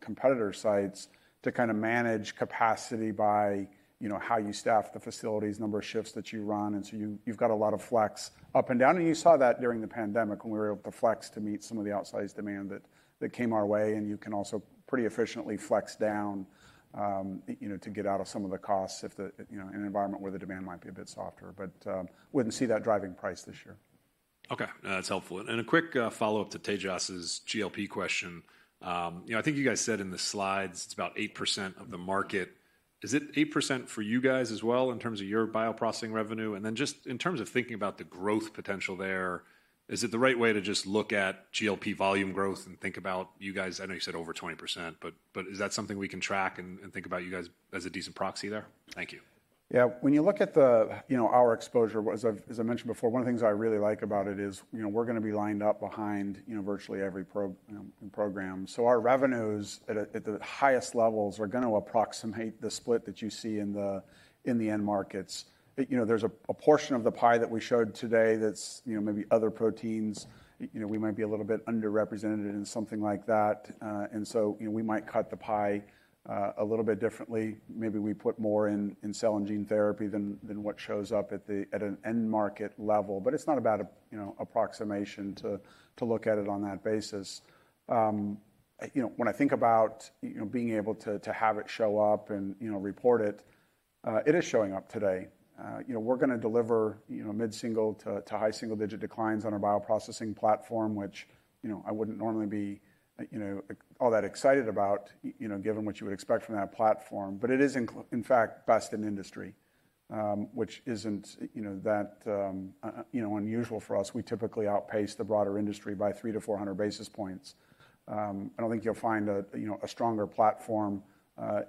competitor sites, to kind of manage capacity by, you know, how you staff the facilities, number of shifts that you run, and so you, you've got a lot of flex up and down. And you saw that during the pandemic when we were able to flex to meet some of the outsized demand that came our way, and you can also pretty efficiently flex down, you know, to get out of some of the costs if the... You know, in an environment where the demand might be a bit softer. But wouldn't see that driving price this year. Okay, that's helpful. And a quick follow-up to Tejas' GLP question. You know, I think you guys said in the slides it's about 8% of the market. Is it 8% for you guys as well in terms of your bioprocessing revenue? And then just in terms of thinking about the growth potential there, is it the right way to just look at GLP volume growth and think about you guys? I know you said over 20%, but, but is that something we can track and, and think about you guys as a decent proxy there? Thank you. Yeah. When you look at the, you know, our exposure, as I mentioned before, one of the things I really like about it is, you know, we're gonna be lined up behind, you know, virtually every pro, you know, program. So our revenues at a, at the highest levels are gonna approximate the split that you see in the, in the end markets. You know, there's a, a portion of the pie that we showed today that's, you know, maybe other proteins. You know, we might be a little bit underrepresented in something like that, and so, you know, we might cut the pie a little bit differently. Maybe we put more in, in cell and gene therapy than, than what shows up at the at an end market level. But it's not a bad, you know, approximation to look at it on that basis. You know, when I think about, you know, being able to have it show up and, you know, report it, it is showing up today. You know, we're gonna deliver, you know, mid-single to high single-digit declines on our bioprocessing platform, which, you know, I wouldn't normally be, you know, all that excited about, you know, given what you would expect from that platform. But it is in fact best in industry, which isn't, you know, that, you know, unusual for us. We typically outpace the broader industry by 300-400 basis points. I don't think you'll find a, you know, a stronger platform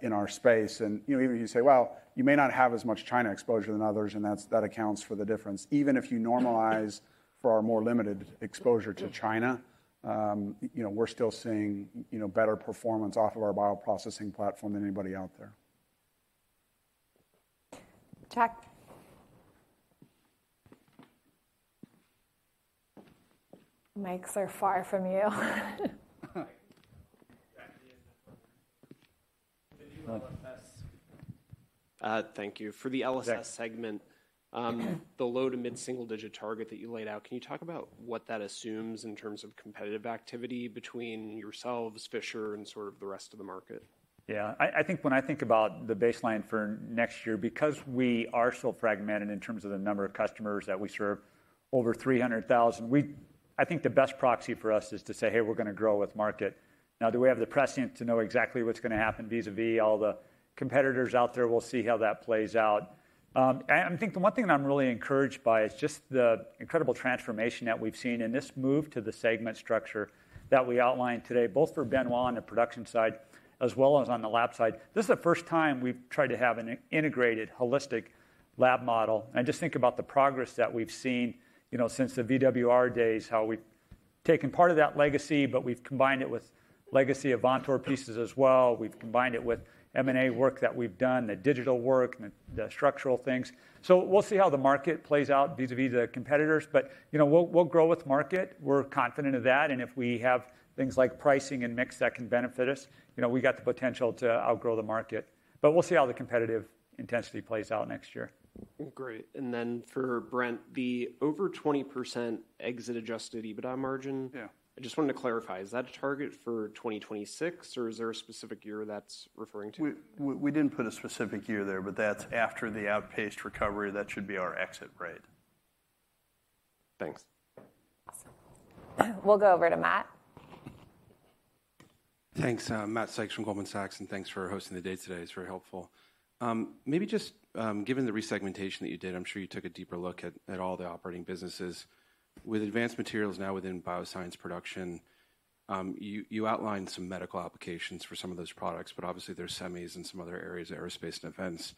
in our space. You know, even if you say, well, you may not have as much China exposure than others, and that accounts for the difference. Even if you normalize for our more limited exposure to China, you know, we're still seeing, you know, better performance off of our bioprocessing platform than anybody out there. Jack, mics are far from you.... Thank you. For the LSS- Yeah segment, the low- to mid-single-digit target that you laid out, can you talk about what that assumes in terms of competitive activity between yourselves, Fisher, and sort of the rest of the market? Yeah. I think when I think about the baseline for next year, because we are so fragmented in terms of the number of customers that we serve, over 300,000, I think the best proxy for us is to say, "Hey, we're gonna grow with market." Now, do we have the prescience to know exactly what's gonna happen vis-a-vis all the competitors out there? We'll see how that plays out. And I think the one thing that I'm really encouraged by is just the incredible transformation that we've seen in this move to the segment structure that we outlined today, both for Benoit on the production side, as well as on the lab side. This is the first time we've tried to have an integrated, holistic lab model. Just think about the progress that we've seen, you know, since the VWR days, how we've taken part of that legacy, but we've combined it with legacy of Avantor pieces as well. We've combined it with M&A work that we've done, the digital work, and the, the structural things. We'll see how the market plays out vis-a-vis the competitors, but, you know, we'll, we'll grow with market. We're confident of that, and if we have things like pricing and mix that can benefit us, you know, we got the potential to outgrow the market. But we'll see how the competitive intensity plays out next year. Great. And then for Brent, the over 20% exit-adjusted EBITDA margin- Yeah. I just wanted to clarify: is that a target for 2026, or is there a specific year that's referring to? We didn't put a specific year there, but that's after the outpaced recovery. That should be our exit rate.... Thanks. We'll go over to Matt. Thanks. Matt Sykes from Goldman Sachs, and thanks for hosting the day today. It's very helpful. Maybe just, given the resegmentation that you did, I'm sure you took a deeper look at all the operating businesses. With advanced materials now within bioscience production, you outlined some medical applications for some of those products, but obviously, there's semis and some other areas, aerospace and defense.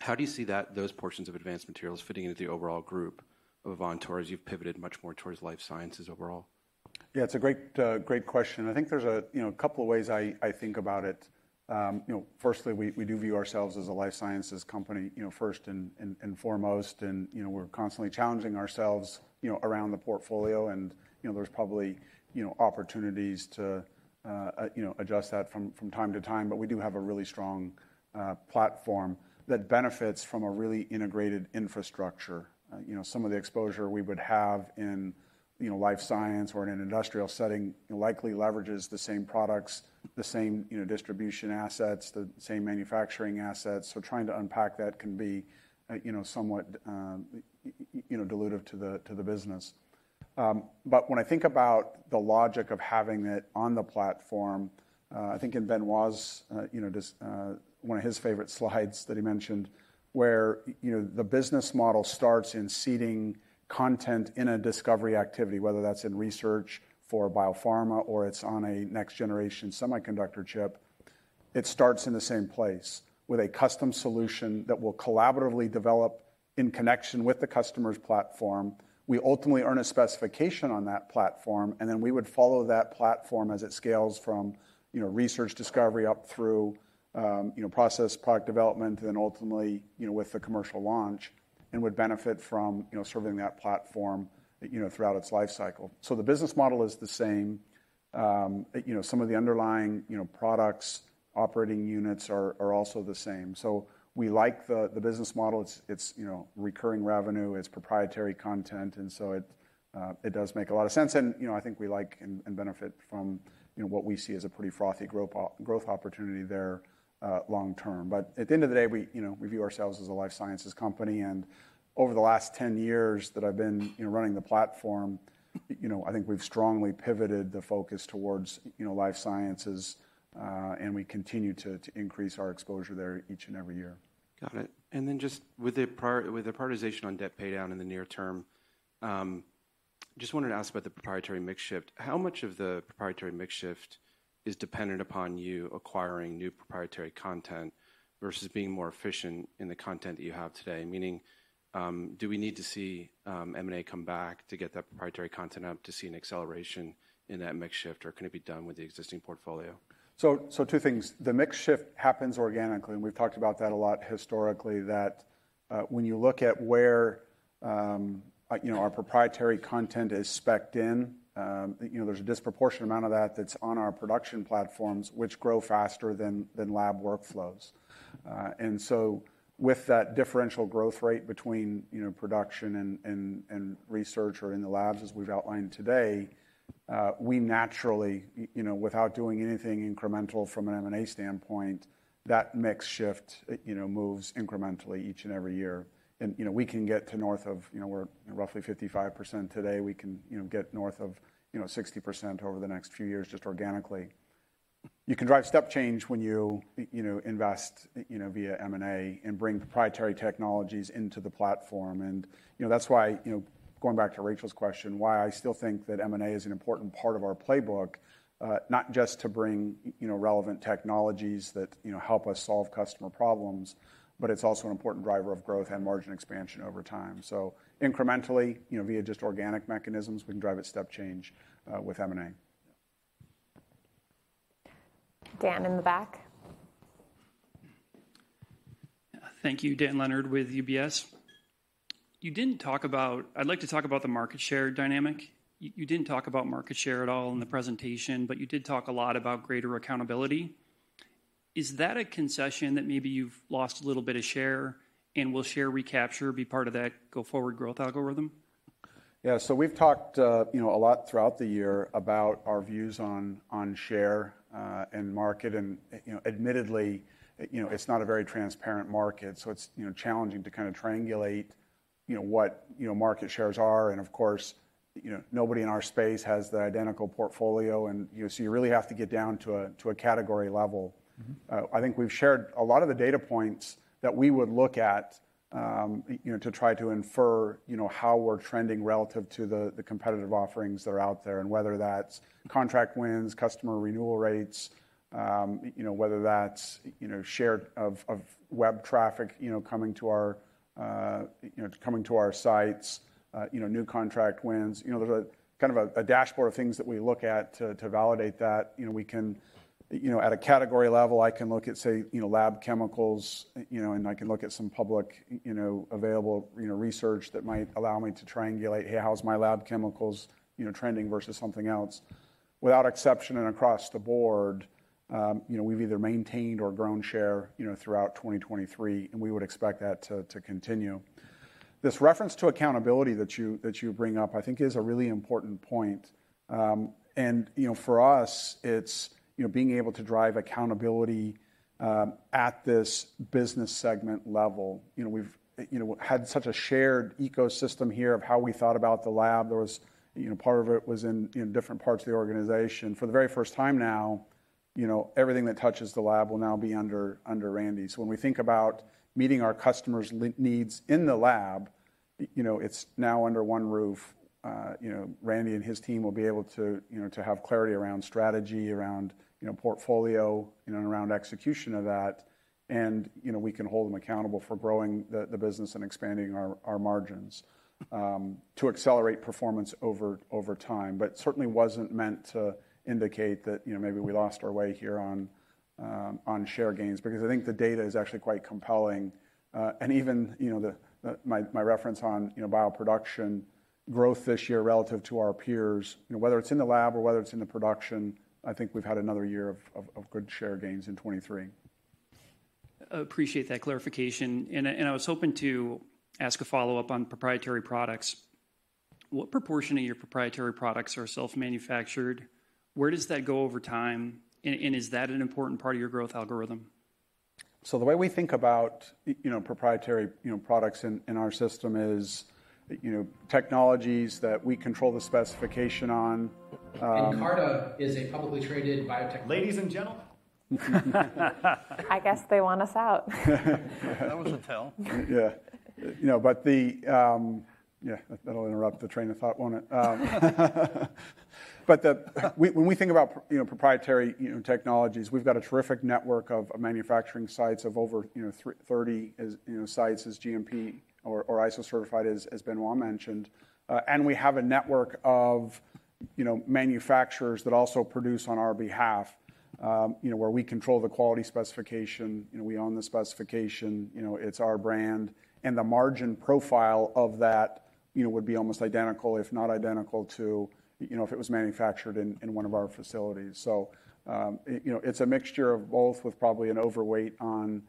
How do you see that—those portions of advanced materials fitting into the overall group of Avantor as you've pivoted much more towards life sciences overall? Yeah, it's a great, great question, and I think there's a, you know, couple of ways I think about it. You know, firstly, we do view ourselves as a life sciences company, you know, first and foremost, and, you know, we're constantly challenging ourselves, you know, around the portfolio and, you know, there's probably, you know, opportunities to, you know, adjust that from time to time. But we do have a really strong platform that benefits from a really integrated infrastructure. You know, some of the exposure we would have in, you know, life science or in an industrial setting, likely leverages the same products, the same, you know, distribution assets, the same manufacturing assets. So trying to unpack that can be, you know, somewhat, you know, dilutive to the business. But when I think about the logic of having it on the platform, I think in Benoit's, you know, this, one of his favorite slides that he mentioned, where, you know, the business model starts in seeding content in a discovery activity, whether that's in research for biopharma or it's on a next-generation semiconductor chip, it starts in the same place, with a custom solution that we'll collaboratively develop in connection with the customer's platform. We ultimately earn a specification on that platform, and then we would follow that platform as it scales from, you know, research discovery up through, you know, process, product development, and then ultimately, you know, with the commercial launch, and would benefit from, you know, serving that platform, you know, throughout its life cycle. So the business model is the same. You know, some of the underlying, you know, products, operating units are also the same. So we like the business model. It's you know, recurring revenue, it's proprietary content, and so it does make a lot of sense. And, you know, I think we like and benefit from, you know, what we see as a pretty frothy growth opportunity there, long term. But at the end of the day, we, you know, we view ourselves as a life sciences company, and over the last 10 years that I've been, you know, running the platform, you know, I think we've strongly pivoted the focus towards, you know, life sciences, and we continue to increase our exposure there each and every year. Got it. And then just with the prioritization on debt paydown in the near term, just wanted to ask about the proprietary mix shift. How much of the proprietary mix shift is dependent upon you acquiring new proprietary content versus being more efficient in the content that you have today? Meaning, do we need to see, M&A come back to get that proprietary content up to see an acceleration in that mix shift, or can it be done with the existing portfolio? So, so two things. The mix shift happens organically, and we've talked about that a lot historically, that, when you look at where, you know, our proprietary content is spec-ed in, you know, there's a disproportionate amount of that that's on our production platforms, which grow faster than lab workflows. And so with that differential growth rate between, you know, production and research or in the labs, as we've outlined today, we naturally, you know, without doing anything incremental from an M&A standpoint, that mix shift, you know, moves incrementally each and every year. And, you know, we can get to north of, you know, we're roughly 55% today. We can, you know, get north of, you know, 60% over the next few years, just organically. You can drive step change when you, you know, invest, you know, via M&A and bring proprietary technologies into the platform. And, you know, that's why, you know, going back to Rachel's question, why I still think that M&A is an important part of our playbook, not just to bring, you know, relevant technologies that, you know, help us solve customer problems, but it's also an important driver of growth and margin expansion over time. So incrementally, you know, via just organic mechanisms, we can drive a step change, with M&A. Dan, in the back. Thank you. Dan Leonard with UBS. You didn't talk about... I'd like to talk about the market share dynamic. You didn't talk about market share at all in the presentation, but you did talk a lot about greater accountability. Is that a concession that maybe you've lost a little bit of share, and will share recapture be part of that go-forward growth algorithm? Yeah. So we've talked, you know, a lot throughout the year about our views on, on share, and market, and, you know, admittedly, you know, it's not a very transparent market, so it's, you know, challenging to kind of triangulate, you know, what, you know, market shares are. And of course, you know, nobody in our space has the identical portfolio, and, you know, so you really have to get down to a, to a category level. Mm-hmm. I think we've shared a lot of the data points that we would look at, you know, to try to infer, you know, how we're trending relative to the competitive offerings that are out there, and whether that's contract wins, customer renewal rates, you know, whether that's, you know, share of web traffic, you know, coming to our sites, you know, new contract wins. You know, there's a kind of a dashboard of things that we look at to validate that. You know, we can. You know, at a category level, I can look at, say, you know, lab chemicals, you know, and I can look at some public, you know, available, you know, research that might allow me to triangulate, "Hey, how's my lab chemicals, you know, trending versus something else?" Without exception and across the board, you know, we've either maintained or grown share, you know, throughout 2023, and we would expect that to continue. This reference to accountability that you bring up, I think is a really important point. And, you know, for us, it's, you know, being able to drive accountability at this business segment level. You know, we've, you know, had such a shared ecosystem here of how we thought about the lab. There was, you know, part of it was in different parts of the organization. For the very first time now, you know, everything that touches the lab will now be under Randy. So when we think about meeting our customers' needs in the lab, you know, it's now under one roof. You know, Randy and his team will be able to, you know, to have clarity around strategy, around, you know, portfolio, you know, and around execution of that. And, you know, we can hold them accountable for growing the, the business and expanding our, our margins, to accelerate performance over, over time. But certainly wasn't meant to indicate that, you know, maybe we lost our way here on, on share gains, because I think the data is actually quite compelling. And even, you know, my reference on, you know, bioproduction growth this year relative to our peers, you know, whether it's in the lab or whether it's in the production, I think we've had another year of good share gains in 2023. I appreciate that clarification. And I was hoping to ask a follow-up on proprietary products. What proportion of your proprietary products are self-manufactured? Where does that go over time, and is that an important part of your growth algorithm? So the way we think about, you know, proprietary, you know, products in, in our system is, you know, technologies that we control the specification on, I guess they want us out. That was a tell. Yeah. You know, but the Yeah, that'll interrupt the train of thought, won't it? But when we think about proprietary, you know, technologies, we've got a terrific network of manufacturing sites of over 30, you know, sites as GMP or ISO certified, as Benoit mentioned. And we have a network of manufacturers that also produce on our behalf, you know, where we control the quality specification, you know, we own the specification, you know, it's our brand. And the margin profile of that, you know, would be almost identical, if not identical to, you know, if it was manufactured in one of our facilities. So, you know, it's a mixture of both with probably an overweight on,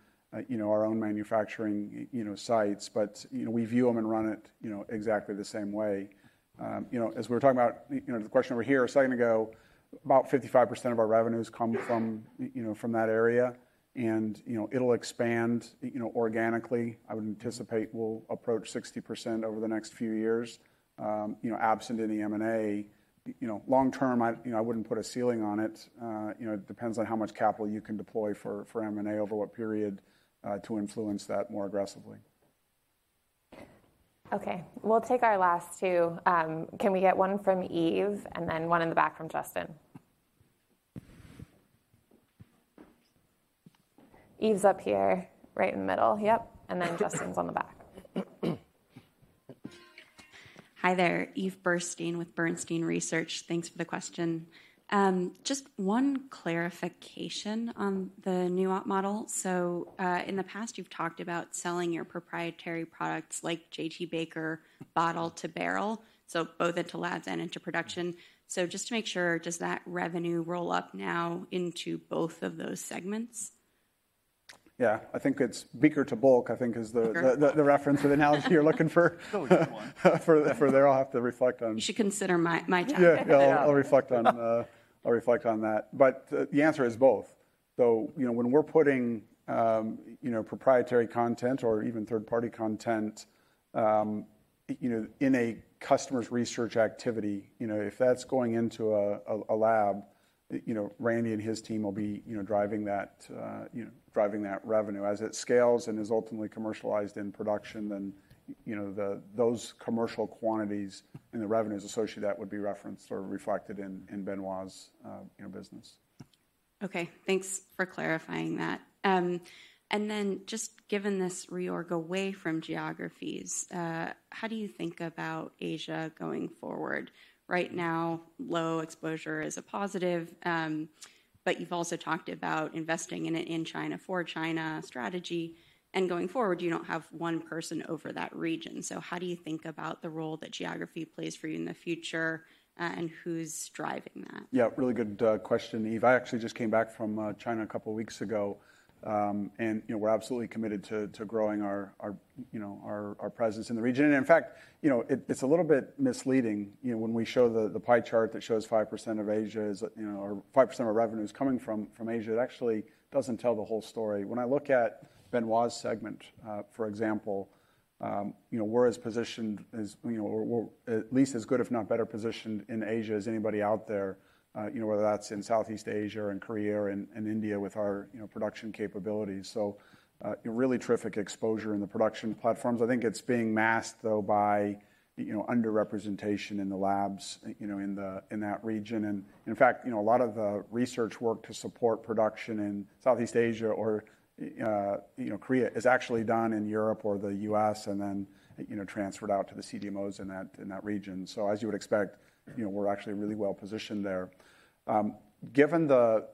you know, our own manufacturing, you know, sites, but, you know, we view them and run it, you know, exactly the same way. You know, as we were talking about, you know, the question over here a second ago, about 55% of our revenues come from, you know, from that area, and, you know, it'll expand, you know, organically. I would anticipate we'll approach 60% over the next few years. You know, absent any M&A, you know, long term, I, you know, I wouldn't put a ceiling on it. You know, it depends on how much capital you can deploy for, for M&A over what period, to influence that more aggressively. Okay, we'll take our last two. Can we get one from Eve, and then one in the back from Justin? Eve's up here, right in the middle. Yep, and then Justin's on the back. Hi there, Eve Burstein with Bernstein Research. Thanks for the question. Just one clarification on the new op model. So, in the past, you've talked about selling your proprietary products like J.T.Baker, bottle to barrel, so both into labs and into production. So just to make sure, does that revenue roll up now into both of those segments? Yeah, I think it's beaker to bulk, I think is the... Okay... the reference or the analogy you're looking for. Still a good one. I'll have to reflect on- You should consider my title. Yeah, I'll reflect on that. But the answer is both. So, you know, when we're putting, you know, proprietary content or even third-party content, you know, in a customer's research activity, you know, if that's going into a lab, you know, Randy and his team will be, you know, driving that revenue. As it scales and is ultimately commercialized in production, then, you know, those commercial quantities and the revenues associated with that would be referenced or reflected in Benoit's, you know, business. Okay, thanks for clarifying that. And then just given this reorg away from geographies, how do you think about Asia going forward? Right now, low exposure is a positive, but you've also talked about investing in it, in China for China strategy, and going forward, you don't have one person over that region. So how do you think about the role that geography plays for you in the future, and who's driving that? Yeah, really good question, Eve. I actually just came back from China a couple of weeks ago, and, you know, we're absolutely committed to growing our presence in the region. And in fact, you know, it's a little bit misleading when we show the pie chart that shows 5% of Asia is, you know, or 5% of our revenue is coming from Asia. It actually doesn't tell the whole story. When I look at Benoit's segment, for example, you know, we're as positioned as, you know, or, or at least as good, if not better positioned in Asia as anybody out there, you know, whether that's in Southeast Asia, or in Korea, or in India with our production capabilities. So, a really terrific exposure in the production platforms. I think it's being masked, though, by, you know, underrepresentation in the labs, you know, in that region. And in fact, you know, a lot of the research work to support production in Southeast Asia or, you know, Korea, is actually done in Europe or the U.S. and then, you know, transferred out to the CDMOs in that region. So as you would expect, you know, we're actually really well-positioned there. Given the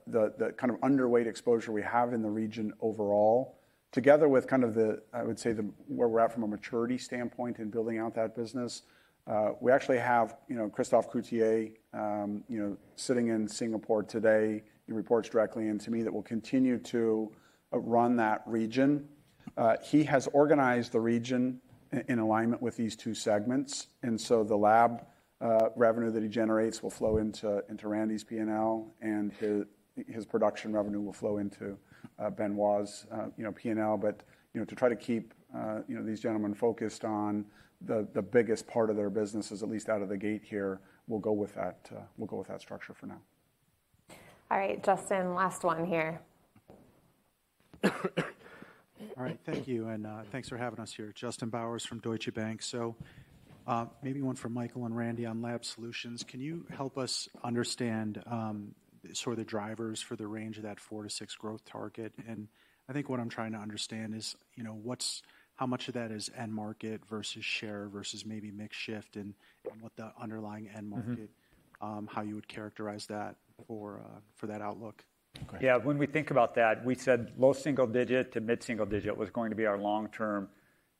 kind of underweight exposure we have in the region overall, together with kind of the... I would say, where we're at from a maturity standpoint in building out that business, we actually have, you know, Christophe Coutier, you know, sitting in Singapore today. He reports directly into me, that will continue to run that region. He has organized the region in alignment with these two segments, and so the lab revenue that he generates will flow into Randy's P&L, and his production revenue will flow into Benoit's P&L. But you know, to try to keep you know these gentlemen focused on the biggest part of their businesses, at least out of the gate here, we'll go with that structure for now. All right, Justin, last one here. All right. Thank you, and thanks for having us here. Justin Bowers from Deutsche Bank. So, maybe one for Michael and Randy Lab Solutions. can you help us understand sort of the drivers for the range of that 4-6 growth target? And I think what I'm trying to understand is, you know, what's how much of that is end market versus share versus maybe mix shift, and what the underlying end market- Mm-hmm. How you would characterize that for that outlook? Yeah, when we think about that, we said low single digit to mid single digit was going to be our long-term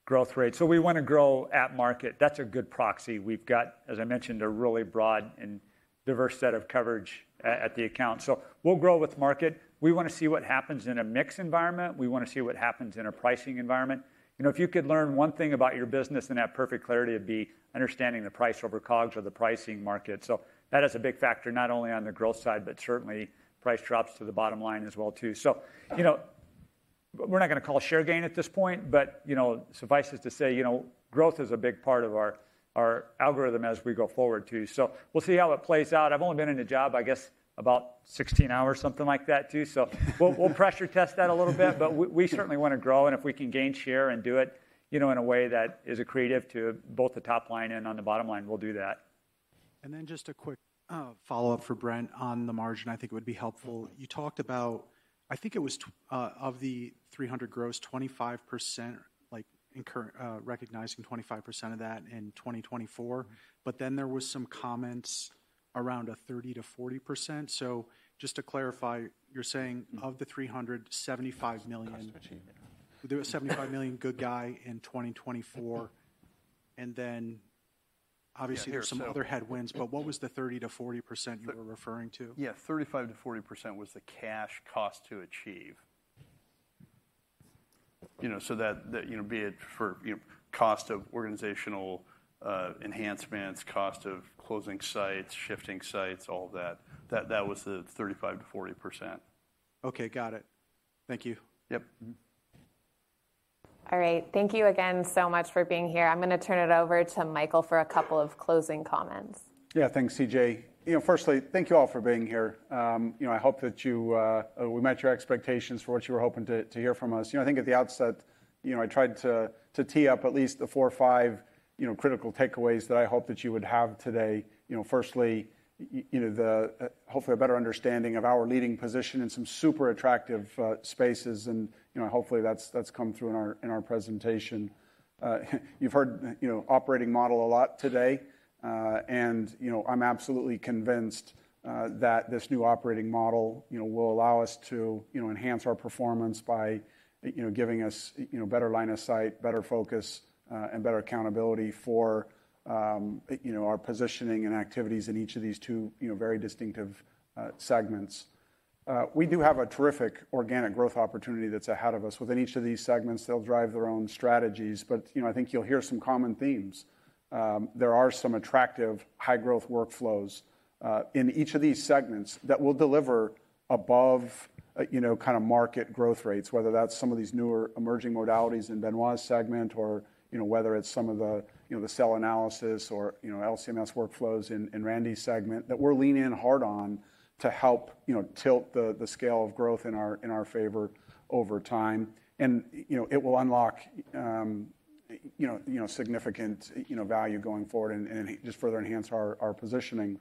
growth rate. So we want to grow at market. That's a good proxy. We've got, as I mentioned, a really broad and diverse set of coverage at the account, so we'll grow with market. We wanna see what happens in a mixed environment. We wanna see what happens in a pricing environment. You know, if you could learn one thing about your business and have perfect clarity, it'd be understanding the price over COGS or the pricing market. So that is a big factor, not only on the growth side, but certainly price drops to the bottom line as well too. So, you know, we're not gonna call it share gain at this point, but, you know, suffices to say, you know, growth is a big part of our, our algorithm as we go forward, too. So we'll see how it plays out. I've only been in the job, I guess about 16 hours, something like that, too. We'll pressure test that a little bit, but we, we certainly wanna grow, and if we can gain share and do it, you know, in a way that is accretive to both the top line and on the bottom line, we'll do that. Just a quick follow-up for Brent on the margin, I think it would be helpful. You talked about... I think it was of the $300 million gross, 25%, like, recognizing 25% of that in 2024, but then there was some comments around a 30%-40%. So just to clarify, you're saying of the $300 million, $75 million- Cost to achieve. There was $75 million goodwill in 2024, and then obviously- Yeah, there are some- There are some other headwinds, but what was the 30%-40% you were referring to? Yeah, 35%-40% was the cash cost to achieve. You know, so that, that, you know, be it for, you know, cost of organizational enhancements, cost of closing sites, shifting sites, all of that, that, that was the 35%-40%. Okay, got it. Thank you. Yep. All right. Thank you again so much for being here. I'm gonna turn it over to Michael for a couple of closing comments. Yeah. Thanks, CJ. You know, firstly, thank you all for being here. You know, I hope that we met your expectations for what you were hoping to hear from us. You know, I think at the outset, you know, I tried to tee up at least the four or five, you know, critical takeaways that I hoped that you would have today. You know, firstly, you know, hopefully a better understanding of our leading position in some super attractive spaces, and, you know, hopefully, that's come through in our presentation. You've heard, you know, operating model a lot today, and, you know, I'm absolutely convinced that this new operating model, you know, will allow us to, you know, enhance our performance by, you know, giving us, you know, better line of sight, better focus, and better accountability for, you know, our positioning and activities in each of these two, you know, very distinctive segments. We do have a terrific organic growth opportunity that's ahead of us. Within each of these segments, they'll drive their own strategies, but, you know, I think you'll hear some common themes. There are some attractive high-growth workflows in each of these segments that will deliver above, you know, kind of market growth rates, whether that's some of these newer emerging modalities in Benoit's segment or, you know, whether it's some of the, you know, the cell analysis or, you know, LC-MS workflows in Randy's segment, that we're leaning in hard on to help, you know, tilt the scale of growth in our favor over time. You know, it will unlock significant value going forward and just further enhance our positioning.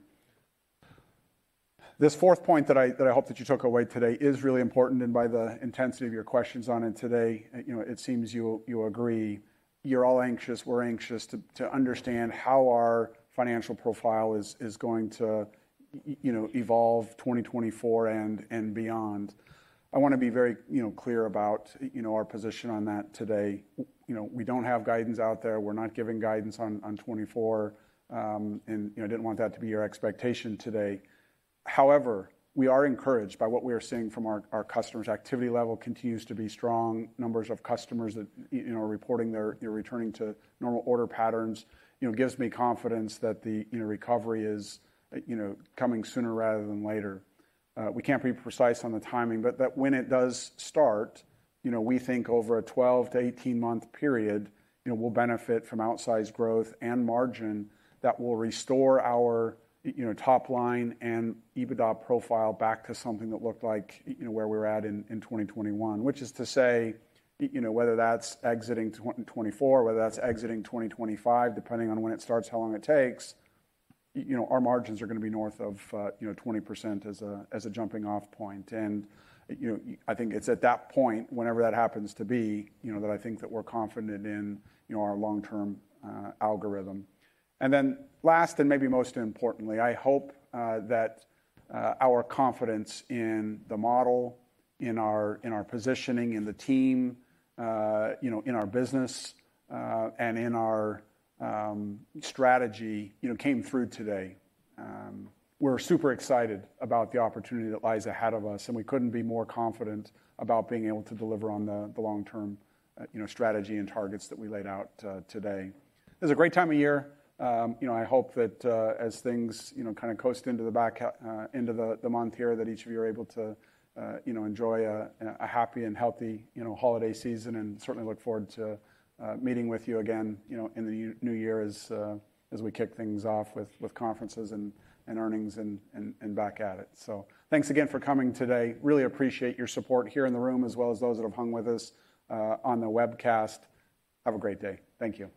This fourth point that I hope that you took away today is really important, and by the intensity of your questions on it today, you know, it seems you agree. You're all anxious, we're anxious to understand how our financial profile is going to, you know, evolve 2024 and beyond. I wanna be very, you know, clear about, you know, our position on that today. You know, we don't have guidance out there. We're not giving guidance on 2024, and, you know, didn't want that to be your expectation today. However, we are encouraged by what we are seeing from our... Our customers' activity level continues to be strong. Numbers of customers that, you know, are reporting they're returning to normal order patterns, you know, gives me confidence that the, you know, recovery is, you know, coming sooner rather than later. We can't be precise on the timing, but that when it does start, you know, we think over a 12 to 18-month period, you know, we'll benefit from outsized growth and margin that will restore our, you know, top line and EBITDA profile back to something that looked like, you know, where we were at in 2021, which is to say, you know, whether that's exiting 2024, whether that's exiting 2025, depending on when it starts, how long it takes, you know, our margins are gonna be north of, you know, 20% as a jumping-off point. You know, I think it's at that point, whenever that happens to be, you know, that I think that we're confident in, you know, our long-term algorithm. And then last, and maybe most importantly, I hope, that our confidence in the model, in our, in our positioning, in the team, you know, in our business, and in our strategy, you know, came through today. We're super excited about the opportunity that lies ahead of us, and we couldn't be more confident about being able to deliver on the, the long-term, you know, strategy and targets that we laid out, today. It's a great time of year. You know, I hope that as things, you know, kinda coast into the back half of the month here, that each of you are able to, you know, enjoy a happy and healthy, you know, holiday season, and certainly look forward to meeting with you again, you know, in the new year as we kick things off with conferences and earnings and back at it. So thanks again for coming today. Really appreciate your support here in the room, as well as those that have hung with us on the webcast. Have a great day. Thank you.